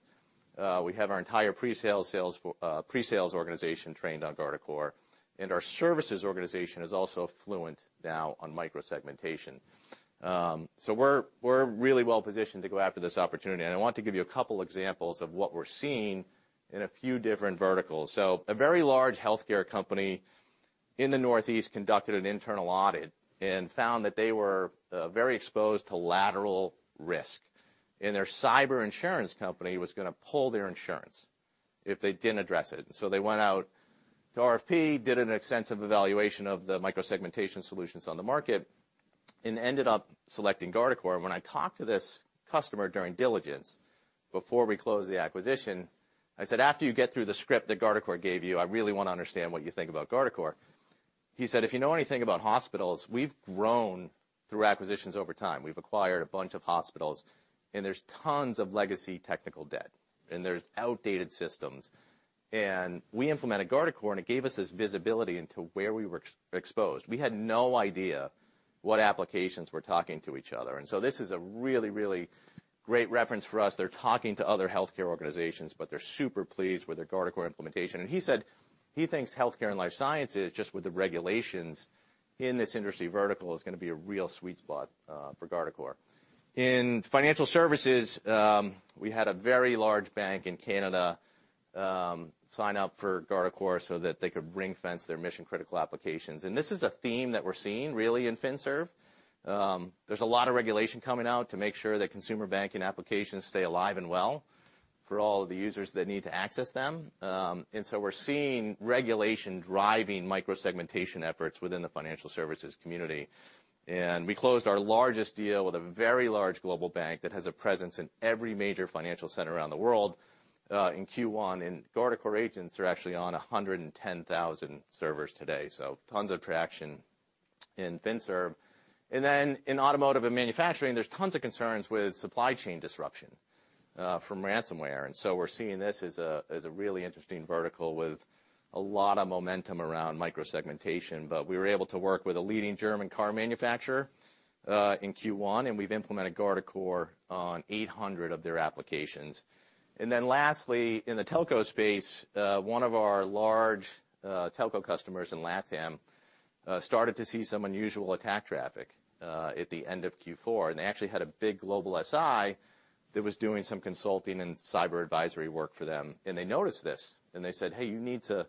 We have our entire presales organization trained on Guardicore, and our services organization is also fluent now on micro-segmentation. We're really well positioned to go after this opportunity, and I want to give you a couple examples of what we're seeing in a few different verticals. A very large healthcare company in the Northeast conducted an internal audit and found that they were very exposed to lateral risk, and their cyber insurance company was gonna pull their insurance if they didn't address it. They went out to RFP, did an extensive evaluation of the micro-segmentation solutions on the market, and ended up selecting Guardicore. When I talked to this customer during diligence before we closed the acquisition, I said, "After you get through the script that Guardicore gave you, I really wanna understand what you think about Guardicore." He said, "If you know anything about hospitals, we've grown through acquisitions over time. We've acquired a bunch of hospitals, and there's tons of legacy technical debt, and there's outdated systems. We implemented Guardicore, and it gave us this visibility into where we were exposed. We had no idea what applications were talking to each other." This is a really, really great reference for us. They're talking to other healthcare organizations, but they're super pleased with their Guardicore implementation. He said he thinks healthcare and life sciences, just with the regulations in this industry vertical, is gonna be a real sweet spot for Guardicore. In financial services, we had a very large bank in Canada sign up for Guardicore so that they could ring-fence their mission-critical applications. This is a theme that we're seeing really in financial services. There's a lot of regulation coming out to make sure that consumer banking applications stay alive and well for all of the users that need to access them. We're seeing regulation driving micro-segmentation efforts within the financial services community. We closed our largest deal with a very large global bank that has a presence in every major financial center around the world in Q1, and Guardicore agents are actually on 110,000 servers today, so tons of traction in financial services. In automotive and manufacturing, there's tons of concerns with supply chain disruption from ransomware, and so we're seeing this as a really interesting vertical with a lot of momentum around micro-segmentation. We were able to work with a leading German car manufacturer in Q1, and we've implemented Guardicore on 800 of their applications. Lastly, in the telco space, one of our large telco customers in LatAm started to see some unusual attack traffic at the end of Q4. They actually had a big global SI that was doing some consulting and cyber advisory work for them, and they noticed this, and they said, "Hey, you need to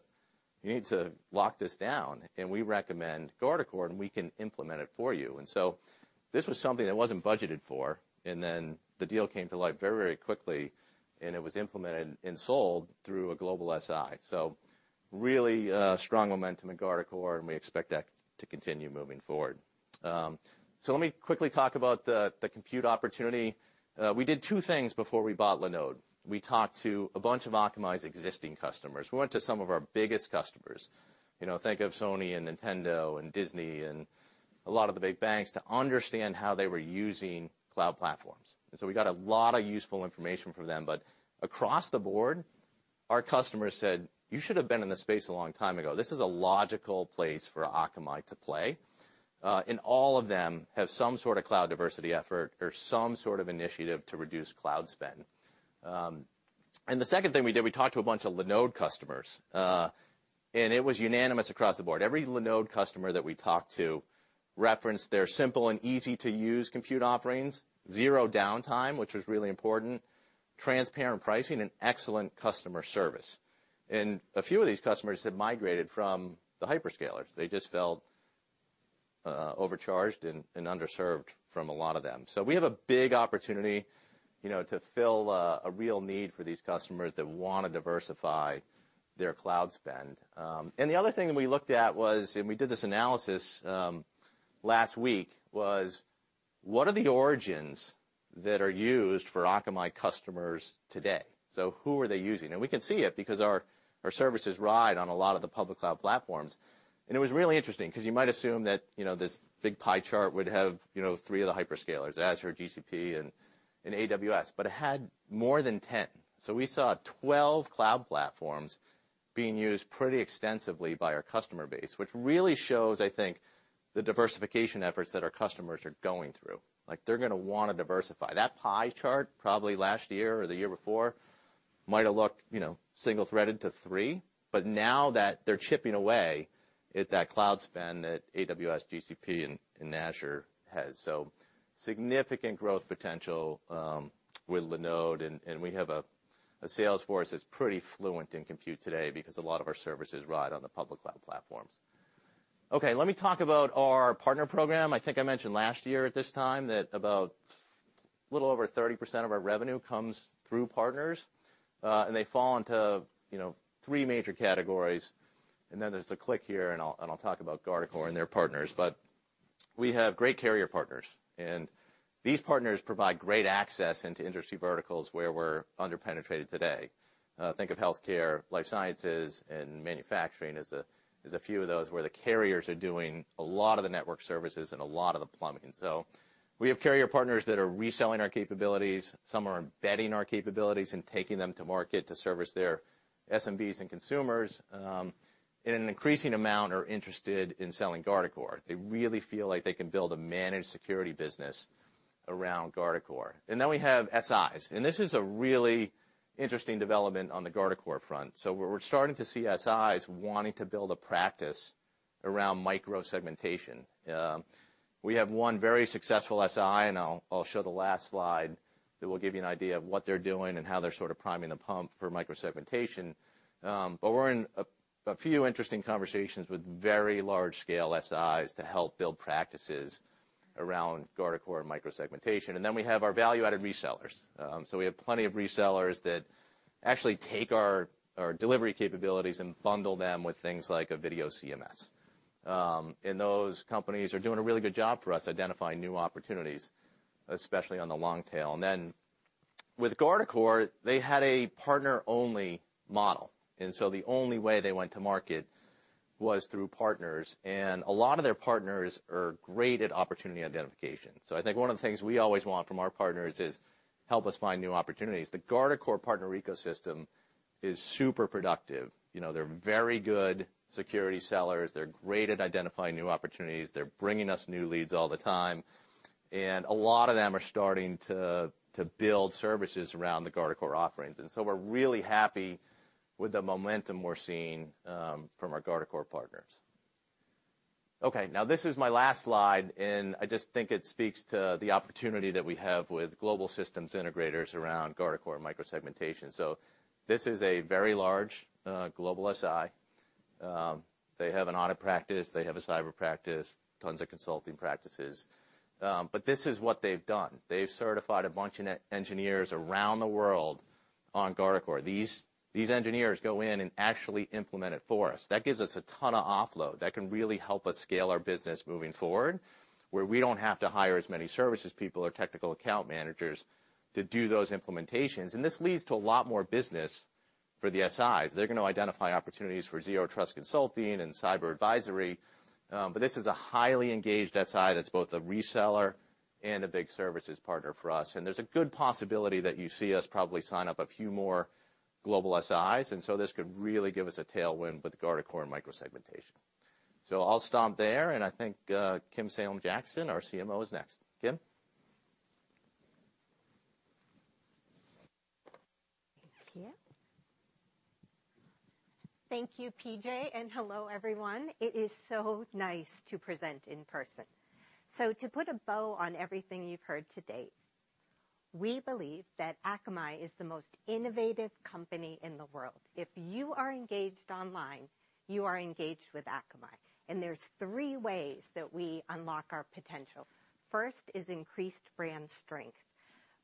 lock this down, and we recommend Guardicore, and we can implement it for you." This was something that wasn't budgeted for, and then the deal came to life very quickly, and it was implemented and sold through a global SI. Really, strong momentum at Guardicore, and we expect that to continue moving forward. Let me quickly talk about the compute opportunity. We did two things before we bought Linode. We talked to a bunch of Akamai's existing customers. We went to some of our biggest customers, you know, think of Sony and Nintendo and Disney and a lot of the big banks, to understand how they were using cloud platforms. We got a lot of useful information from them. Across the board, our customers said, "You should have been in this space a long time ago. This is a logical place for Akamai to play." All of them have some sort of cloud diversity effort or some sort of initiative to reduce cloud spend. The second thing we did, we talked to a bunch of Linode customers, and it was unanimous across the board. Every Linode customer that we talked to referenced their simple and easy-to-use compute offerings, zero downtime, which was really important, transparent pricing, and excellent customer service. A few of these customers had migrated from the hyperscalers. They just felt overcharged and underserved from a lot of them. We have a big opportunity, you know, to fill a real need for these customers that wanna diversify their cloud spend. The other thing that we looked at was, we did this analysis last week, what are the origins that are used for Akamai customers today? Who are they using? We can see it because our services ride on a lot of the public cloud platforms. It was really interesting 'cause you might assume that, you know, this big pie chart would have, you know, three of the hyperscalers, Azure, GCP, and AWS, but it had more than 10. We saw 12 cloud platforms being used pretty extensively by our customer base, which really shows, I think, the diversification efforts that our customers are going through, like they're gonna wanna diversify. That pie chart probably last year or the year before might've looked, you know, single-threaded to three. Now that they're chipping away at that cloud spend that AWS, GCP, and Azure has. Significant growth potential with Linode, and we have a sales force that's pretty fluent in compute today because a lot of our services ride on the public cloud platforms. Okay, let me talk about our partner program. I think I mentioned last year at this time that about a little over 30% of our revenue comes through partners, and they fall into, you know, three major categories. Then there's a click here, and I'll talk about Guardicore and their partners. We have great carrier partners, and these partners provide great access into industry verticals where we're under-penetrated today. Think of healthcare, life sciences, and manufacturing as a few of those where the carriers are doing a lot of the network services and a lot of the plumbing. We have carrier partners that are reselling our capabilities. Some are embedding our capabilities and taking them to market to service their SMBs and consumers, and an increasing amount are interested in selling Guardicore. They really feel like they can build a managed security business around Guardicore. We have SIs, and this is a really interesting development on the Guardicore front. We're starting to see SIs wanting to build a practice around micro-segmentation. We have one very successful SI, and I'll show the last slide that will give you an idea of what they're doing and how they're sort of priming the pump for micro-segmentation. But we're in a few interesting conversations with very large-scale SIs to help build practices around Guardicore micro-segmentation. We have our value-added resellers. We have plenty of resellers that actually take our delivery capabilities and bundle them with things like a video CMS. Those companies are doing a relly good job for us identifying new opportunities, especially on the long tail. With Guardicore, they had a partner-only model, and so the only way they went to market was through partners, and a lot of their partners are great at opportunity identification. I think one of the things we always want from our partners is help us find new opportunities. The Guardicore partner ecosystem is super productive. You know, they're very good security sellers. They're great at identifying new opportunities. They're bringing us new leads all the time, and a lot of them are starting to build services around the Guardicore offerings. We're really happy with the momentum we're seeing from our Guardicore partners. Okay, now this is my last slide, and I just think it speaks to the opportunity that we have with global systems integrators around Guardicore micro-segmentation. This is a very large global SI. They have an audit practice. They have a cyber practice, tons of consulting practices. This is what they've done. They've certified a bunch of engineers around the world on Guardicore. These engineers go in and actually implement it for us. That gives us a ton of offload that can really help us scale our business moving forward, where we don't have to hire as many services people or technical account managers to do those implementations. This leads to a lot more business for the SIs. They're gonna identify opportunities for zero trust consulting and cyber advisory. This is a highly engaged SI that's both a reseller and a big services partner for us. There's a good possibility that you see us probably sign up a few more global SIs, and this could really give us a tailwind with Guardicore and micro-segmentation. I'll stop there, and I think Kim Salem-Jackson, our CMO, is next. Kim? Thank you. Thank you, PJ, and hello, everyone. It is so nice to present in person. To put a bow on everything you've heard to date, we believe that Akamai is the most innovative company in the world. If you are engaged online, you are engaged with Akamai, and there are three ways that we unlock our potential. First is increased brand strength.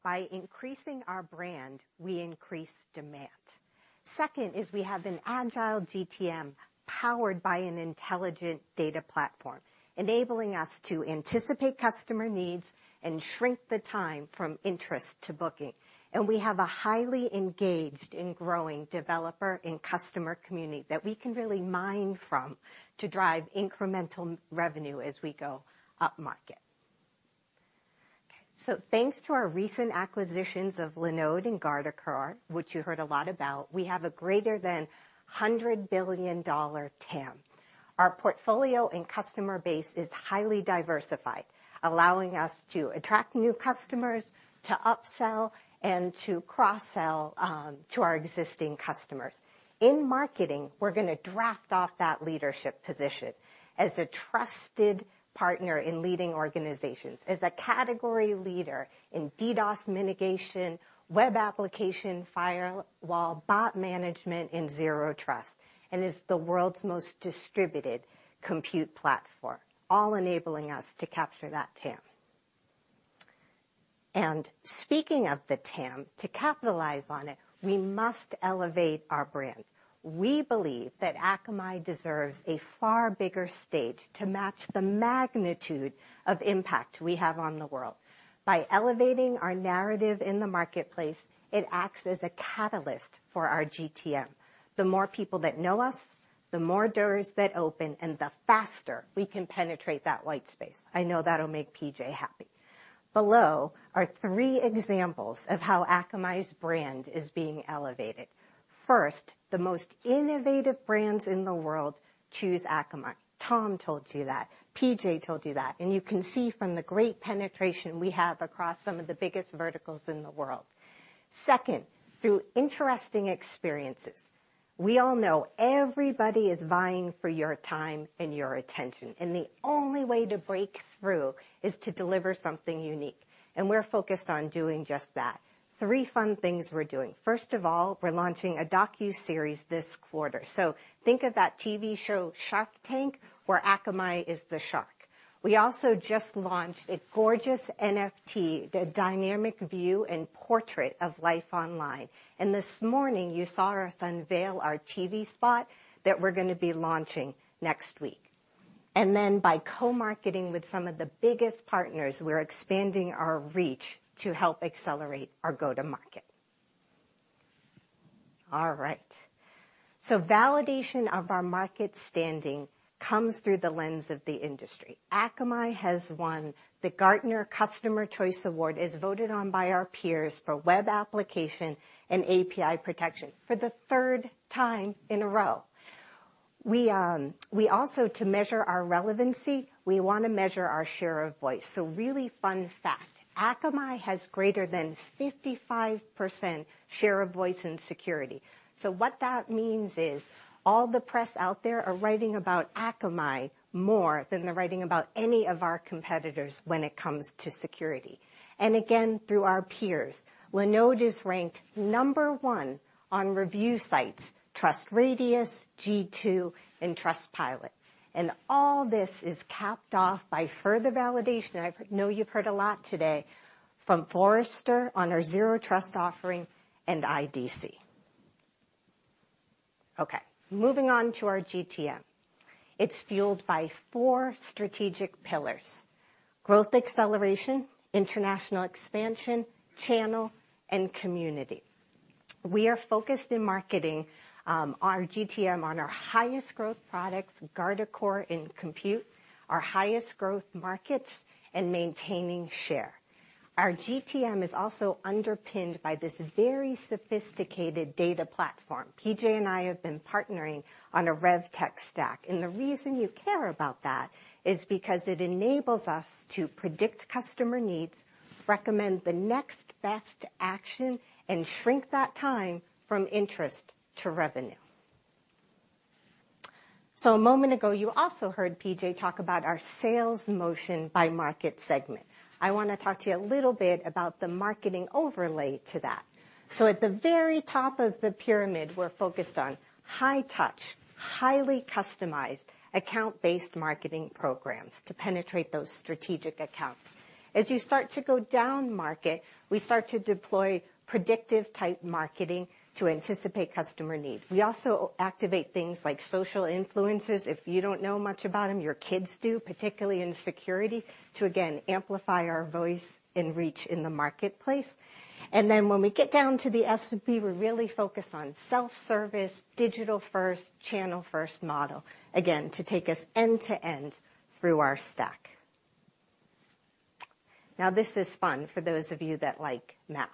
By increasing our brand, we increase demand. Second is we have an agile GTM powered by an intelligent data platform, enabling us to anticipate customer needs and shrink the time from interest to booking. We have a highly engaged and growing developer and customer community that we can really mine from to drive incremental revenue as we go up market. Thanks to our recent acquisitions of Linode and Guardicore, which you heard a lot about, we have a greater than $100 billion TAM. Our portfolio and customer base is highly diversified, allowing us to attract new customers, to upsell and to cross-sell to our existing customers. In marketing, we're gonna draft off that leadership position as a trusted partner in leading organizations, as a category leader in DDoS mitigation, web application firewall, bot management, and zero trust, and as the world's most distributed compute platform, all enabling us to capture that TAM. Speaking of the TAM, to capitalize on it, we must elevate our brand. We believe that Akamai deserves a far bigger stage to match the magnitude of impact we have on the world. By elevating our narrative in the marketplace, it acts as a catalyst for our GTM. The more people that know us, the more doors that open and the faster we can penetrate that white space. I know that'll make PJ happy. Below are three examples of how Akamai's brand is being elevated. First, the most innovative brands in the world choose Akamai. Tom told you that. PJ told you that. You can see from the great penetration we have across some of the biggest verticals in the world. Second, through interesting experiences. We all know everybody is vying for your time and your attention, and the only way to break through is to deliver something unique, and we're focused on doing just that. Three fun things we're doing. First of all, we're launching a docuseries this quarter. So think of that TV show, Shark Tank, where Akamai is the shark. We also just launched a gorgeous NFT, the dynamic view and portrait of life online. This morning, you saw us unveil our TV spot that we're gonna be launching next week. Then by co-marketing with some of the biggest partners, we're expanding our reach to help accelerate our go-to-market. All right. Validation of our market standing comes through the lens of the industry. Akamai has won the Gartner Customer Choice Award, as voted on by our peers for web application and API protection for the third time in a row. We also, to measure our relevancy, we wanna measure our share of voice. Really fun fact, Akamai has greater than 55% share of voice in security. What that means is, all the press out there are writing about Akamai more than they're writing about any of our competitors when it comes to security. Again, through our peers, Linode is ranked number one on review sites, TrustRadius, G2, and Trustpilot. All this is capped off by further validation. I know you've heard a lot today. From Forrester on our Zero Trust offering and IDC. Okay. Moving on to our GTM. It's fueled by four strategic pillars, growth acceleration, international expansion, channel, and community. We are focused in marketing our GTM on our highest growth products, Guardicore and Compute, our highest growth markets and maintaining share. Our GTM is also underpinned by this very sophisticated data platform. PJ and I have been partnering on a rev tech stack, and the reason you care about that is because it enables us to predict customer needs, recommend the next best action, and shrink that time from interest to revenue. A moment ago, you also heard PJ talk about our sales motion by market segment. I wanna talk to you a little bit about the marketing overlay to that. At the very top of the pyramid, we're focused on high touch, highly customized account-based marketing programs to penetrate those strategic accounts. As you start to go down market, we start to deploy predictive-type marketing to anticipate customer need. We also activate things like social influences, if you don't know much about them, your kids do, particularly in security, to again, amplify our voice and reach in the marketplace. When we get down to the SMB, we're really focused on self-service, digital first, channel first model, again, to take us end-to-end through our stack. Now, this is fun for those of you that like math.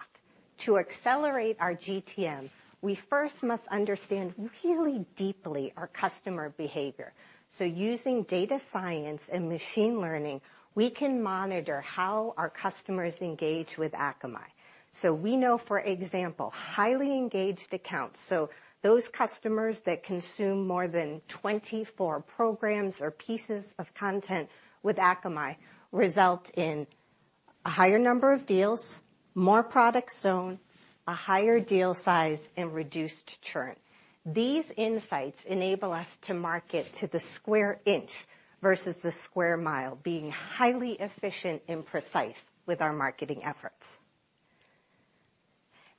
To accelerate our GTM, we first must understand really deeply our customer behavior. Using data science and machine learning, we can monitor how our customers engage with Akamai. We know, for example, highly engaged accounts, so those customers that consume more than 24 programs or pieces of content with Akamai, result in a higher number of deals, more products owned, a higher deal size, and reduced churn. These insights enable us to market to the square inch versus the square mile, being highly efficient and precise with our marketing efforts.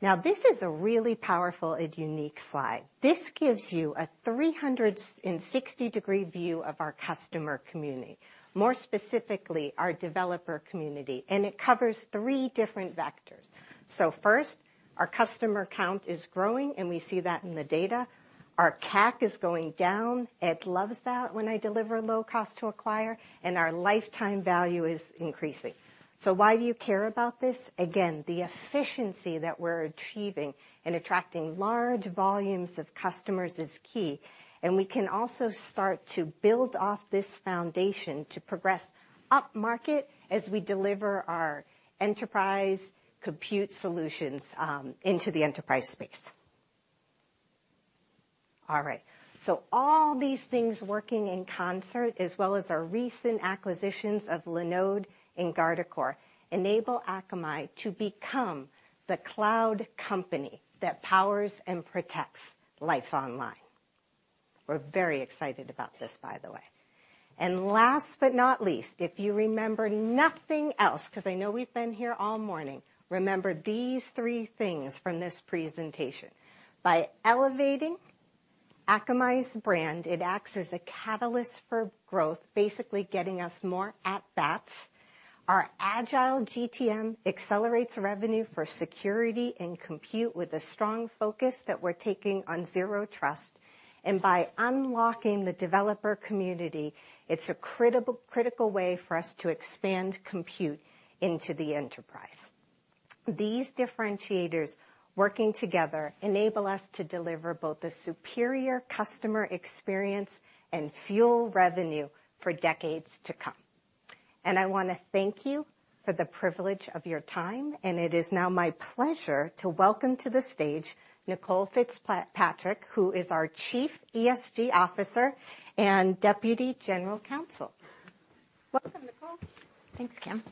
Now, this is a really powerful and unique slide. This gives you a 360 degree view of our customer community, more specifically, our developer community. It covers three different vectors. First, our customer count is growing, and we see that in the data. Our CAC is going down. Ed loves that when I deliver low cost to acquire, and our lifetime value is increasing. Why do you care about this? Again, the efficiency that we're achieving in attracting large volumes of customers is key, and we can also start to build off this foundation to progress upmarket as we deliver our enterprise compute solutions, into the enterprise space. All right. All these things working in concert, as well as our recent acquisitions of Linode and Guardicore, enable Akamai to become the cloud company that powers and protects life online. We're very excited about this, by the way. Last but not least, if you remember nothing else, 'cause I know we've been here all morning, remember these three things from this presentation. By elevating Akamai's brand, it acts as a catalyst for growth, basically getting us more at-bats. Our agile GTM accelerates revenue for security and compute with a strong focus that we're taking on Zero Trust. By unlocking the developer community, it's a critical way for us to expand compute into the enterprise. These differentiators working together enable us to deliver both the superior customer experience and fuel revenue for decades to come. I wanna thank you for the privilege of your time, and it is now my pleasure to welcome to the stage Nicole Fitzpatrick, who is our Chief ESG Officer and Deputy General Counsel. Welcome, Nicole. Thanks, Kim.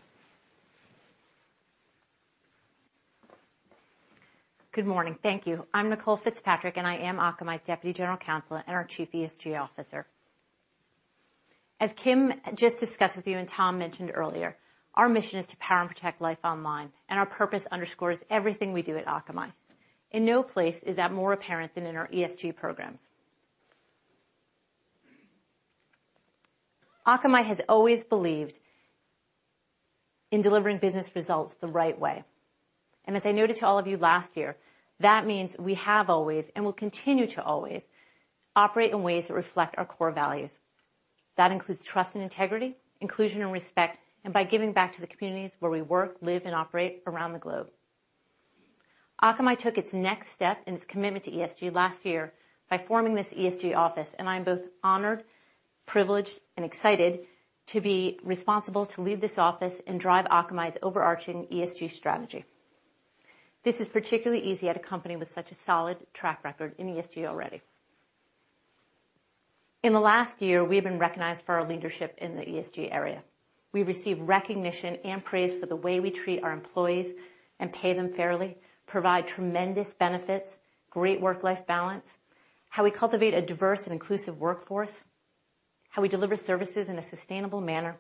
Good morning. Thank you. I'm Nicole Fitzpatrick, and I am Akamai's Deputy General Counsel and our Chief ESG Officer. As Kim just discussed with you and Tom mentioned earlier, our mission is to power and protect life online, and our purpose underscores everything we do at Akamai. In no place is that more apparent than in our ESG programs. Akamai has always believed in delivering business results the right way. As I noted to all of you last year, that means we have always and will continue to always operate in ways that reflect our core values. That includes trust and integrity, inclusion and respect, and by giving back to the communities where we work, live, and operate around the globe. Akamai took its next step in its commitment to ESG last year by forming this ESG office, and I'm both honored, privileged, and excited to be responsible to lead this office and drive Akamai's overarching ESG strategy. This is particularly easy at a company with such a solid track record in ESG already. In the last year, we have been recognized for our leadership in the ESG area. We've received recognition and praise for the way we treat our employees and pay them fairly, provide tremendous benefits, great work-life balance, how we cultivate a diverse and inclusive workforce, how we deliver services in a sustainable manner,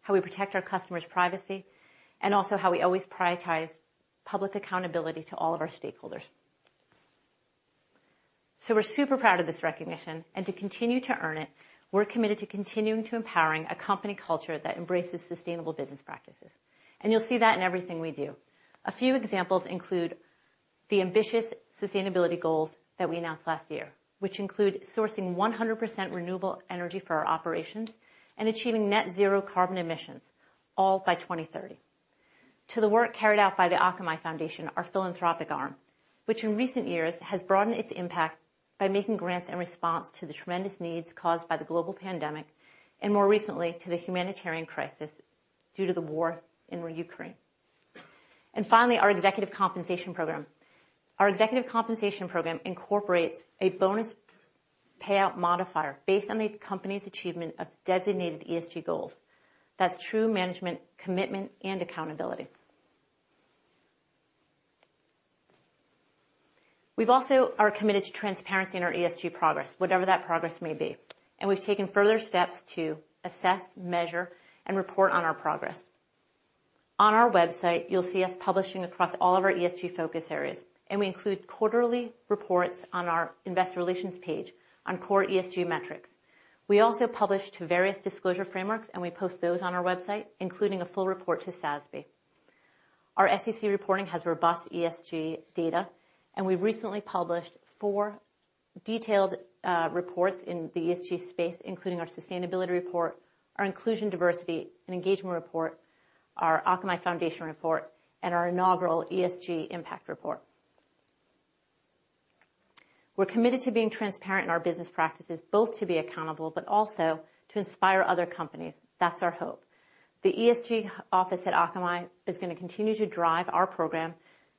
how we protect our customers' privacy, and also how we always prioritize public accountability to all of our stakeholders. We're super proud of this recognition, and to continue to earn it, we're committed to continuing to empower a company culture that embraces sustainable business practices. You'll see that in everything we do. A few examples include the ambitious sustainability goals that we announced last year, which include sourcing 100% renewable energy for our operations and achieving net zero carbon emissions all by 2030. Add to the work carried out by the Akamai Foundation, our philanthropic arm, which in recent years has broadened its impact by making grants in response to the tremendous needs caused by the global pandemic and more recently to the humanitarian crisis due to the war in Ukraine. Finally, our executive compensation program. Our executive compensation program incorporates a bonus payout modifier based on the company's achievement of designated ESG goals. That's true management, commitment, and accountability. We are also committed to transparency in our ESG progress, whatever that progress may be. We've taken further steps to assess, measure, and report on our progress. On our website, you'll see us publishing across all of our ESG focus areas, and we include quarterly reports on our Investor Relations page on core ESG metrics. We also publish to various disclosure frameworks, and we post those on our website, including a full report to SASB. Our SEC reporting has robust ESG data, and we've recently published four detailed reports in the ESG space, including our sustainability report, our inclusion, diversity, and engagement report, our Akamai Foundation report, and our inaugural ESG impact report. We're committed to being transparent in our business practices, both to be accountable but also to inspire other companies. That's our hope. The ESG office at Akamai is gonna continue to drive our program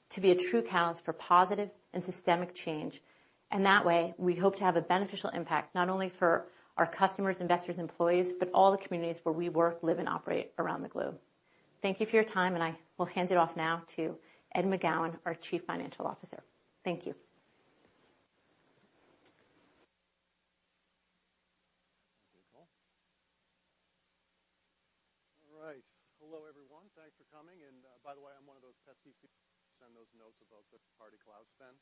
to be a true catalyst for positive and systemic change. That way, we hope to have a beneficial impact, not only for our customers, investors, employees, but all the communities where we work, live, and operate around the globe. Thank you for your time, and I will hand it off now to Ed McGowan, our Chief Financial Officer. Thank you. Thank you, Nicole. All right. Hello, everyone. Thanks for coming. By the way, I'm one of those pesky CEOs who send those notes about the public cloud spend.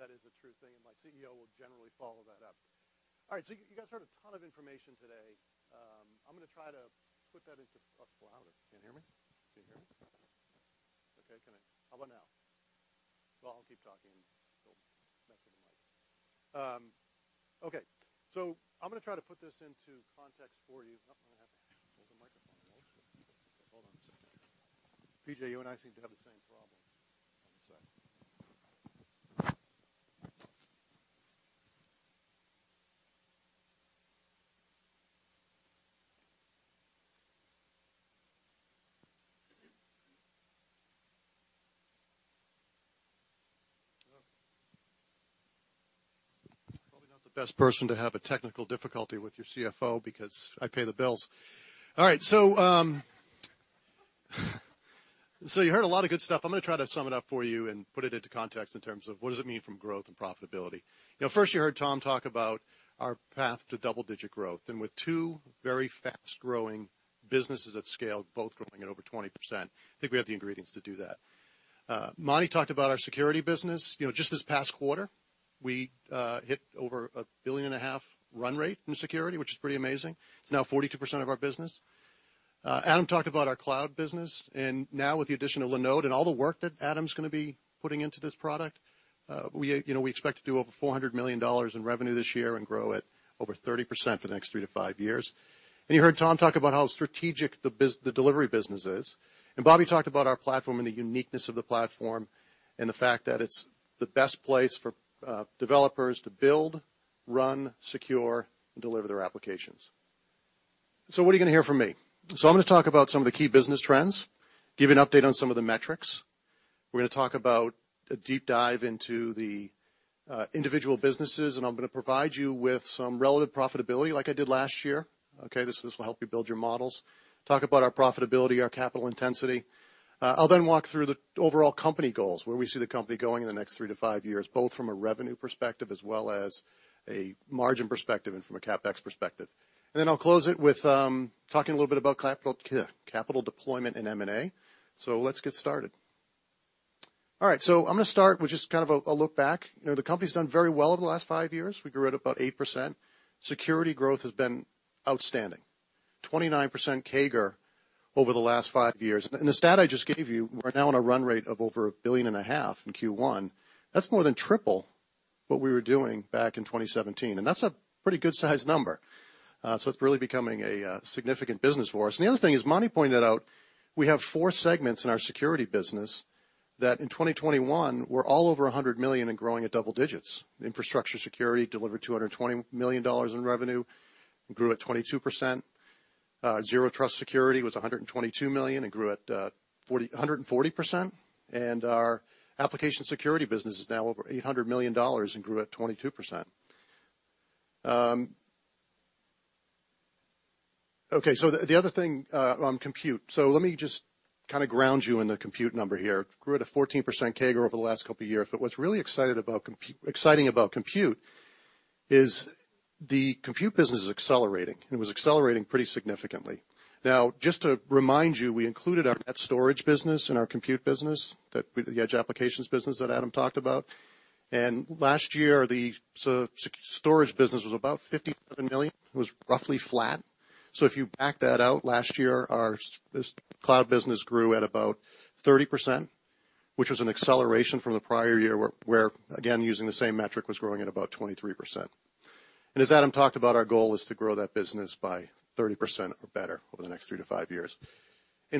That is a true thing, and my CEO will generally follow that up. All right, you guys heard a ton of information today. I'm gonna try to put that into context for you. Wow, you can't hear me? Can you hear me? Okay. How about now? Well, I'll keep talking. We'll mess with the mic. Okay. I'm gonna try to put this into context for you. Oh, I'm gonna have to hold the microphone. Hold on a second. PJ, you and I seem to have the same problem on this side. Probably not the best person to have a technical difficulty with your CFO because I pay the bills. All right. You heard a lot of good stuff. I'm gonna try to sum it up for you and put it into context in terms of what does it mean from growth and profitability. You know, first you heard Tom talk about our path to double-digit growth, and with two very fast-growing businesses at scale, both growing at over 20%, I think we have the ingredients to do that. Mani talked about our security business. You know, just this past quarter, we hit over $1.5 billion run rate in security, which is pretty amazing. It's now 42% of our business. Adam talked about our cloud business, and now with the addition of Linode and all the work that Adam's gonna be putting into this product, we, you know, we expect to do over $400 million in revenue this year and grow at over 30% for the next three-five years. You heard Tom talk about how strategic the delivery business is. Bobby talked about our platform and the uniqueness of the platform and the fact that it's the best place for developers to build, run, secure, and deliver their applications. What are you gonna hear from me? I'm gonna talk about some of the key business trends, give you an update on some of the metrics. We're gonna talk about a deep dive into the individual businesses, and I'm gonna provide you with some relative profitability like I did last year, okay? This will help you build your models. Talk about our profitability, our capital intensity. I'll then walk through the overall company goals, where we see the company going in the next three to five years, both from a revenue perspective as well as a margin perspective and from a CapEx perspective. I'll close it with talking a little bit about capital deployment in M&A. Let's get started. All right, I'm gonna start with just kind of a look back. You know, the company's done very well over the last five years. We grew at about 8%. Security growth has been outstanding. 29% CAGR over the last five years. The stat I just gave you, we're now on a run rate of over $1.5 billion in Q1. That's more than triple what we were doing back in 2017, and that's a pretty good size number. It's really becoming a significant business for us. The other thing, as Mani pointed out, we have four segments in our security business that in 2021 were all over $100 million and growing at double digits. Infrastructure security delivered $220 million in revenue and grew at 22%. Zero Trust Security was $122 million and grew at 144%. Our application security business is now over $800 million and grew at 22%. The other thing on compute. Let me just kind of ground you in the compute number here. Grew at a 14% CAGR over the last couple years, but what's really exciting about compute is the compute business is accelerating, and it was accelerating pretty significantly. Now, just to remind you, we included our NetStorage business and our compute business, the Edge Applications business that Adam talked about. Last year, the storage business was about $57 million. It was roughly flat. If you back that out, last year, our cloud business grew at about 30%, which was an acceleration from the prior year, where again, using the same metric, was growing at about 23%. As Adam talked about, our goal is to grow that business by 30% or better over the next three to five years.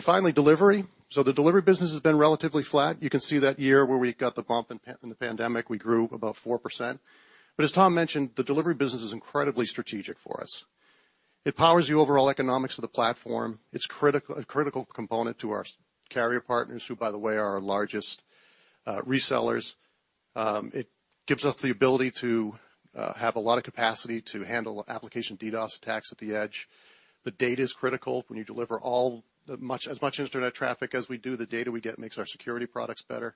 Finally, delivery. The delivery business has been relatively flat. You can see that year where we got the bump in the pandemic, we grew above 4%. As Tom mentioned, the delivery business is incredibly strategic for us. It powers the overall economics of the platform. It is a critical component to our carrier partners, who, by the way, are our largest resellers. It gives us the ability to have a lot of capacity to handle application DDoS attacks at the edge. The data is critical. When you deliver as much internet traffic as we do, the data we get makes our security products better.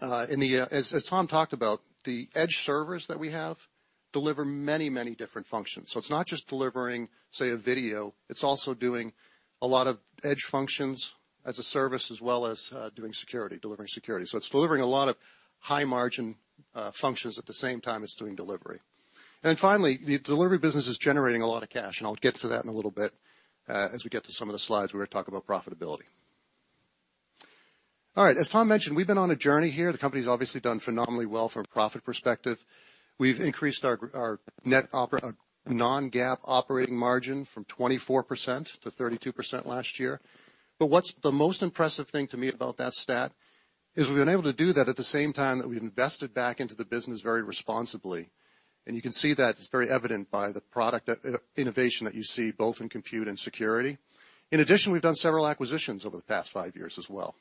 As Tom talked about, the edge servers that we have deliver many, many different functions. It's not just delivering, say, a video, it's also doing a lot of edge functions as a service, as well as, doing security, delivering security. It's delivering a lot of high-margin functions at the same time it's doing delivery. Then finally, the delivery business is generating a lot of cash, and I'll get to that in a little bit, as we get to some of the slides where we talk about profitability. All right. As Tom mentioned, we've been on a journey here. The company's obviously done phenomenally well from a profit perspective. We've increased our non-GAAP operating margin from 24%-32% last year. What's the most impressive thing to me about that stat is we've been able to do that at the same time that we've invested back into the business very responsibly. You can see that it's very evident by the product innovation that you see both in compute and security. In addition, we've done several acquisitions over the past five years as well.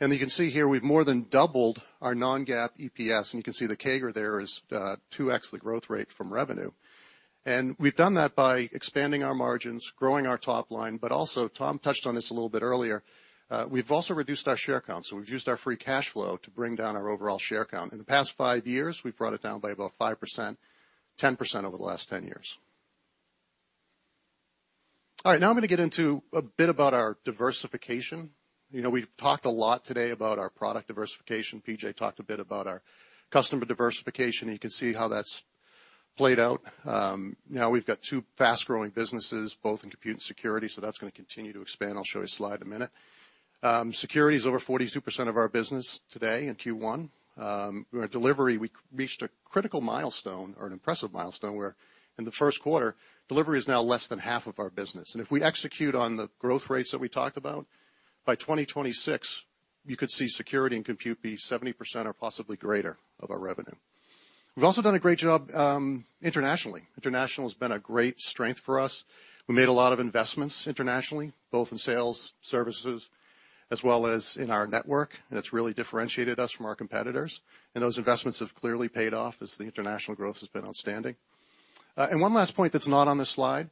You can see here we've more than doubled our non-GAAP EPS, and you can see the CAGR there is 2x the growth rate from revenue. We've done that by expanding our margins, growing our top line, but also, Tom touched on this a little bit earlier, we've also reduced our share count. We've used our free cash flow to bring down our overall share count. In the past five years, we've brought it down by about 5%, 10% over the last 10 years. All right. Now I'm gonna get into a bit about our diversification. You know, we've talked a lot today about our product diversification. PJ talked a bit about our customer diversification, and you can see how that's played out. Now we've got two fast-growing businesses, both in compute and security, so that's gonna continue to expand. I'll show you a slide in a minute. Security is over 42% of our business today in Q1. In delivery, we reached a critical milestone or an impressive milestone where in the first quarter, delivery is now less than half of our business. If we execute on the growth rates that we talked about, by 2026, you could see security and compute be 70% or possibly greater of our revenue. We've also done a great job internationally. International has been a great strength for us. We made a lot of investments internationally, both in sales, services, as well as in our network, and it's really differentiated us from our competitors. Those investments have clearly paid off as the international growth has been outstanding. One last point that's not on this slide.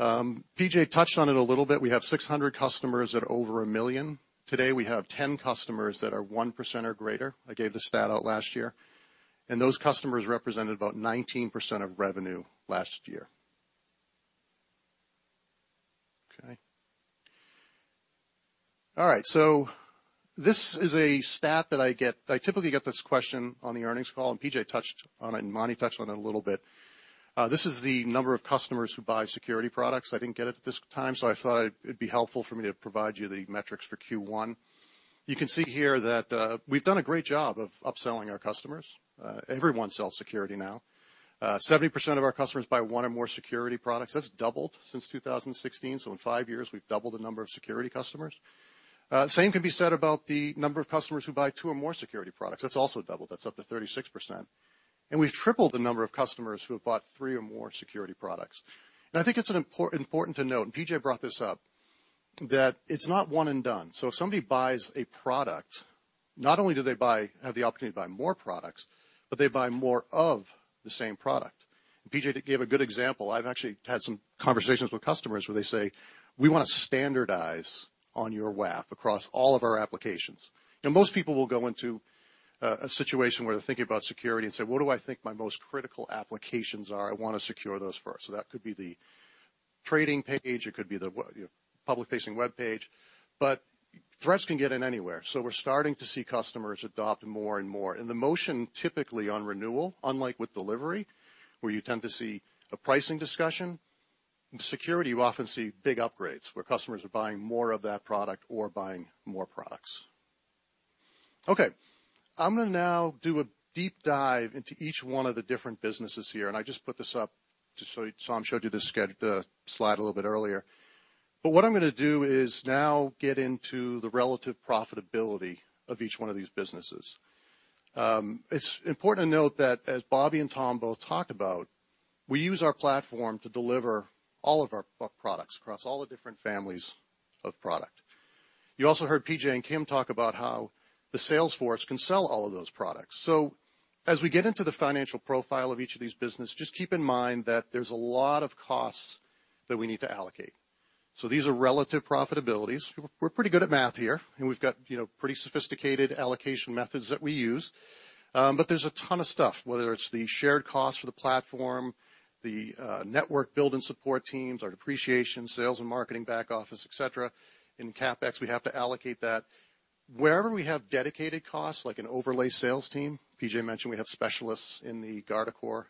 PJ touched on it a little bit. We have 600 customers at over $1 million. Today, we have 10 customers that are 1% or greater. I gave the stat out last year. Those customers represented about 19% of revenue last year. Okay. All right. This is a stat that I get. I typically get this question on the earnings call, and PJ touched on it, and Mani touched on it a little bit. This is the number of customers who buy security products. I didn't get it at this time, so I thought it'd be helpful for me to provide you the metrics for Q1. You can see here that we've done a great job of upselling our customers. Everyone sells security now. 70% of our customers buy one or more security products. That's doubled since 2016. In five years, we've doubled the number of security customers. Same can be said about the number of customers who buy two or more security products. That's also doubled. That's up to 36%. We've tripled the number of customers who have bought three or more security products. I think it's an important to note, and PJ brought this up, that it's not one and done. If somebody buys a product, not only do they have the opportunity to buy more products, but they buy more of the same product. PJ gave a good example. I've actually had some conversations with customers where they say, "We wanna standardize on your WAF across all of our applications." Most people will go into a situation where they're thinking about security and say, "What do I think my most critical applications are? I wanna secure those first." That could be the trading page. It could be the, you know, public-facing webpage. Threats can get in anywhere. We're starting to see customers adopt more and more. The churn typically on renewal, unlike with delivery, where you tend to see a pricing discussion, in security, you often see big upgrades, where customers are buying more of that product or buying more products. Okay. I'm gonna now do a deep dive into each one of the different businesses here, and I just put this up to show you. Tom showed you this slide a little bit earlier. What I'm gonna do is now get into the relative profitability of each one of these businesses. It's important to note that as Bobby and Tom both talked about, we use our platform to deliver all of our core products across all the different families of product. You also heard PJ and Kim talk about how the sales force can sell all of those products. As we get into the financial profile of each of these businesses, just keep in mind that there's a lot of costs that we need to allocate. These are relative profitabilities. We're pretty good at math here, and we've got, you know, pretty sophisticated allocation methods that we use. But there's a ton of stuff, whether it's the shared cost for the platform, the network build and support teams, our depreciation, sales and marketing back office, et cetera. In CapEx, we have to allocate that. Wherever we have dedicated costs, like an overlay sales team, PJ mentioned we have specialists in the Guardicore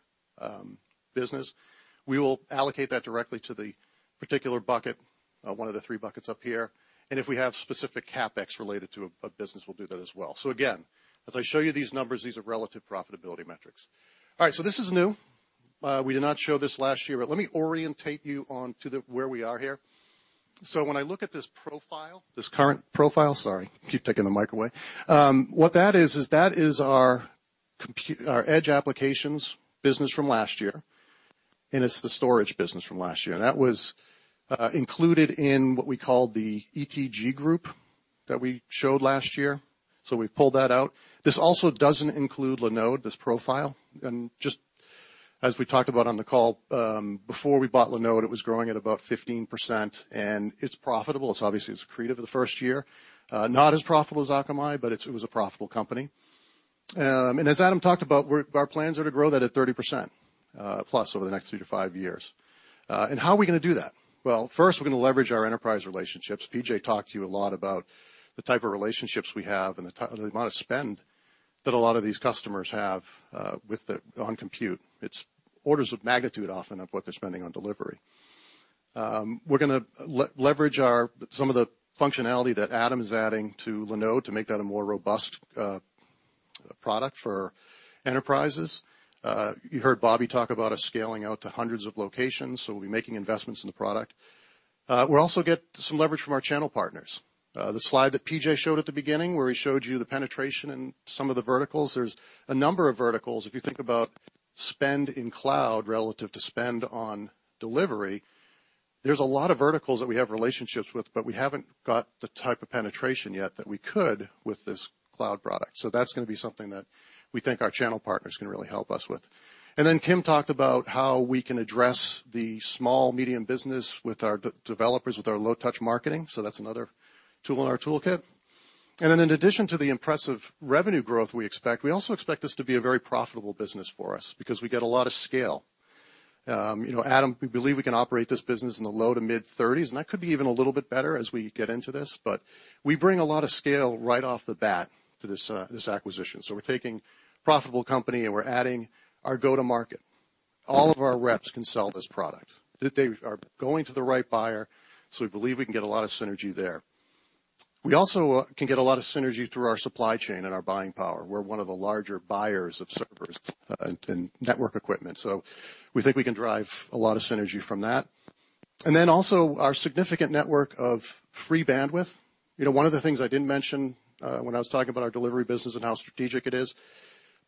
business. We will allocate that directly to the particular bucket, one of the three buckets up here. If we have specific CapEx related to a business, we'll do that as well. Again, as I show you these numbers, these are relative profitability metrics. All right, this is new. We did not show this last year, but let me orient you to where we are here. When I look at this profile, this current profile. Sorry, keep taking the mic away. What that is that is our edge applications business from last year, and it's the storage business from last year. That was included in what we call the ETG group that we showed last year. We've pulled that out. This also doesn't include Linode, this profile. Just as we talked about on the call, before we bought Linode, it was growing at about 15%, and it's profitable. Obviously, it was accretive for the first year. Not as profitable as Akamai, but it was a profitable company. As Adam talked about, our plans are to grow that at 30%, plus over the next three-five years. How are we gonna do that? Well, first, we're gonna leverage our enterprise relationships. PJ talked to you a lot about the type of relationships we have and the amount of spend that a lot of these customers have on compute. It's orders of magnitude often of what they're spending on delivery. We're gonna leverage some of the functionality that Adam is adding to Linode to make that a more robust product for enterprises. You heard Bobby talk about us scaling out to hundreds of locations, so we'll be making investments in the product. We'll also get some leverage from our channel partners. The slide that PJ showed at the beginning, where he showed you the penetration in some of the verticals, there's a number of verticals. If you think about spend in cloud relative to spend on delivery, there's a lot of verticals that we have relationships with, but we haven't got the type of penetration yet that we could with this cloud product. That's gonna be something that we think our channel partners can really help us with. Kim talked about how we can address the small, medium business with our developers, with our low-touch marketing. That's another tool in our toolkit. In addition to the impressive revenue growth we expect, we also expect this to be a very profitable business for us because we get a lot of scale. You know, Adam, we believe we can operate this business in the low to mid-30s%, and that could be even a little bit better as we get into this. We bring a lot of scale right off the bat to this acquisition. We're taking profitable company, and we're adding our go-to-market. All of our reps can sell this product, that they are going to the right buyer, so we believe we can get a lot of synergy there. We also can get a lot of synergy through our supply chain and our buying power. We're one of the larger buyers of servers and network equipment. We think we can drive a lot of synergy from that. Then also our significant network of free bandwidth. You know, one of the things I didn't mention, when I was talking about our delivery business and how strategic it is,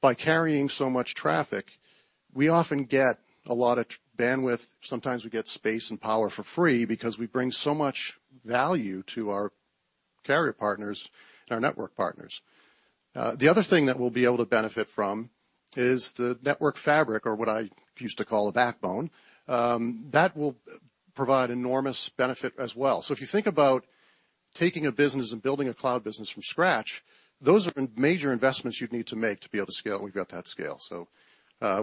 by carrying so much traffic, we often get a lot of bandwidth. Sometimes we get space and power for free because we bring so much value to our carrier partners and our network partners. The other thing that we'll be able to benefit from is the network fabric or what I used to call a backbone. That will provide enormous benefit as well. If you think about taking a business and building a cloud business from scratch, those are major investments you'd need to make to be able to scale. We've got that scale.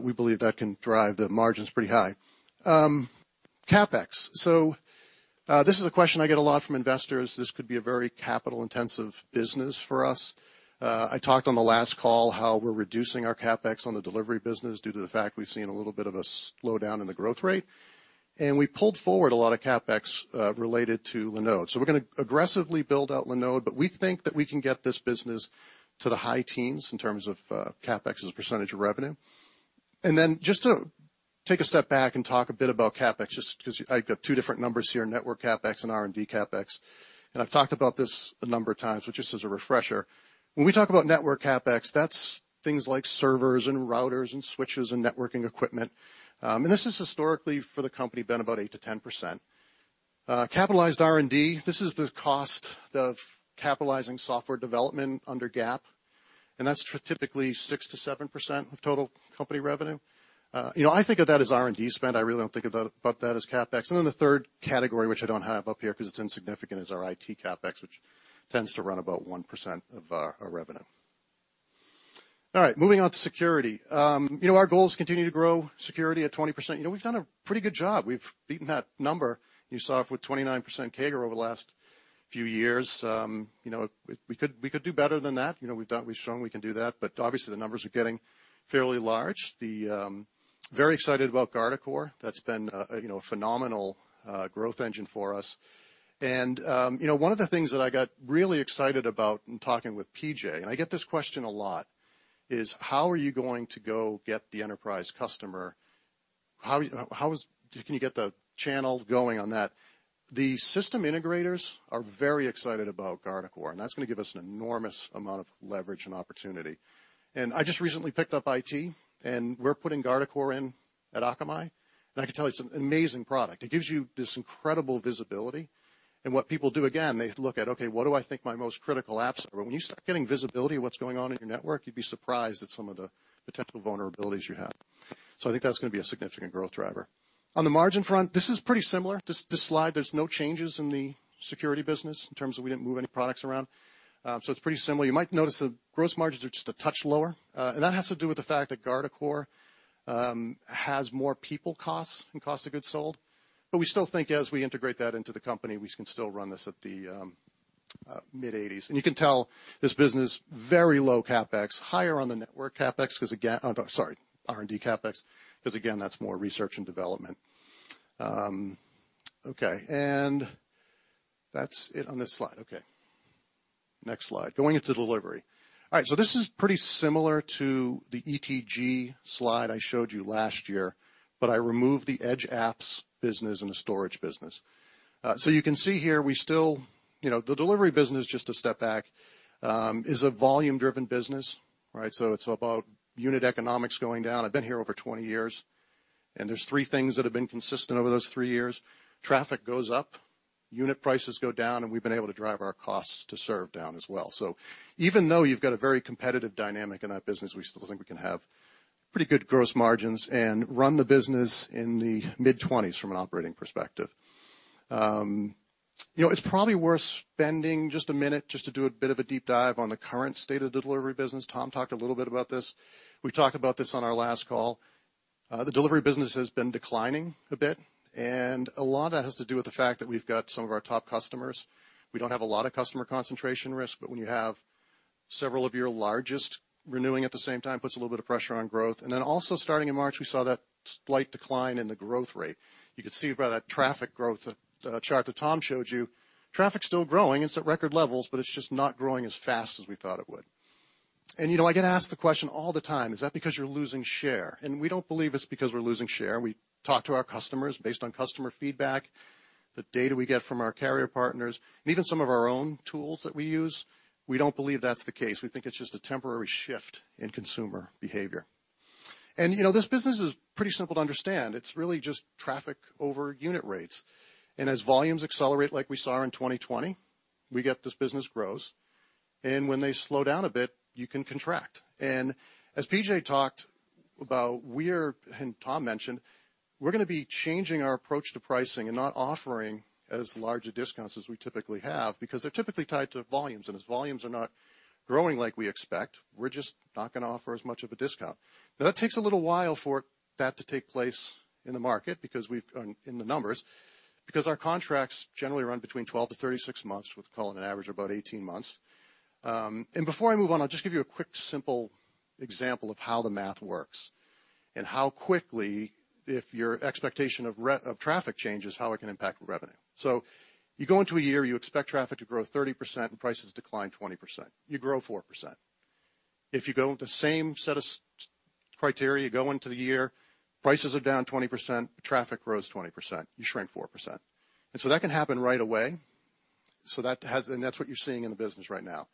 We believe that can drive the margins pretty high. CapEx. This is a question I get a lot from investors. This could be a very capital-intensive business for us. I talked on the last call how we're reducing our CapEx on the delivery business due to the fact we've seen a little bit of a slowdown in the growth rate. We pulled forward a lot of CapEx related to Linode. We're gonna aggressively build out Linode, but we think that we can get this business to the high teens in terms of CapEx as a percentage of revenue. Then just to take a step back and talk a bit about CapEx, just 'cause I've got two different numbers here, network CapEx and R&D CapEx. I've talked about this a number of times, but just as a refresher. When we talk about network CapEx, that's things like servers and routers and switches and networking equipment. This is historically for the company been about 8%-10%. Capitalized R&D, this is the cost of capitalizing software development under GAAP, and that's typically 6%-7% of total company revenue. You know, I think of that as R&D spend. I really don't think about that as CapEx. Then the third category, which I don't have up here 'cause it's insignificant, is our IT CapEx, which tends to run about 1% of our revenue. All right, moving on to security. You know, our goal is to continue to grow security at 20%. We've done a pretty good job. We've beaten that number you saw with 29% CAGR over the last few years. You know, we could do better than that. You know, we've shown we can do that, but obviously, the numbers are getting fairly large. Very excited about Guardicore. That's been a phenomenal growth engine for us. One of the things that I got really excited about in talking with PJ, and I get this question a lot, is. How are you going to go get the enterprise customer? How can you get the channel going on that? The system integrators are very excited about Guardicore, and that's gonna give us an enormous amount of leverage and opportunity. I just recently picked up IT, and we're putting Guardicore in at Akamai, and I can tell you it's an amazing product. It gives you this incredible visibility. What people do, again, they look at, okay, what do I think my most critical apps are? When you start getting visibility of what's going on in your network, you'd be surprised at some of the potential vulnerabilities you have. I think that's gonna be a significant growth driver. On the margin front, this is pretty similar. This slide, there's no changes in the security business in terms of we didn't move any products around, so it's pretty similar. You might notice the gross margins are just a touch lower, and that has to do with the fact that Guardicore has more people costs and cost of goods sold. We still think as we integrate that into the company, we can still run this at the mid-80s%. You can tell this business, very low CapEx, higher on the R&D CapEx, 'cause again, that's more research and development. Okay. That's it on this slide. Okay. Next slide. Going into delivery. All right. This is pretty similar to the ETG slide I showed you last year, but I removed the edge apps business and the storage business. You can see here we still, you know, the delivery business, just to step back, is a volume-driven business, right? It's about unit economics going down. I've been here over 20 years, and there's three things that have been consistent over those three years. Traffic goes up, unit prices go down, and we've been able to drive our costs to serve down as well. Even though you've got a very competitive dynamic in that business, we still think we can have pretty good gross margins and run the business in the mid-20s% from an operating perspective. You know, it's probably worth spending just a minute just to do a bit of a deep dive on the current state of the delivery business. Tom talked a little bit about this. We talked about this on our last call. The delivery business has been declining a bit, and a lot of that has to do with the fact that we've got some of our top customers. We don't have a lot of customer concentration risk, but when you have several of your largest renewing at the same time, puts a little bit of pressure on growth. Then also starting in March, we saw that slight decline in the growth rate. You could see by that traffic growth chart that Tom showed you, traffic's still growing. It's at record levels, but it's just not growing as fast as we thought it would. You know, I get asked the question all the time, "Is that because you're losing share?" We don't believe it's because we're losing share. We talk to our customers based on customer feedback, the data we get from our carrier partners, and even some of our own tools that we use. We don't believe that's the case. We think it's just a temporary shift in consumer behavior. You know, this business is pretty simple to understand. It's really just traffic over unit rates. As volumes accelerate, like we saw in 2020, we get this business grows, and when they slow down a bit, you can contract. As PJ talked about, we're, and Tom mentioned, we're gonna be changing our approach to pricing and not offering as large a discounts as we typically have, because they're typically tied to volumes. As volumes are not growing like we expect, we're just not gonna offer as much of a discount. Now that takes a little while for that to take place in the market because we've in the numbers, because our contracts generally run between 12-36 months. We call it an average of about 18 months. Before I move on, I'll just give you a quick simple example of how the math works and how quickly, if your expectation of traffic changes, how it can impact revenue. You go into a year, you expect traffic to grow 30% and prices decline 20%. You grow 4%. If you go the same set of criteria, you go into the year, prices are down 20%, traffic grows 20%, you shrink 4%. That can happen right away. That's what you're seeing in the business right now.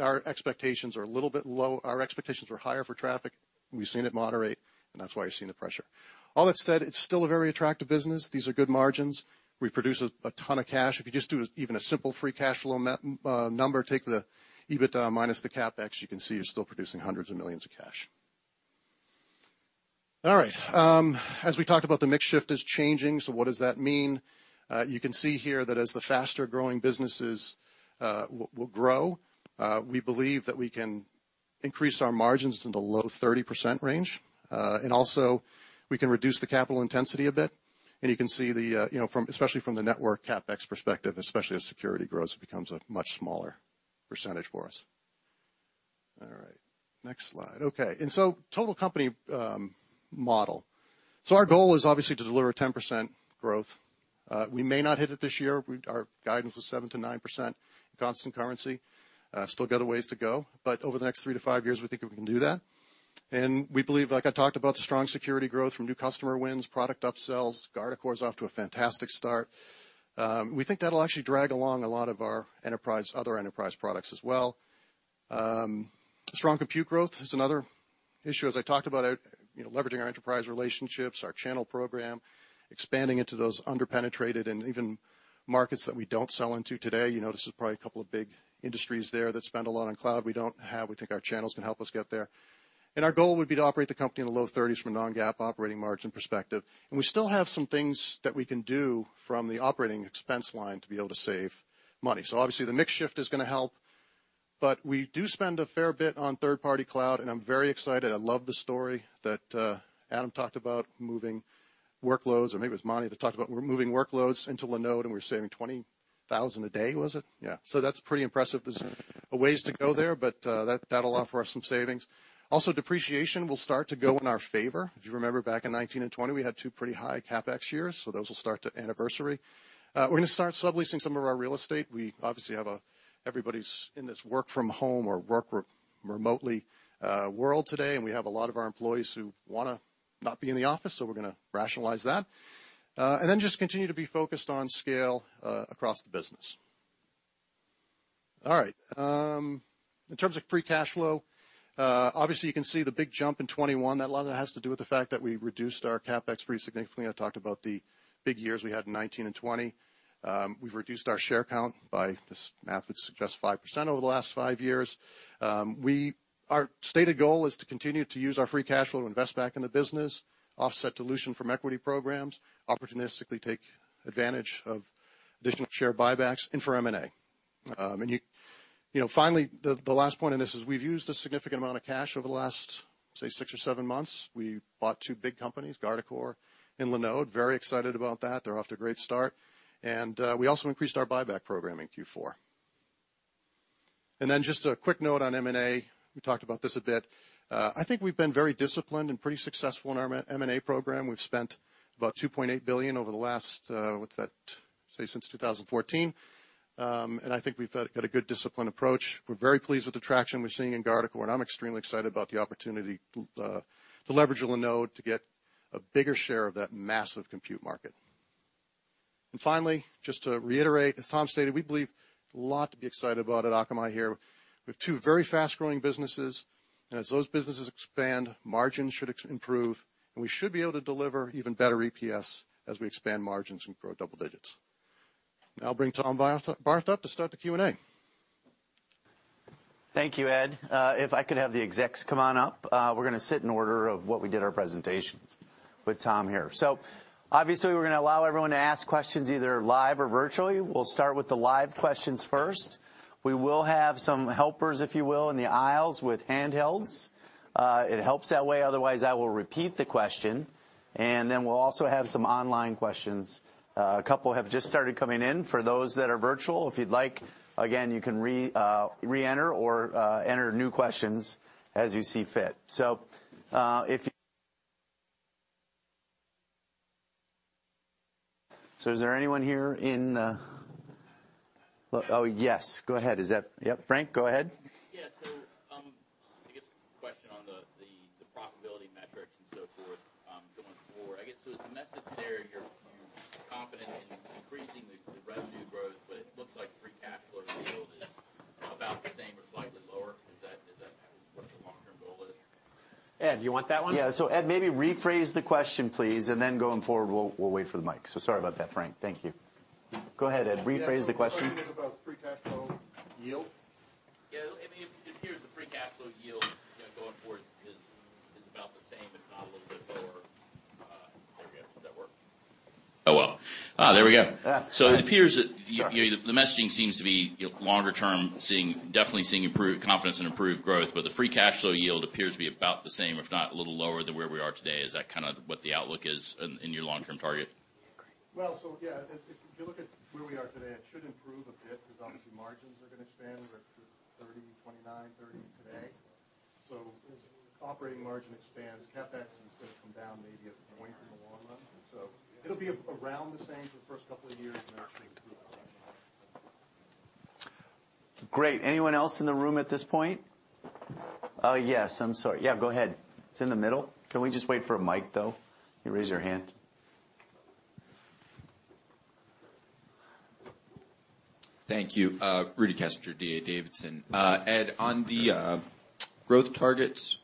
Our expectations are a little bit low. Our expectations were higher for traffic. We've seen it moderate, and that's why you're seeing the pressure. All that said, it's still a very attractive business. These are good margins. We produce a ton of cash. If you just do even a simple free cash flow number, take the EBITDA minus the CapEx, you can see you're still producing hundreds of millions of cash. All right. As we talked about, the mix shift is changing. What does that mean? You can see here that as the faster-growing businesses will grow, we believe that we can increase our margins to the low 30% range. And also we can reduce the capital intensity a bit. You can see the, you know, from, especially from the network CapEx perspective, especially as security grows, it becomes a much smaller percentage for us. All right. Next slide. Okay. Total company model. Our goal is obviously to deliver 10% growth. We may not hit it this year. Our guidance was 7%-9% constant currency. Still got a ways to go, but over the next three-five years, we think that we can do that. We believe, like I talked about, the strong security growth from new customer wins, product upsells. Guardicore's off to a fantastic start. We think that'll actually drag along a lot of our enterprise, other enterprise products as well. Strong compute growth is another issue. As I talked about, you know, leveraging our enterprise relationships, our channel program, expanding into those under-penetrated and even markets that we don't sell into today. You notice there's probably a couple of big industries there that spend a lot on cloud we don't have. We think our channels can help us get there. Our goal would be to operate the company in the low 30s% from a non-GAAP operating margin perspective. We still have some things that we can do from the operating expense line to be able to save money. Obviously, the mix shift is gonna help, but we do spend a fair bit on third-party cloud, and I'm very excited. I love the story that, Adam talked about moving workloads, or maybe it was Manny that talked about moving workloads into Linode, and we're saving $20,000 a day, was it? Yeah. That's pretty impressive. There's a ways to go there, but that'll offer us some savings. Also, depreciation will start to go in our favor. If you remember back in 2019 and 2020, we had two pretty high CapEx years, so those will start to anniversary. We're gonna start subleasing some of our real estate. We obviously have everybody's in this work from home or work remotely world today, and we have a lot of our employees who wanna not be in the office, so we're gonna rationalize that. And then just continue to be focused on scale across the business. All right. In terms of free cash flow, obviously you can see the big jump in 2021. That, a lot of that has to do with the fact that we reduced our CapEx pretty significantly. I talked about the big years we had in 2019 and 2020. We've reduced our share count by, this math would suggest, 5% over the last five years. Our stated goal is to continue to use our free cash flow to invest back in the business, offset dilution from equity programs, opportunistically take advantage of additional share buybacks and for M&A. Finally, the last point in this is we've used a significant amount of cash over the last, say, six or seven months. We bought two big companies, Guardicore and Linode. Very excited about that. They're off to a great start. We also increased our buyback program in Q4. Just a quick note on M&A, we talked about this a bit. I think we've been very disciplined and pretty successful in our M&A program. We've spent about $2.8 billion since 2014. I think we've had a good disciplined approach. We're very pleased with the traction we're seeing in Guardicore, and I'm extremely excited about the opportunity to leverage Linode to get a bigger share of that massive compute market. Finally, just to reiterate, as Tom stated, we believe a lot to be excited about at Akamai here. We have two very fast-growing businesses, and as those businesses expand, margins should expand, and we should be able to deliver even better EPS as we expand margins and grow double digits. Now I'll bring Tom Barth up to start the Q&A. Thank you, Ed. If I could have the execs come on up. We're gonna sit in order of what we did our presentations with Tom here. Obviously we're gonna allow everyone to ask questions either live or virtually. We'll start with the live questions first. We will have some helpers, if you will, in the aisles with handhelds. It helps that way, otherwise I will repeat the question. We'll also have some online questions. A couple have just started coming in. For those that are virtual, if you'd like, again, you can re-enter or enter new questions as you see fit. Is there anyone here in the. Oh, yes, go ahead. Is that. Yep, Frank, go ahead. Yeah. I guess a question on the profitability metrics and so forth, going forward. I guess so as the message there, you're confident in increasing the revenue growth, but it looks like free cash flow yield is about the same or slightly lower. Is that kind of what the long-term goal is? Ed, you want that one? Yeah. Ed, maybe rephrase the question, please, and then going forward, we'll wait for the mic. Sorry about that, Frank. Thank you. Go ahead, Ed. Rephrase the question. Yeah. The question is about free cash flow yield. Yeah. It appears the free cash flow yield, you know, going forward is about the same, if not a little bit lower. There we go. Does that work? There we go. Ah. It appears that. Sorry The messaging seems to be longer term, definitely seeing improved confidence and improved growth, but the free cash flow yield appears to be about the same, if not a little lower than where we are today. Is that kind of what the outlook is in your long-term target? Yeah, if you look at where we are today, it should improve a bit because obviously margins are going to expand. We're at 30%, 29%, 30% today. As operating margin expands, CapEx is gonna come down maybe a point in the long run. It'll be around the same for the first couple of years, and then I think improve. Great. Anyone else in the room at this point? Yes, I'm sorry. Yeah, go ahead. It's in the middle. Can we just wait for a mic, though? You raise your hand. Thank you. Rudy Kessinger, D.A. Davidson. Ed, on the growth targets,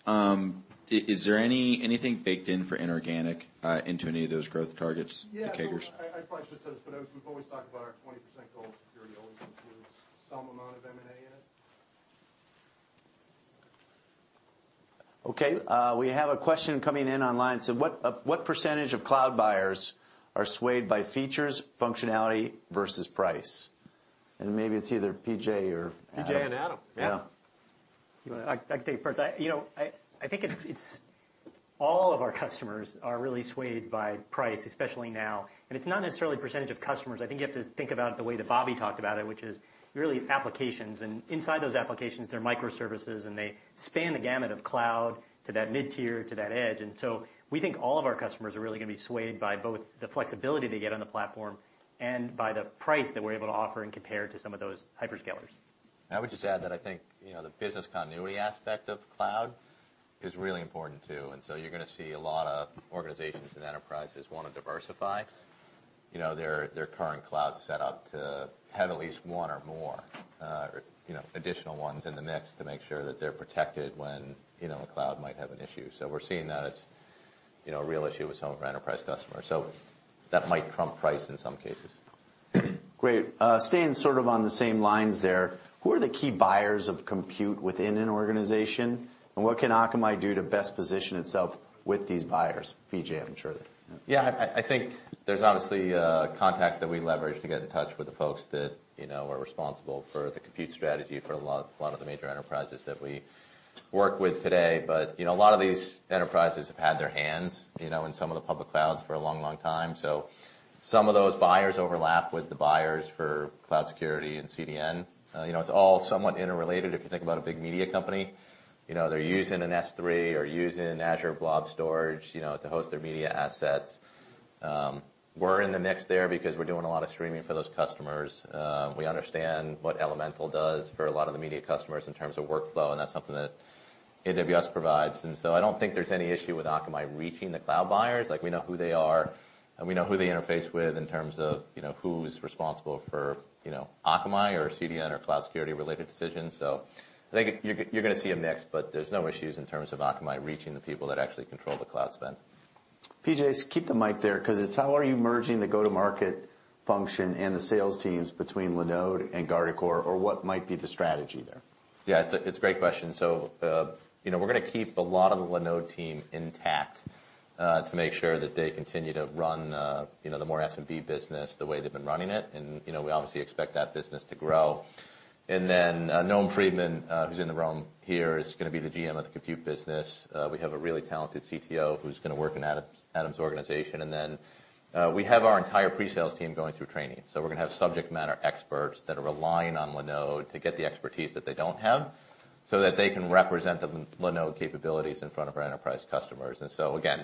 is there anything baked in for inorganic into any of those growth targets? Yeah. for CAGRs? I probably should've said this, but as we've always talked about our 20% goal of security always includes some amount of M&A in it. Okay. We have a question coming in online. What percentage of cloud buyers are swayed by features, functionality versus price? Maybe it's either PJ or Adam. PJ and Adam. Yeah. Yeah. I can take it first. You know, I think it's all of our customers are really swayed by price, especially now. It's not necessarily percentage of customers. I think you have to think about it the way that Bobby talked about it, which is really applications. Inside those applications, they're microservices, and they span the gamut of cloud to that mid-tier to that edge. We think all of our customers are really gonna be swayed by both the flexibility they get on the platform and by the price that we're able to offer and compare to some of those hyperscalers. I would just add that I think, you know, the business continuity aspect of cloud is really important too, and so you're gonna see a lot of organizations and enterprises wanna diversify, you know, their current cloud set up to have at least one or more, you know, additional ones in the mix to make sure that they're protected when, you know, a cloud might have an issue. So we're seeing that as, you know, a real issue with some of our enterprise customers. So that might trump price in some cases. Great. Staying sort of on the same lines there, who are the key buyers of compute within an organization, and what can Akamai do to best position itself with these buyers? PJ, I'm sure. I think there's obviously contacts that we leverage to get in touch with the folks that, you know, are responsible for the compute strategy for a lot of the major enterprises that we work with today. You know, a lot of these enterprises have had their hands, you know, in some of the public clouds for a long time. Some of those buyers overlap with the buyers for cloud security and CDN. You know, it's all somewhat interrelated. If you think about a big media company, you know, they're using an S3 or using an Azure Blob Storage, you know, to host their media assets. We're in the mix there because we're doing a lot of streaming for those customers. We understand what Elemental does for a lot of the media customers in terms of workflow, and that's something that AWS provides. I don't think there's any issue with Akamai reaching the cloud buyers. Like, we know who they are, and we know who they interface with in terms of, you know, who's responsible for, you know, Akamai or CDN or cloud security-related decisions. I think you're gonna see a mix, but there's no issues in terms of Akamai reaching the people that actually control the cloud spend. PJ, just keep the mic there 'cause it's, how are you merging the go-to-market function and the sales teams between Linode and Guardicore, or what might be the strategy there? Yeah, it's a great question. You know, we're gonna keep a lot of the Linode team intact to make sure that they continue to run you know, the more SMB business the way they've been running it. You know, we obviously expect that business to grow. Noam Freedman, who's in the room here, is gonna be the GM of the Compute business. We have a really talented CTO who's gonna work in Adam's organization. We have our entire pre-sales team going through training. We're gonna have subject matter experts that are relying on Linode to get the expertise that they don't have so that they can represent the Linode capabilities in front of our enterprise customers. again,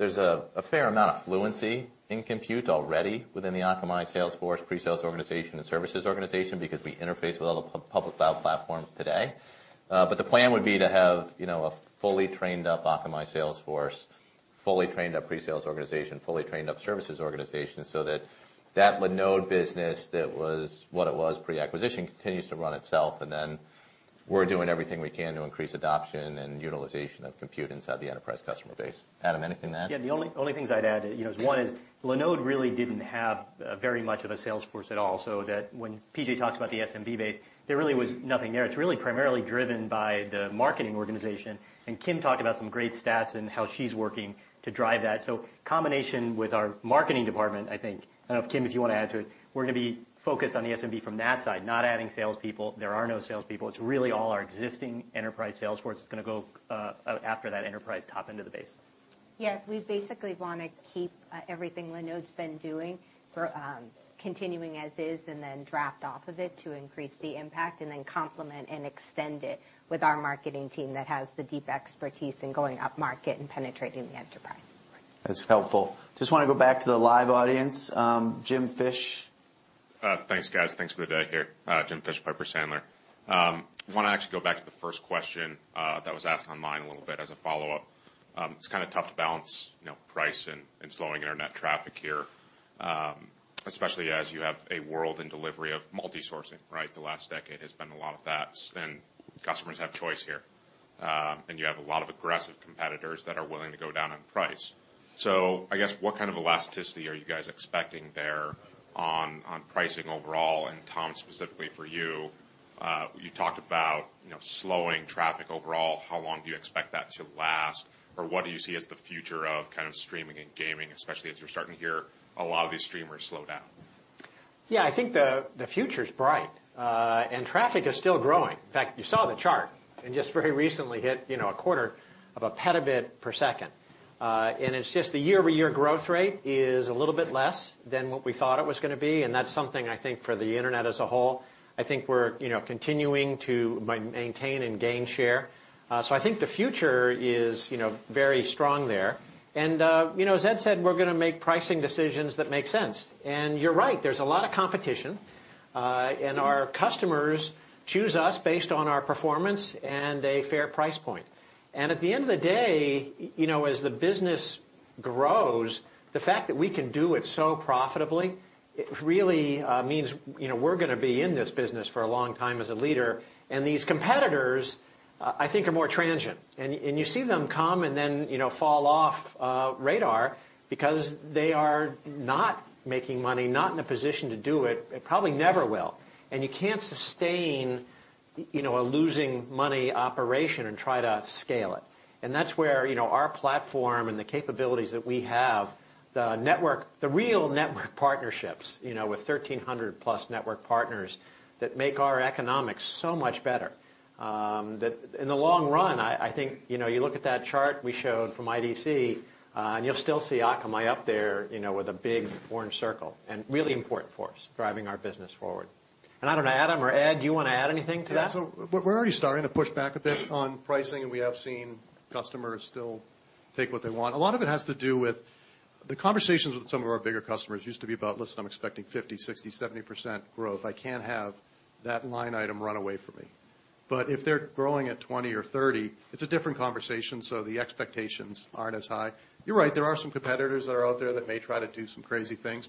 there's a fair amount of fluency in Compute already within the Akamai sales force, pre-sales organization, and services organization because we interface with all the public cloud platforms today. But the plan would be to have, you know, a fully trained up Akamai sales force, fully trained up pre-sales organization, fully trained up services organization so that the Linode business that was what it was pre-acquisition continues to run itself, and then we're doing everything we can to increase adoption and utilization of Compute inside the enterprise customer base. Adam, anything to add? Yeah. The only things I'd add, you know, one is Linode really didn't have very much of a sales force at all, so that when PJ talks about the SMB base, there really was nothing there. It's really primarily driven by the marketing organization, and Kim talked about some great stats and how she's working to drive that. Combination with our marketing department, I think, I don't know if, Kim, if you wanna add to it, we're gonna be focused on the SMB from that side, not adding salespeople. There are no salespeople. It's really all our existing enterprise sales force is gonna go out after that enterprise top end of the base. Yeah, we basically wanna keep everything Linode's been doing for continuing as is, and then draft off of it to increase the impact, and then complement and extend it with our marketing team that has the deep expertise in going upmarket and penetrating the enterprise. That's helpful. Just wanna go back to the live audience. James Fish. Thanks, guys. Thanks for the day here. James Fish, Piper Sandler. Wanna actually go back to the first question that was asked online a little bit as a follow-up. It's kinda tough to balance, you know, price and slowing internet traffic here, especially as you have a world in delivery of multi-sourcing, right? The last decade has been a lot of that, and customers have choice here. You have a lot of aggressive competitors that are willing to go down on price. I guess, what kind of elasticity are you guys expecting there on pricing overall? Tom, specifically for you talked about, you know, slowing traffic overall. How long do you expect that to last, or what do you see as the future of kind of streaming and gaming, especially as you're starting to hear a lot of these streamers slow down? Yeah. I think the future is bright. Traffic is still growing. In fact, you saw the chart, and just very recently hit a quarter of a petabit per second. It's just the year-over-year growth rate is a little bit less than what we thought it was gonna be, and that's something I think for the internet as a whole. I think we're, you know, continuing to maintain and gain share. I think the future is, you know, very strong there. You know, as Ed said, we're gonna make pricing decisions that make sense. You're right, there's a lot of competition. Our customers choose us based on our performance and a fair price point. At the end of the day, you know, as the business grows, the fact that we can do it so profitably, it really means, you know, we're gonna be in this business for a long time as a leader. These competitors, I think are more transient. You see them come and then, you know, fall off radar because they are not making money, not in a position to do it, and probably never will. You can't sustain, you know, a losing money operation and try to scale it. That's where, you know, our platform and the capabilities that we have, the real network partnerships, you know, with 1,300+ network partners that make our economics so much better, that in the long run, I think, you know, you look at that chart we showed from IDC, and you'll still see Akamai up there, you know, with a big orange circle, and really important for us, driving our business forward. I don't know, Adam or Ed, do you wanna add anything to that? Yeah. We're already starting to push back a bit on pricing, and we have seen customers still take what they want. A lot of it has to do with the conversations with some of our bigger customers used to be about, "Listen, I'm expecting 50%, 60%, 70% growth. I can't have that line item run away from me." If they're growing at 20% or 30%, it's a different conversation, so the expectations aren't as high. You're right. There are some competitors that are out there that may try to do some crazy things.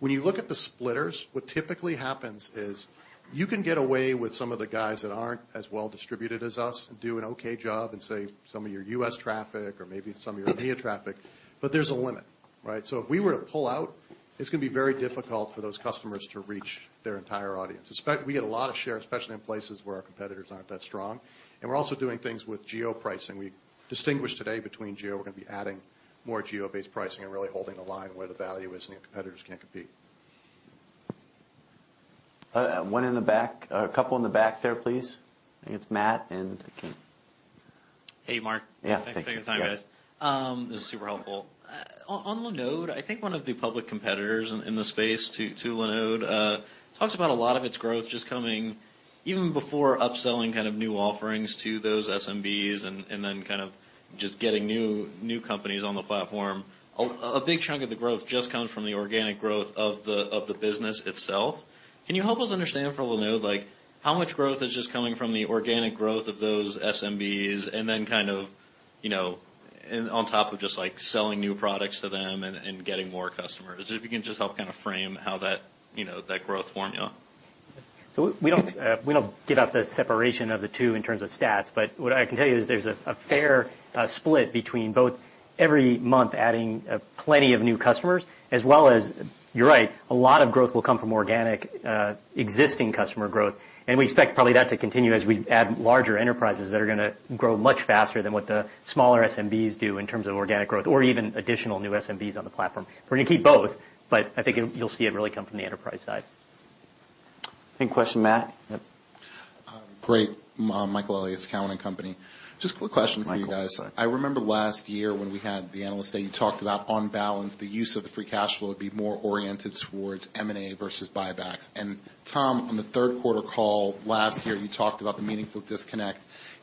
When you look at the splitters, what typically happens is you can get away with some of the guys that aren't as well distributed as us and do an okay job in, say, some of your US traffic or maybe some of your EMEA traffic, but there's a limit, right? If we were to pull out, it's gonna be very difficult for those customers to reach their entire audience. We get a lot of share, especially in places where our competitors aren't that strong. We're also doing things with geo-pricing. We distinguish today between geo. We're gonna be adding more geo-based pricing and really holding the line where the value is, and the competitors can't compete. One in the back. A couple in the back there, please. I think it's Matt and King. Hey, Mark. Yeah. Thank you. Thanks for your time, guys. This is super helpful. On Linode, I think one of the public competitors in the space to Linode talks about a lot of its growth just coming Even before upselling kind of new offerings to those SMBs and then kind of just getting new companies on the platform, a big chunk of the growth just comes from the organic growth of the business itself. Can you help us understand for Linode, like how much growth is just coming from the organic growth of those SMBs and then kind of, you know, and on top of just like selling new products to them and getting more customers? If you can just help kind of frame how that, you know, that growth formula. We don't give out the separation of the two in terms of stats, but what I can tell you is there's a fair split between both every month adding plenty of new customers as well as. You're right, a lot of growth will come from organic existing customer growth. We expect probably that to continue as we add larger enterprises that are gonna grow much faster than what the smaller SMBs do in terms of organic growth or even additional new SMBs on the platform. We're gonna keep both, but I think it, you'll see it really come from the enterprise side. Any question, Matt? Yep. Great. Michael Elias, Cowen and Company. Just quick question for you guys. I remember last year when we had the Analyst Day, you talked about on balance, the use of the free cash flow would be more oriented towards M&A versus buybacks. Tom, on the third quarter call last year, you talked about the meaningful disconnect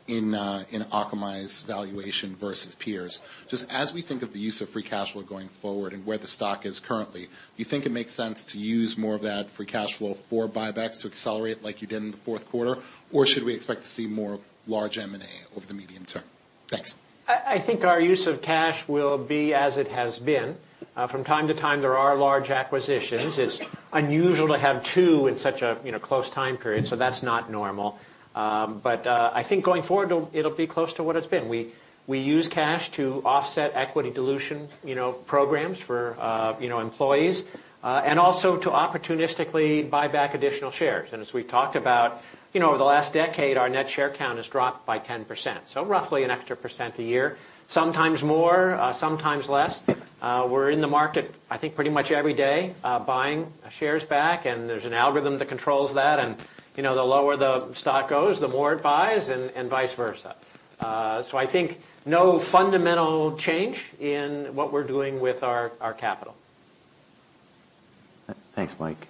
in Akamai's valuation versus peers. Just as we think of the use of free cash flow going forward and where the stock is currently, do you think it makes sense to use more of that free cash flow for buybacks to accelerate like you did in the fourth quarter? Or should we expect to see more large M&A over the medium term? Thanks. I think our use of cash will be as it has been. From time to time, there are large acquisitions. It's unusual to have two in such a, you know, close time period, so that's not normal. I think going forward it'll be close to what it's been. We use cash to offset equity dilution, you know, programs for, you know, employees, and also to opportunistically buy back additional shares. As we've talked about, you know, over the last decade, our net share count has dropped by 10%, so roughly an extra % a year. Sometimes more, sometimes less. We're in the market, I think, pretty much every day, buying shares back, and there's an algorithm that controls that. You know, the lower the stock goes, the more it buys, and vice versa. I think no fundamental change in what we're doing with our capital. Thanks, Mike.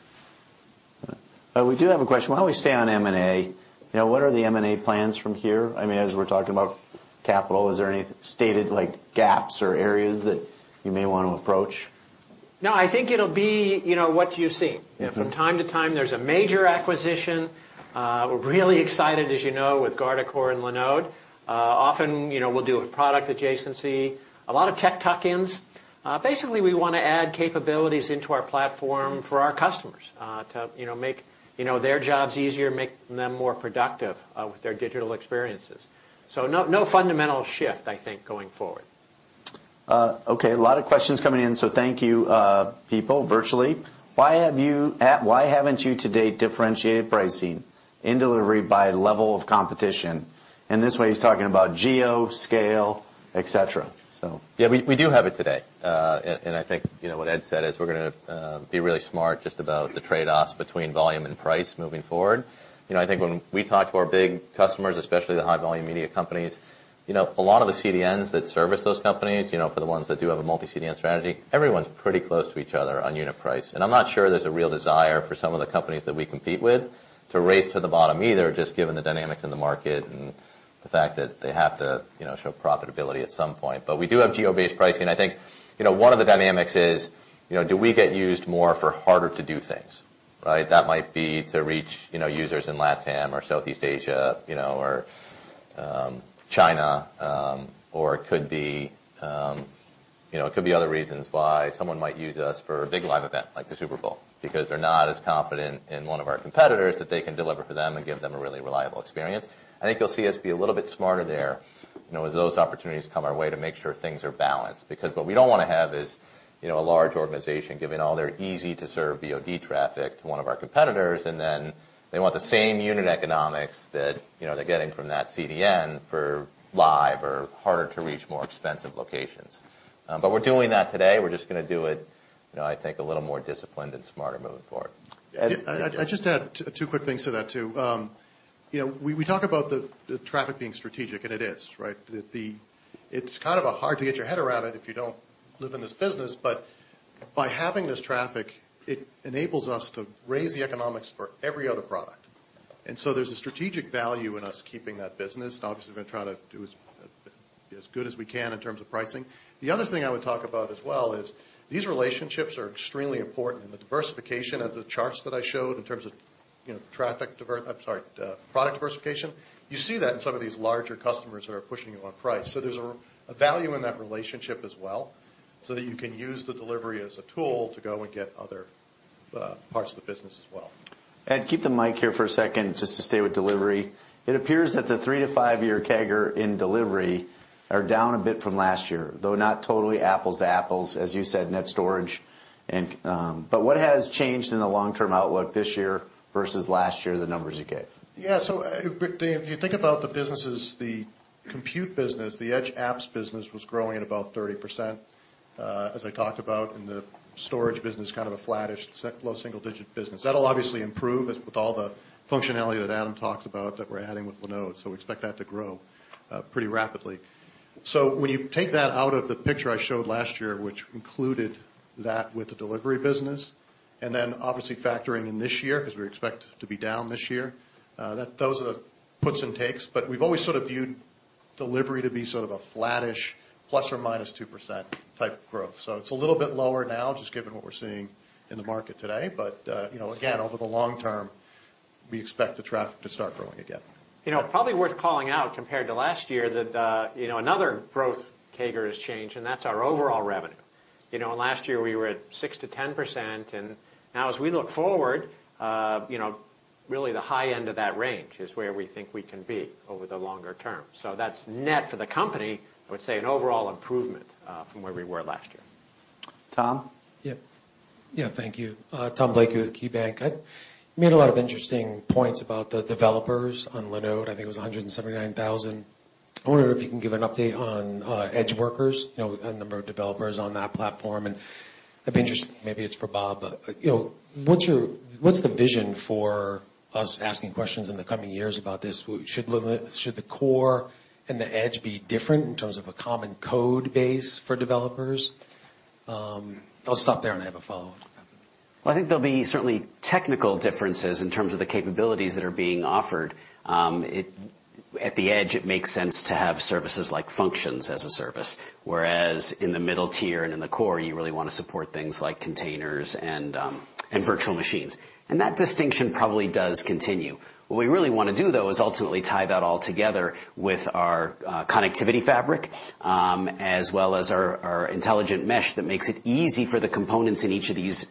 We do have a question. Why don't we stay on M&A? You know, what are the M&A plans from here? I mean, as we're talking about capital, is there any stated like gaps or areas that you may want to approach? No, I think it'll be, you know, what you've seen. Mm-hmm. You know, from time to time, there's a major acquisition. We're really excited, as you know, with Guardicore and Linode. Often, you know, we'll do a product adjacency, a lot of tech tuck-ins. Basically, we wanna add capabilities into our platform for our customers, to, you know, make, you know, their jobs easier, make them more productive, with their digital experiences. No, no fundamental shift, I think, going forward. Okay. A lot of questions coming in, so thank you, people virtually. Why haven't you to date differentiated pricing in delivery by level of competition? In this way, he's talking about geo, scale, et cetera, so. Yeah, we do have it today. And I think, you know, what Ed said is we're gonna be really smart just about the trade-offs between volume and price moving forward. You know, I think when we talk to our big customers, especially the high volume media companies, you know, a lot of the CDNs that service those companies, you know, for the ones that do have a multi-CDN strategy, everyone's pretty close to each other on unit price. And I'm not sure there's a real desire for some of the companies that we compete with to race to the bottom either, just given the dynamics in the market and the fact that they have to, you know, show profitability at some point. We do have geo-based pricing. I think, you know, one of the dynamics is, you know, do we get used more for harder-to-do things, right? That might be to reach, you know, users in LATAM or Southeast Asia, you know, or, China. Or it could be, you know, it could be other reasons why someone might use us for a big live event like the Super Bowl, because they're not as confident in one of our competitors that they can deliver for them and give them a really reliable experience. I think you'll see us be a little bit smarter there, you know, as those opportunities come our way to make sure things are balanced, because what we don't wanna have is, you know, a large organization giving all their easy-to-serve VOD traffic to one of our competitors, and then they want the same unit economics that, you know, they're getting from that CDN for live or harder to reach, more expensive locations. We're doing that today. We're just gonna do it, you know, I think a little more disciplined and smarter moving forward. Ed? Yeah. I'd just add two quick things to that too. You know, we talk about the traffic being strategic, and it is, right? It's kind of hard to get your head around it if you don't live in this business, but by having this traffic, it enables us to raise the economics for every other product. There's a strategic value in us keeping that business, and obviously we're gonna try to do as good as we can in terms of pricing. The other thing I would talk about as well is these relationships are extremely important, and the diversification of the charts that I showed in terms of product diversification, you see that in some of these larger customers that are pushing you on price. There's a value in that relationship as well, so that you can use the delivery as a tool to go and get other parts of the business as well. Ed, keep the mic here for a second, just to stay with delivery. It appears that the three-five-year CAGR in delivery are down a bit from last year, though not totally apples to apples, as you said, NetStorage and, what has changed in the long-term outlook this year versus last year, the numbers you gave? Yeah. Dave, if you think about the businesses, the compute business, the Edge Apps business was growing at about 30%, as I talked about, and the storage business, kind of a flattish low single digit business. That'll obviously improve with all the functionality that Adam talked about that we're adding with Linode, so we expect that to grow pretty rapidly. When you take that out of the picture I showed last year, which included that with the delivery business, and then obviously factoring in this year, 'cause we expect to be down this year, those are the puts and takes. We've always sort of viewed delivery to be sort of a flattish, plus or minus 2% type of growth. It's a little bit lower now, just given what we're seeing in the market today. you know, again, over the long term, we expect the traffic to start growing again. You know, probably worth calling out compared to last year that, you know, another growth CAGR has changed, and that's our overall revenue. You know, and last year we were at 6%-10%, and now as we look forward, you know, really the high end of that range is where we think we can be over the longer term. That's net for the company, I would say an overall improvement, from where we were last year. Tom? Yeah. Yeah, thank you. Tom Blakey with KeyBanc. You made a lot of interesting points about the developers on Linode. I think it was 179,000. I wonder if you can give an update on EdgeWorkers, you know, and the number of developers on that platform. I'd be interested, maybe it's for Bob, you know, what's your vision for us asking questions in the coming years about this? Should the core and the edge be different in terms of a common code base for developers? I'll stop there and I have a follow-up. Well, I think there'll be certainly technical differences in terms of the capabilities that are being offered. At the edge, it makes sense to have services like functions as a service, whereas in the middle tier and in the core, you really wanna support things like containers and virtual machines. That distinction probably does continue. What we really wanna do, though, is ultimately tie that all together with our connectivity fabric, as well as our intelligent mesh that makes it easy for the components in each of these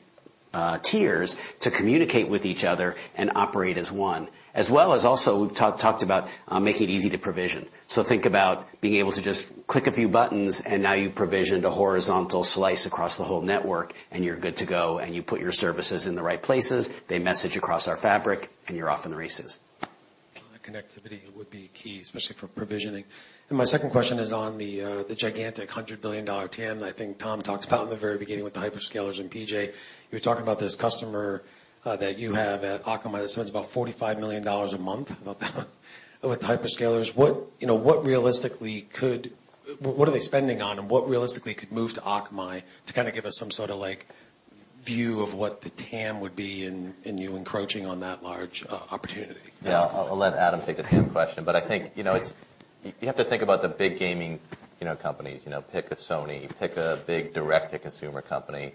tiers to communicate with each other and operate as one. As well as also, we've talked about making it easy to provision. Think about being able to just click a few buttons, and now you've provisioned a horizontal slice across the whole network, and you're good to go, and you put your services in the right places, they message across our fabric, and you're off to the races. Connectivity would be key, especially for provisioning. My second question is on the gigantic $100 billion TAM that I think Tom talks about in the very beginning with the hyperscalers and PJ. You were talking about this customer that you have at Akamai that spends about $45 million a month about that with the hyperscalers. What are they spending on, and what realistically could move to Akamai to kind of give us some sort of, like, view of what the TAM would be in you encroaching on that large opportunity? Yeah. I'll let Adam take the TAM question, but I think, you know, it's you have to think about the big gaming, you know, companies. You know, pick a Sony, pick a big direct-to-consumer company.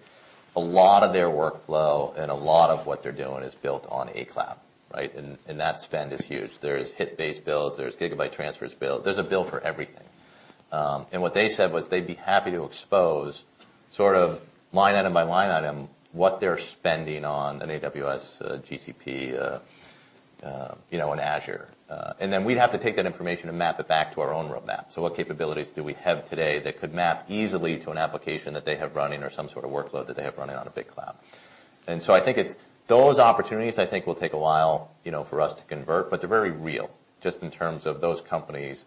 A lot of their workflow and a lot of what they're doing is built on a cloud, right? And that spend is huge. There is hit-based bills, there's gigabyte transfers bill, there's a bill for everything. And what they said was they'd be happy to expose sort of line item by line item what they're spending on an AWS, a GCP, you know, an Azure. And then we'd have to take that information and map it back to our own roadmap. What capabilities do we have today that could map easily to an application that they have running or some sort of workload that they have running on a big cloud? I think those opportunities will take a while, you know, for us to convert, but they're very real, just in terms of those companies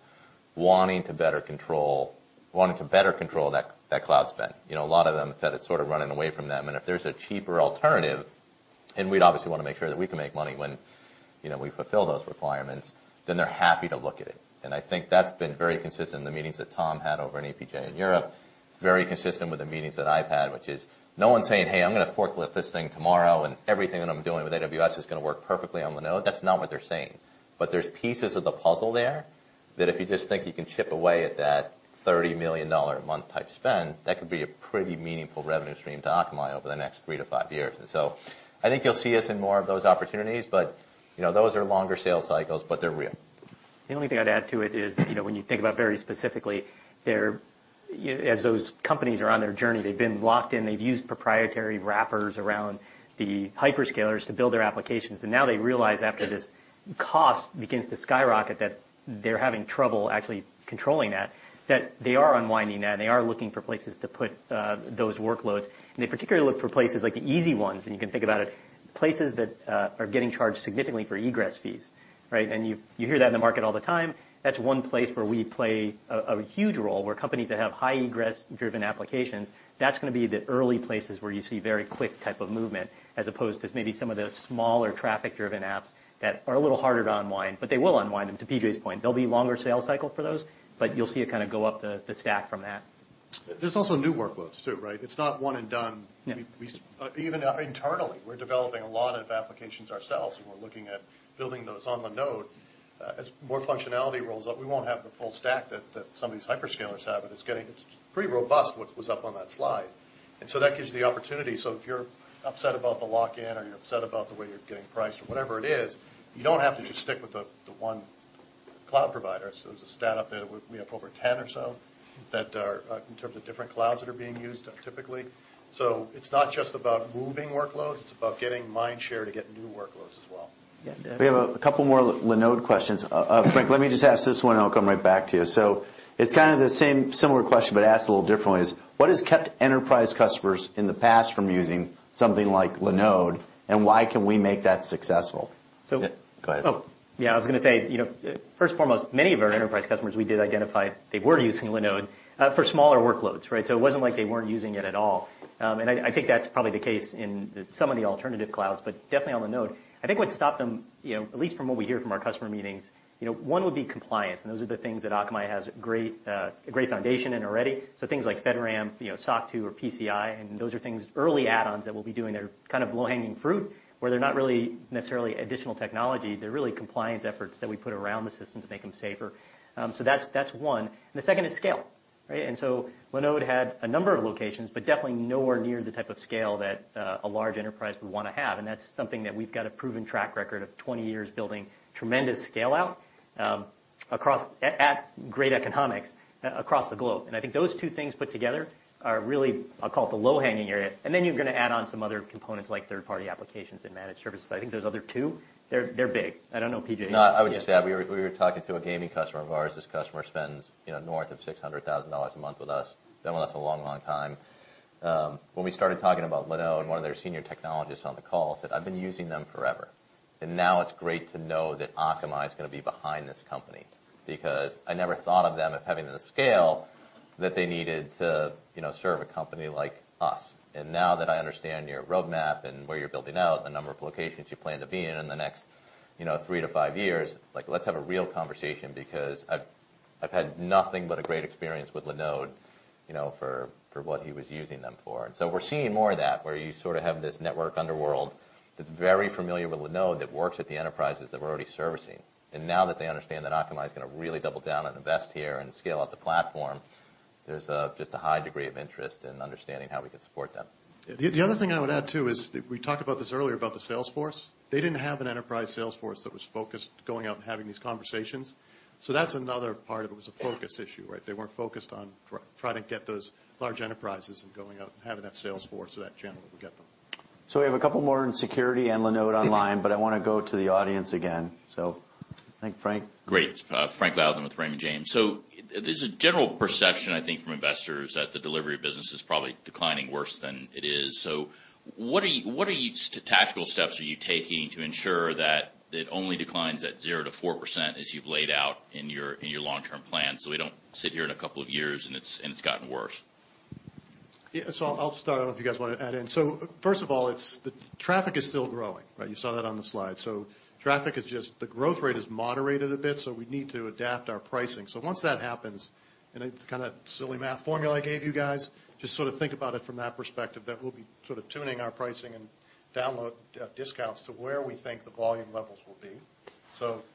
wanting to better control that cloud spend. You know, a lot of them said it's sort of running away from them, and if there's a cheaper alternative, and we'd obviously wanna make sure that we can make money when, you know, we fulfill those requirements, then they're happy to look at it. I think that's been very consistent in the meetings that Tom had over in APJ in Europe. It's very consistent with the meetings that I've had, which is no one's saying, "Hey, I'm gonna forklift this thing tomorrow, and everything that I'm doing with AWS is gonna work perfectly on Linode." That's not what they're saying. There's pieces of the puzzle there that if you just think you can chip away at that $30 million a month type spend, that could be a pretty meaningful revenue stream to Akamai over the next 3-5 years. I think you'll see us in more of those opportunities, but, you know, those are longer sales cycles, but they're real. The only thing I'd add to it is, you know, when you think about very specifically as those companies are on their journey, they've been locked in. They've used proprietary wrappers around the hyperscalers to build their applications. Now they realize after this cost begins to skyrocket that they're having trouble actually controlling that, they are unwinding that, and they are looking for places to put those workloads. They particularly look for places like the easy ones, and you can think about it, places that are getting charged significantly for egress fees, right? You hear that in the market all the time. That's one place where we play a huge role, where companies that have high egress-driven applications, that's gonna be the early places where you see very quick type of movement, as opposed to maybe some of the smaller traffic-driven apps that are a little harder to unwind, but they will unwind them. To PJ's point, there'll be longer sales cycle for those, but you'll see it kind of go up the stack from that. There's also new workloads too, right? It's not one and done. Yeah. Even internally, we're developing a lot of applications ourselves, and we're looking at building those on Linode. As more functionality rolls out, we won't have the full stack that some of these hyperscalers have, but it's getting. It's pretty robust, what was up on that slide. That gives you the opportunity. If you're upset about the lock-in or you're upset about the way you're getting priced or whatever it is, you don't have to just stick with the one cloud provider. There's a stat up there that we have over 10 or so that are in terms of different clouds that are being used, typically. It's not just about moving workloads, it's about getting mind share to get new workloads as well. We have a couple more Linode questions. Frank, let me just ask this one, and I'll come right back to you. It's kind of the same similar question, but asked a little differently. What has kept enterprise customers in the past from using something like Linode, and why can we make that successful? So/ Go ahead. Oh, yeah, I was gonna say, you know, first and foremost, many of our enterprise customers we did identify they were using Linode for smaller workloads, right? It wasn't like they weren't using it at all. I think that's probably the case in some of the alternative clouds, but definitely on Linode. I think what stopped them, you know, at least from what we hear from our customer meetings, you know, one would be compliance, and those are the things that Akamai has a great foundation in already. Things like FedRAMP, you know, SOC 2 or PCI, and those are things, early add-ons that we'll be doing that are kind of low-hanging fruit, where they're not really necessarily additional technology. They're really compliance efforts that we put around the system to make them safer. That's one. The second is scale, right? Linode had a number of locations, but definitely nowhere near the type of scale that a large enterprise would wanna have. That's something that we've got a proven track record of 20 years building tremendous scale out across at great economics across the globe. I think those two things put together are really, I'll call it the low-hanging area. Then you're gonna add on some other components like third-party applications and managed services. I think those other two, they're big. I don't know, PJ. No, I would just add, we were talking to a gaming customer of ours. This customer spends, you know, north of $600,000 a month with us, been with us a long, long time. When we started talking about Linode and one of their senior technologists on the call said, "I've been using them forever. Now it's great to know that Akamai is gonna be behind this company because I never thought of them of having the scale that they needed to, you know, serve a company like us. Now that I understand your roadmap and where you're building out, the number of locations you plan to be in in the next, you know, 3-5 years, like, let's have a real conversation because I've had nothing but a great experience with Linode, you know, for what he was using them for. We're seeing more of that, where you sort of have this network underworld that's very familiar with Linode that works at the enterprises that we're already servicing. Now that they understand that Akamai is gonna really double down and invest here and scale out the platform, there's just a high degree of interest in understanding how we can support them. The other thing I would add, too, is we talked about this earlier about the sales force. They didn't have an enterprise sales force that was focused going out and having these conversations. That's another part of it was a focus issue, right? They weren't focused on trying to get those large enterprises and going out and having that sales force or that channel that would get them. We have a couple more in security and Linode online, but I wanna go to the audience again. I think Frank. Great. It's Frank Louthan with Raymond James. There's a general perception, I think, from investors that the delivery business is probably declining worse than it is. What are the tactical steps you are taking to ensure that it only declines at 0%-4% as you've laid out in your long-term plan, so we don't sit here in a couple of years and it's gotten worse? Yeah. I'll start. I don't know if you guys wanna add in. First of all, it's the traffic is still growing, right? You saw that on the slide. Traffic is just the growth rate has moderated a bit, so we need to adapt our pricing. Once that happens, and it's kinda silly math formula I gave you guys, just sort of think about it from that perspective, that we'll be sort of tuning our pricing and download, discounts to where we think the volume levels will be.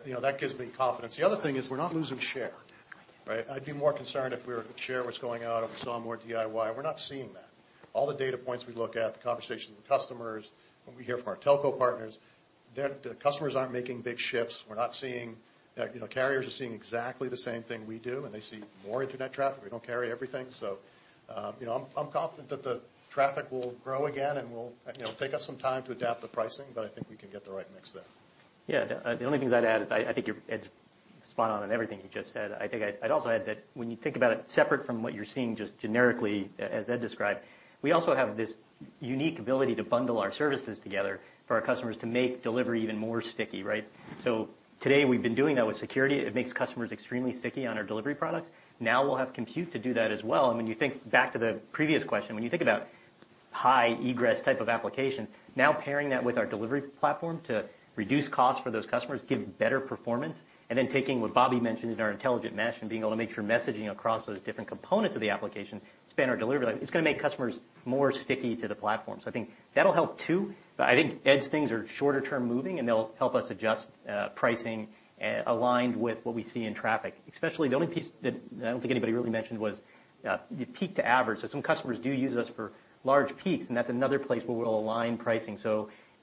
You know, that gives me confidence. The other thing is we're not losing share, right? I'd be more concerned if share was going out, if we saw more DIY. We're not seeing that. All the data points we look at, the conversations with customers, what we hear from our telco partners, the customers aren't making big shifts. We're not seeing, you know, carriers are seeing exactly the same thing we do, and they see more internet traffic. We don't carry everything. You know, I'm confident that the traffic will grow again and will, you know, take us some time to adapt the pricing, but I think we can get the right mix there. Yeah. The only things I'd add is, I think Ed's spot on everything you just said. I think I'd also add that when you think about it separate from what you're seeing just generically as Ed described, we also have this unique ability to bundle our services together for our customers to make delivery even more sticky, right? Today we've been doing that with security. It makes customers extremely sticky on our delivery products. Now we'll have compute to do that as well. I mean, you think back to the previous question, when you think about high egress type of applications, now pairing that with our delivery platform to reduce costs for those customers, give better performance, and then taking what Bobby mentioned in our intelligent mesh and being able to make sure messaging across those different components of the application span our delivery line, it's gonna make customers more sticky to the platform. I think that'll help too. I think Ed's things are shorter term moving, and they'll help us adjust, pricing aligned with what we see in traffic. Especially the only piece that I don't think anybody really mentioned was, peak to average. Some customers do use us for large peaks, and that's another place where we'll align pricing.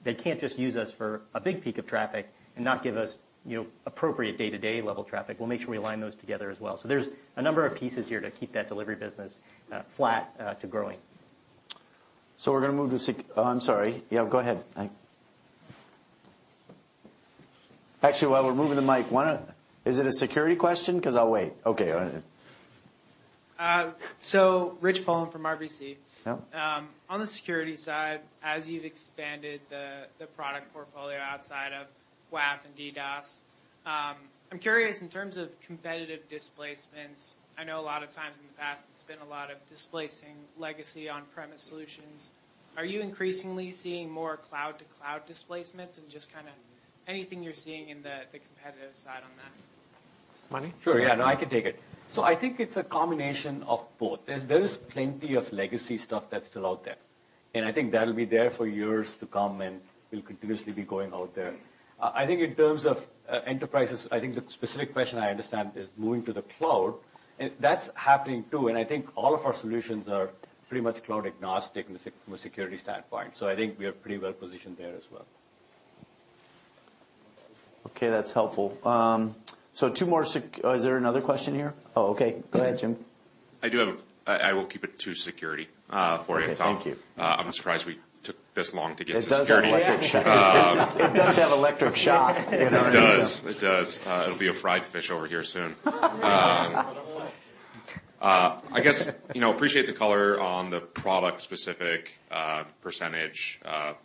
They can't just use us for a big peak of traffic and not give us, you know, appropriate day-to-day level traffic. We'll make sure we align those together as well. There's a number of pieces here to keep that delivery business flat to growing. Oh, I'm sorry. Yeah, go ahead. Actually, while we're moving the mic, is it a security question? 'Cause I'll wait. Okay. All right then. Rishi Jaluria from RBC. Yeah. On the security side, as you've expanded the product portfolio outside of WAF and DDoS, I'm curious in terms of competitive displacements. I know a lot of times in the past it's been a lot of displacing legacy on-premise solutions. Are you increasingly seeing more cloud to cloud displacements and just kinda anything you're seeing in the competitive side on that? Mani? Sure. Yeah. No, I can take it. I think it's a combination of both. There is plenty of legacy stuff that's still out there, and I think that'll be there for years to come, and we'll continuously be going out there. I think in terms of enterprises, I think the specific question I understand is moving to the cloud. That's happening, too, and I think all of our solutions are pretty much cloud agnostic from a security standpoint. I think we are pretty well positioned there as well. Okay, that's helpful. Is there another question here? Oh, okay. Go ahead, Jim. I will keep it to security, for you, Tom. Okay. Thank you. I'm surprised we took this long to get to security. It does have electric shock. It does. It'll be a fire drill over here soon. I guess, you know, appreciate the color on the product-specific percentages,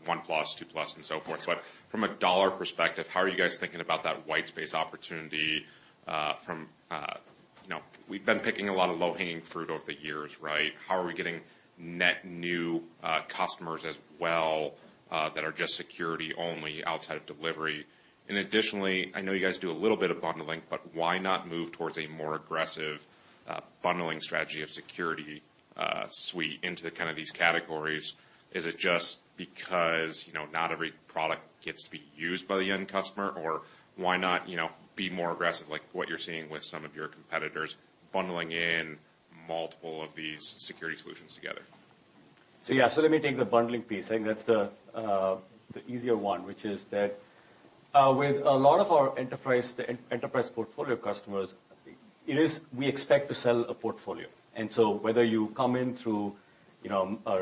one-plus, two-plus, and so forth. But from a dollar perspective, how are you guys thinking about that white space opportunity, from, you know, we've been picking a lot of low-hanging fruit over the years, right? How are we getting net new customers as well, that are just security only outside of delivery? Additionally, I know you guys do a little bit of bundling, but why not move towards a more aggressive bundling strategy of security suite into kind of these categories? Is it just because, you know, not every product gets to be used by the end customer? Why not, you know, be more aggressive, like what you're seeing with some of your competitors bundling in multiple of these security solutions together? Yeah. Let me take the bundling piece. I think that's the easier one, which is that with a lot of our enterprise portfolio customers, it is we expect to sell a portfolio. Whether you come in through, you know, a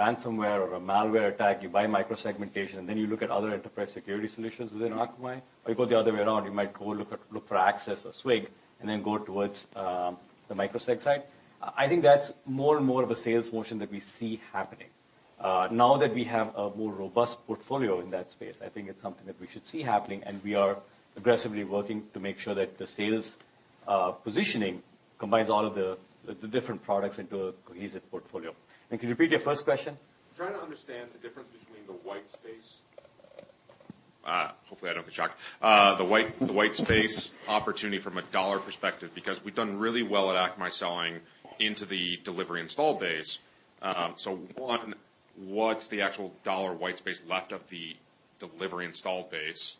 ransomware or a malware attack, you buy micro-segmentation, and then you look at other enterprise security solutions within Akamai, or you go the other way around, you might go look for Access or SWG, and then go towards the micro-seg side. I think that's more and more of a sales motion that we see happening. Now that we have a more robust portfolio in that space, I think it's something that we should see happening, and we are aggressively working to make sure that the sales positioning combines all of the different products into a cohesive portfolio. Can you repeat your first question? Trying to understand the difference between the white space, hopefully, I don't get shocked. The white space opportunity from a dollar perspective, because we've done really well at Akamai selling into the delivery install base. One, what's the actual dollar white space left of the delivery install base?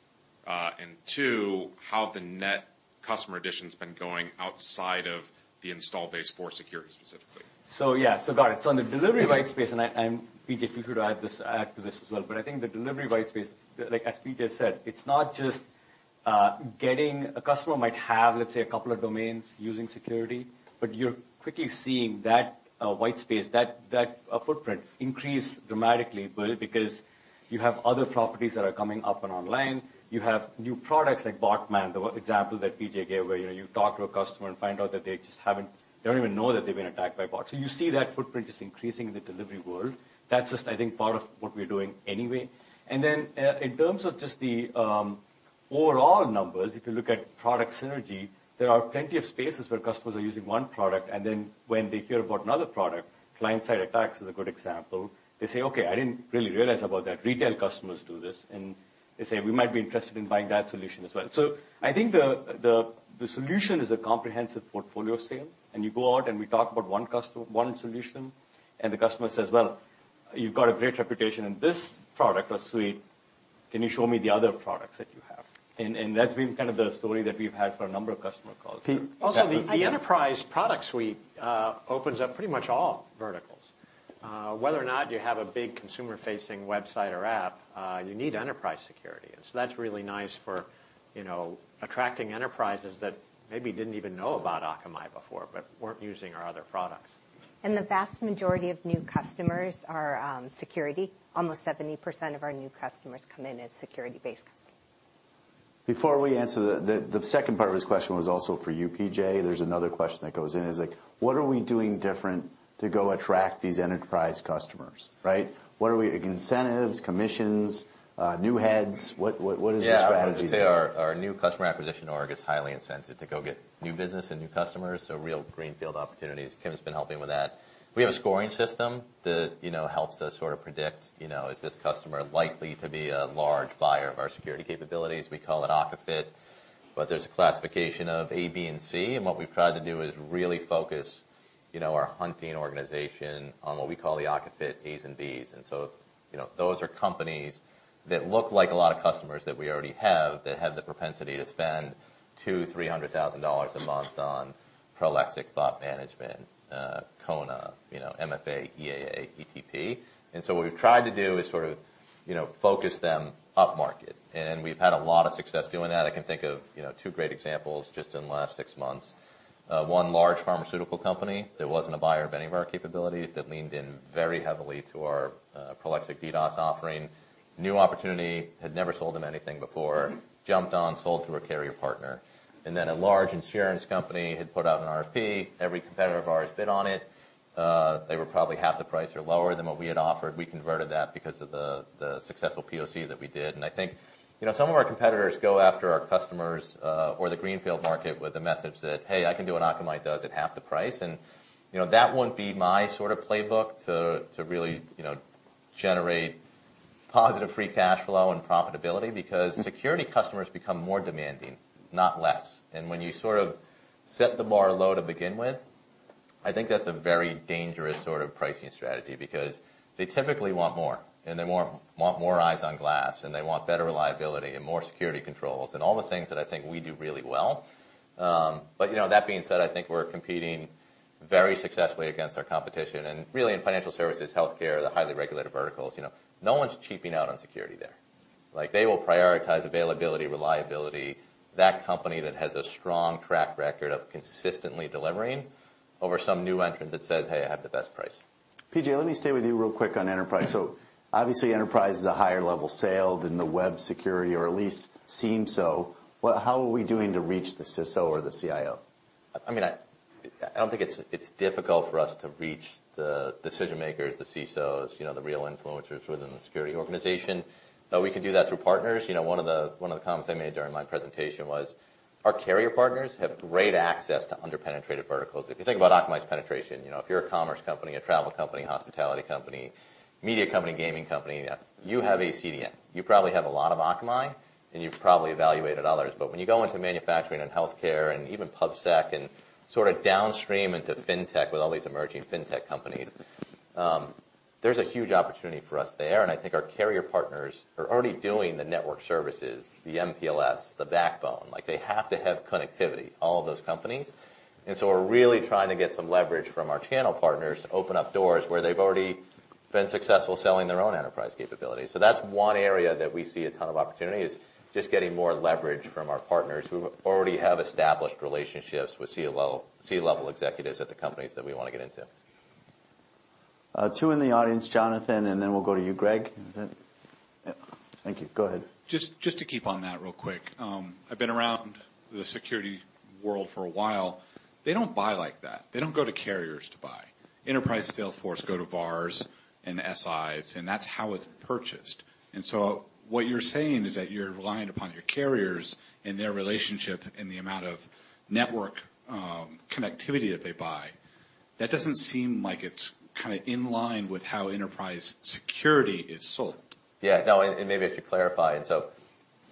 And two, how the net customer addition's been going outside of the install base for security specifically. On the delivery white space, PJ, if you could add to this as well, but I think the delivery white space, like as PJ said, it's not just, a customer might have, let's say, a couple of domains using security, but you're quickly seeing that white space, that footprint increase dramatically because you have other properties that are coming up and online. You have new products like Bot Manager, the example that PJ gave, where, you know, you talk to a customer and find out that they just don't even know that they've been attacked by bots. You see that footprint is increasing in the delivery world. That's just, I think, part of what we're doing anyway. In terms of just the overall numbers, if you look at product synergy, there are plenty of spaces where customers are using one product, and then when they hear about another product, client-side attacks is a good example, they say, "Okay, I didn't really realize about that." Retail customers do this, and they say, "We might be interested in buying that solution as well." I think the solution is a comprehensive portfolio sale. You go out and we talk about one solution, and the customer says, "Well, you've got a great reputation in this product or suite. Can you show me the other products that you have?" That's been kind of the story that we've had for a number of customer calls. Also, the enterprise product suite opens up pretty much all verticals. Whether or not you have a big consumer-facing website or app, you need enterprise security. That's really nice for, you know, attracting enterprises that maybe didn't even know about Akamai before but weren't using our other products. The vast majority of new customers are security. Almost 70% of our new customers come in as security-based customers. Before we answer. The second part of his question was also for you, PJ. There's another question that goes in, is like, what are we doing different to go attract these enterprise customers, right? What are we, incentives, commissions, new heads, what is the strategy there? I'll just say our new customer acquisition org is highly incented to go get new business and new customers, so real greenfield opportunities. Kim has been helping with that. We have a scoring system that, you know, helps us sort of predict, you know, is this customer likely to be a large buyer of our security capabilities? We call it AkaFit, but there's a classification of A, B, and C, and what we've tried to do is really focus, you know, our hunting organization on what we call the AkaFit As and Bs. You know, those are companies that look like a lot of customers that we already have that have the propensity to spend $200,000-$300,000 a month on Prolexic bot management, Kona, you know, MFA, EAA, ETP. What we've tried to do is sort of, you know, focus them upmarket, and we've had a lot of success doing that. I can think of, you know, two great examples just in the last six months. One large pharmaceutical company that wasn't a buyer of any of our capabilities that leaned in very heavily to our Prolexic DDoS offering. New opportunity, had never sold them anything before, jumped on, sold through a carrier partner. Then a large insurance company had put out an RFP, every competitor of ours bid on it. They were probably half the price or lower than what we had offered. We converted that because of the successful POC that we did. I think, you know, some of our competitors go after our customers or the greenfield market with a message that, "Hey, I can do what Akamai does at half the price." You know, that wouldn't be my sort of playbook to really, you know, generate positive free cash flow and profitability because security customers become more demanding, not less. When you sort of set the bar low to begin with, I think that's a very dangerous sort of pricing strategy because they typically want more, and they want more eyes on glass, and they want better reliability and more security controls and all the things that I think we do really well. But you know, that being said, I think we're competing very successfully against our competition. Really in financial services, healthcare, the highly regulated verticals, you know, no one's cheaping out on security there. Like, they will prioritize availability, reliability, that company that has a strong track record of consistently delivering over some new entrant that says, "Hey, I have the best price. PJ, let me stay with you real quick on enterprise. Obviously enterprise is a higher level sale than the web security, or at least seems so. How are we doing to reach the CISO or the CIO? I mean, I don't think it's difficult for us to reach the decision makers, the CISOs, you know, the real influencers within the security organization. We can do that through partners. You know, one of the comments I made during my presentation was our carrier partners have great access to under-penetrated verticals. If you think about Akamai's penetration, you know, if you're a commerce company, a travel company, hospitality company, media company, gaming company, you have a CDN. You probably have a lot of Akamai, and you've probably evaluated others. When you go into manufacturing and healthcare and even public sector and sort of downstream into fintech with all these emerging fintech companies, there's a huge opportunity for us there, and I think our carrier partners are already doing the network services, the MPLS, the backbone. Like, they have to have connectivity, all of those companies. We're really trying to get some leverage from our channel partners to open up doors where they've already been successful selling their own enterprise capabilities. That's one area that we see a ton of opportunity is just getting more leverage from our partners who already have established relationships with C-level executives at the companies that we wanna get into. Two in the audience, Jonathan, and then we'll go to you, Greg. Thank you. Go ahead. Just to keep on that real quick. I've been around the security world for a while. They don't buy like that. They don't go to carriers to buy. Enterprise sales force go to VARs and SIs, and that's how it's purchased. What you're saying is that you're reliant upon your carriers and their relationship and the amount of network connectivity that they buy. That doesn't seem like it's kinda in line with how enterprise security is sold. Yeah. No, and maybe I should clarify.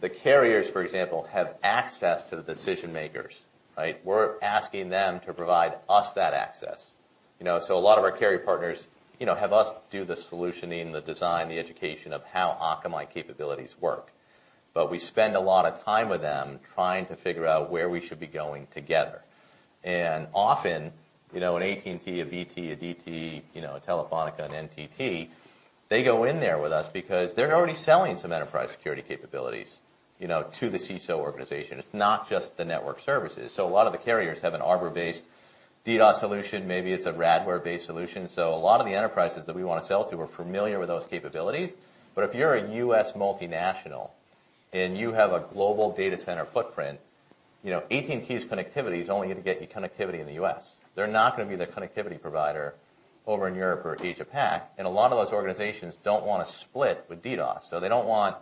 The carriers, for example, have access to the decision makers, right? We're asking them to provide us that access. You know, a lot of our carrier partners, you know, have us do the solutioning, the design, the education of how Akamai capabilities work. We spend a lot of time with them trying to figure out where we should be going together. Often, you know, an AT&T, a BT, a DT, you know, a Telefónica, an NTT, they go in there with us because they're already selling some enterprise security capabilities, you know, to the CISO organization. It's not just the network services. A lot of the carriers have an Arbor-based DDoS solution. Maybe it's a Radware-based solution. A lot of the enterprises that we wanna sell to are familiar with those capabilities. If you're a US multinational, and you have a global data center footprint, you know, AT&T's connectivity is only gonna get you connectivity in the US. They're not gonna be the connectivity provider over in Europe or Asia Pac, and a lot of those organizations don't wanna split with DDoS. They don't want,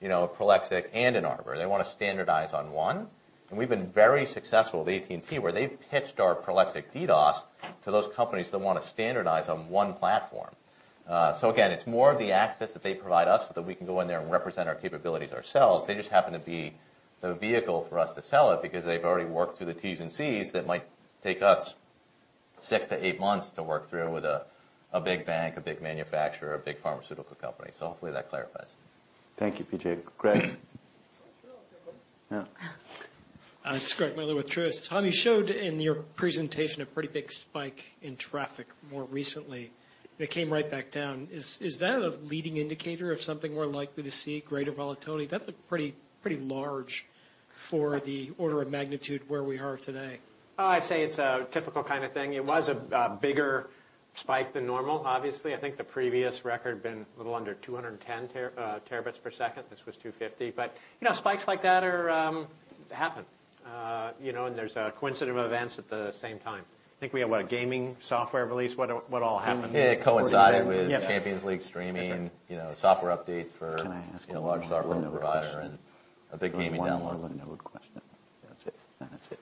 you know, a Prolexic and an Arbor. They wanna standardize on one, and we've been very successful with AT&T, where they've pitched our Prolexic DDoS to those companies that wanna standardize on one platform. So again, it's more the access that they provide us, so that we can go in there and represent our capabilities ourselves. They just happen to be the vehicle for us to sell it because they've already worked through the T's and C's that might take us 6-8 months to work through with a big bank, a big manufacturer, a big pharmaceutical company. Hopefully that clarifies. Thank you, PJ. Greg. Sure. No problem. Yeah. It's Gregory Miller with Truist. Tom, you showed in your presentation a pretty big spike in traffic more recently that came right back down. Is that a leading indicator of something we're likely to see greater volatility? That looked pretty large for the order of magnitude where we are today. Oh, I'd say it's a typical kinda thing. It was a bigger spike than normal, obviously. I think the previous record had been a little under 210 Tb/s. This was 250 Tb/s. You know, spikes like that are happen. You know, there's coincidental events at the same time. I think we had, what, a gaming software release? What all happened this quarter? Yeah. It coincided with. Yes Champions League streaming you know, software updates for Can I ask one more Linode question? You know, a large software provider and a big gaming download. One more Linode question. That's it. Then that's it.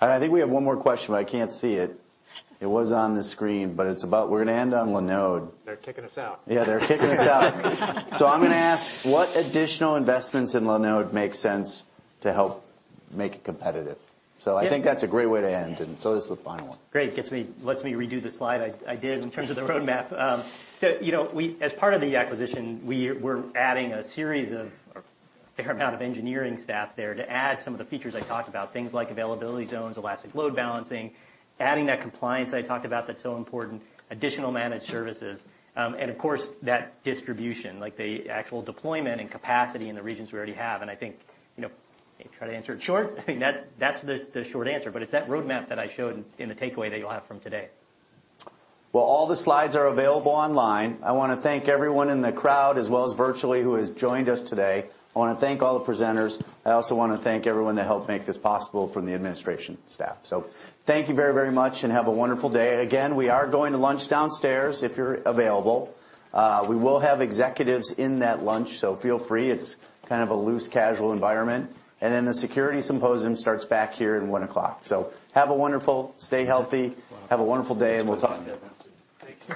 All right. I think we have one more question, but I can't see it. It was on the screen, but it's about. We're gonna end on Linode. They're kicking us out. Yeah, they're kicking us out. I'm gonna ask, what additional investments in Linode make sense to help make it competitive? Yeah. I think that's a great way to end, and so this is the final one. Great. Lets me redo the slide I did in terms of the roadmap. As part of the acquisition, we're adding a series of or a fair amount of engineering staff there to add some of the features I talked about, things like availability zones, elastic load balancing, adding that compliance that I talked about that's so important, additional managed services. Of course, that distribution, like the actual deployment and capacity in the regions we already have. I think. Try to answer it short? I think that's the short answer. It's that roadmap that I showed in the takeaway that you'll have from today. Well, all the slides are available online. I wanna thank everyone in the crowd as well as virtually who has joined us today. I wanna thank all the presenters. I also wanna thank everyone that helped make this possible from the administration staff. Thank you very, very much and have a wonderful day. Again, we are going to lunch downstairs, if you're available. We will have executives in that lunch, so feel free. It's kind of a loose, casual environment. The security symposium starts back here at one o'clock. Have a wonderful day. Stay healthy. Have a wonderful day, and we'll talk. Thanks.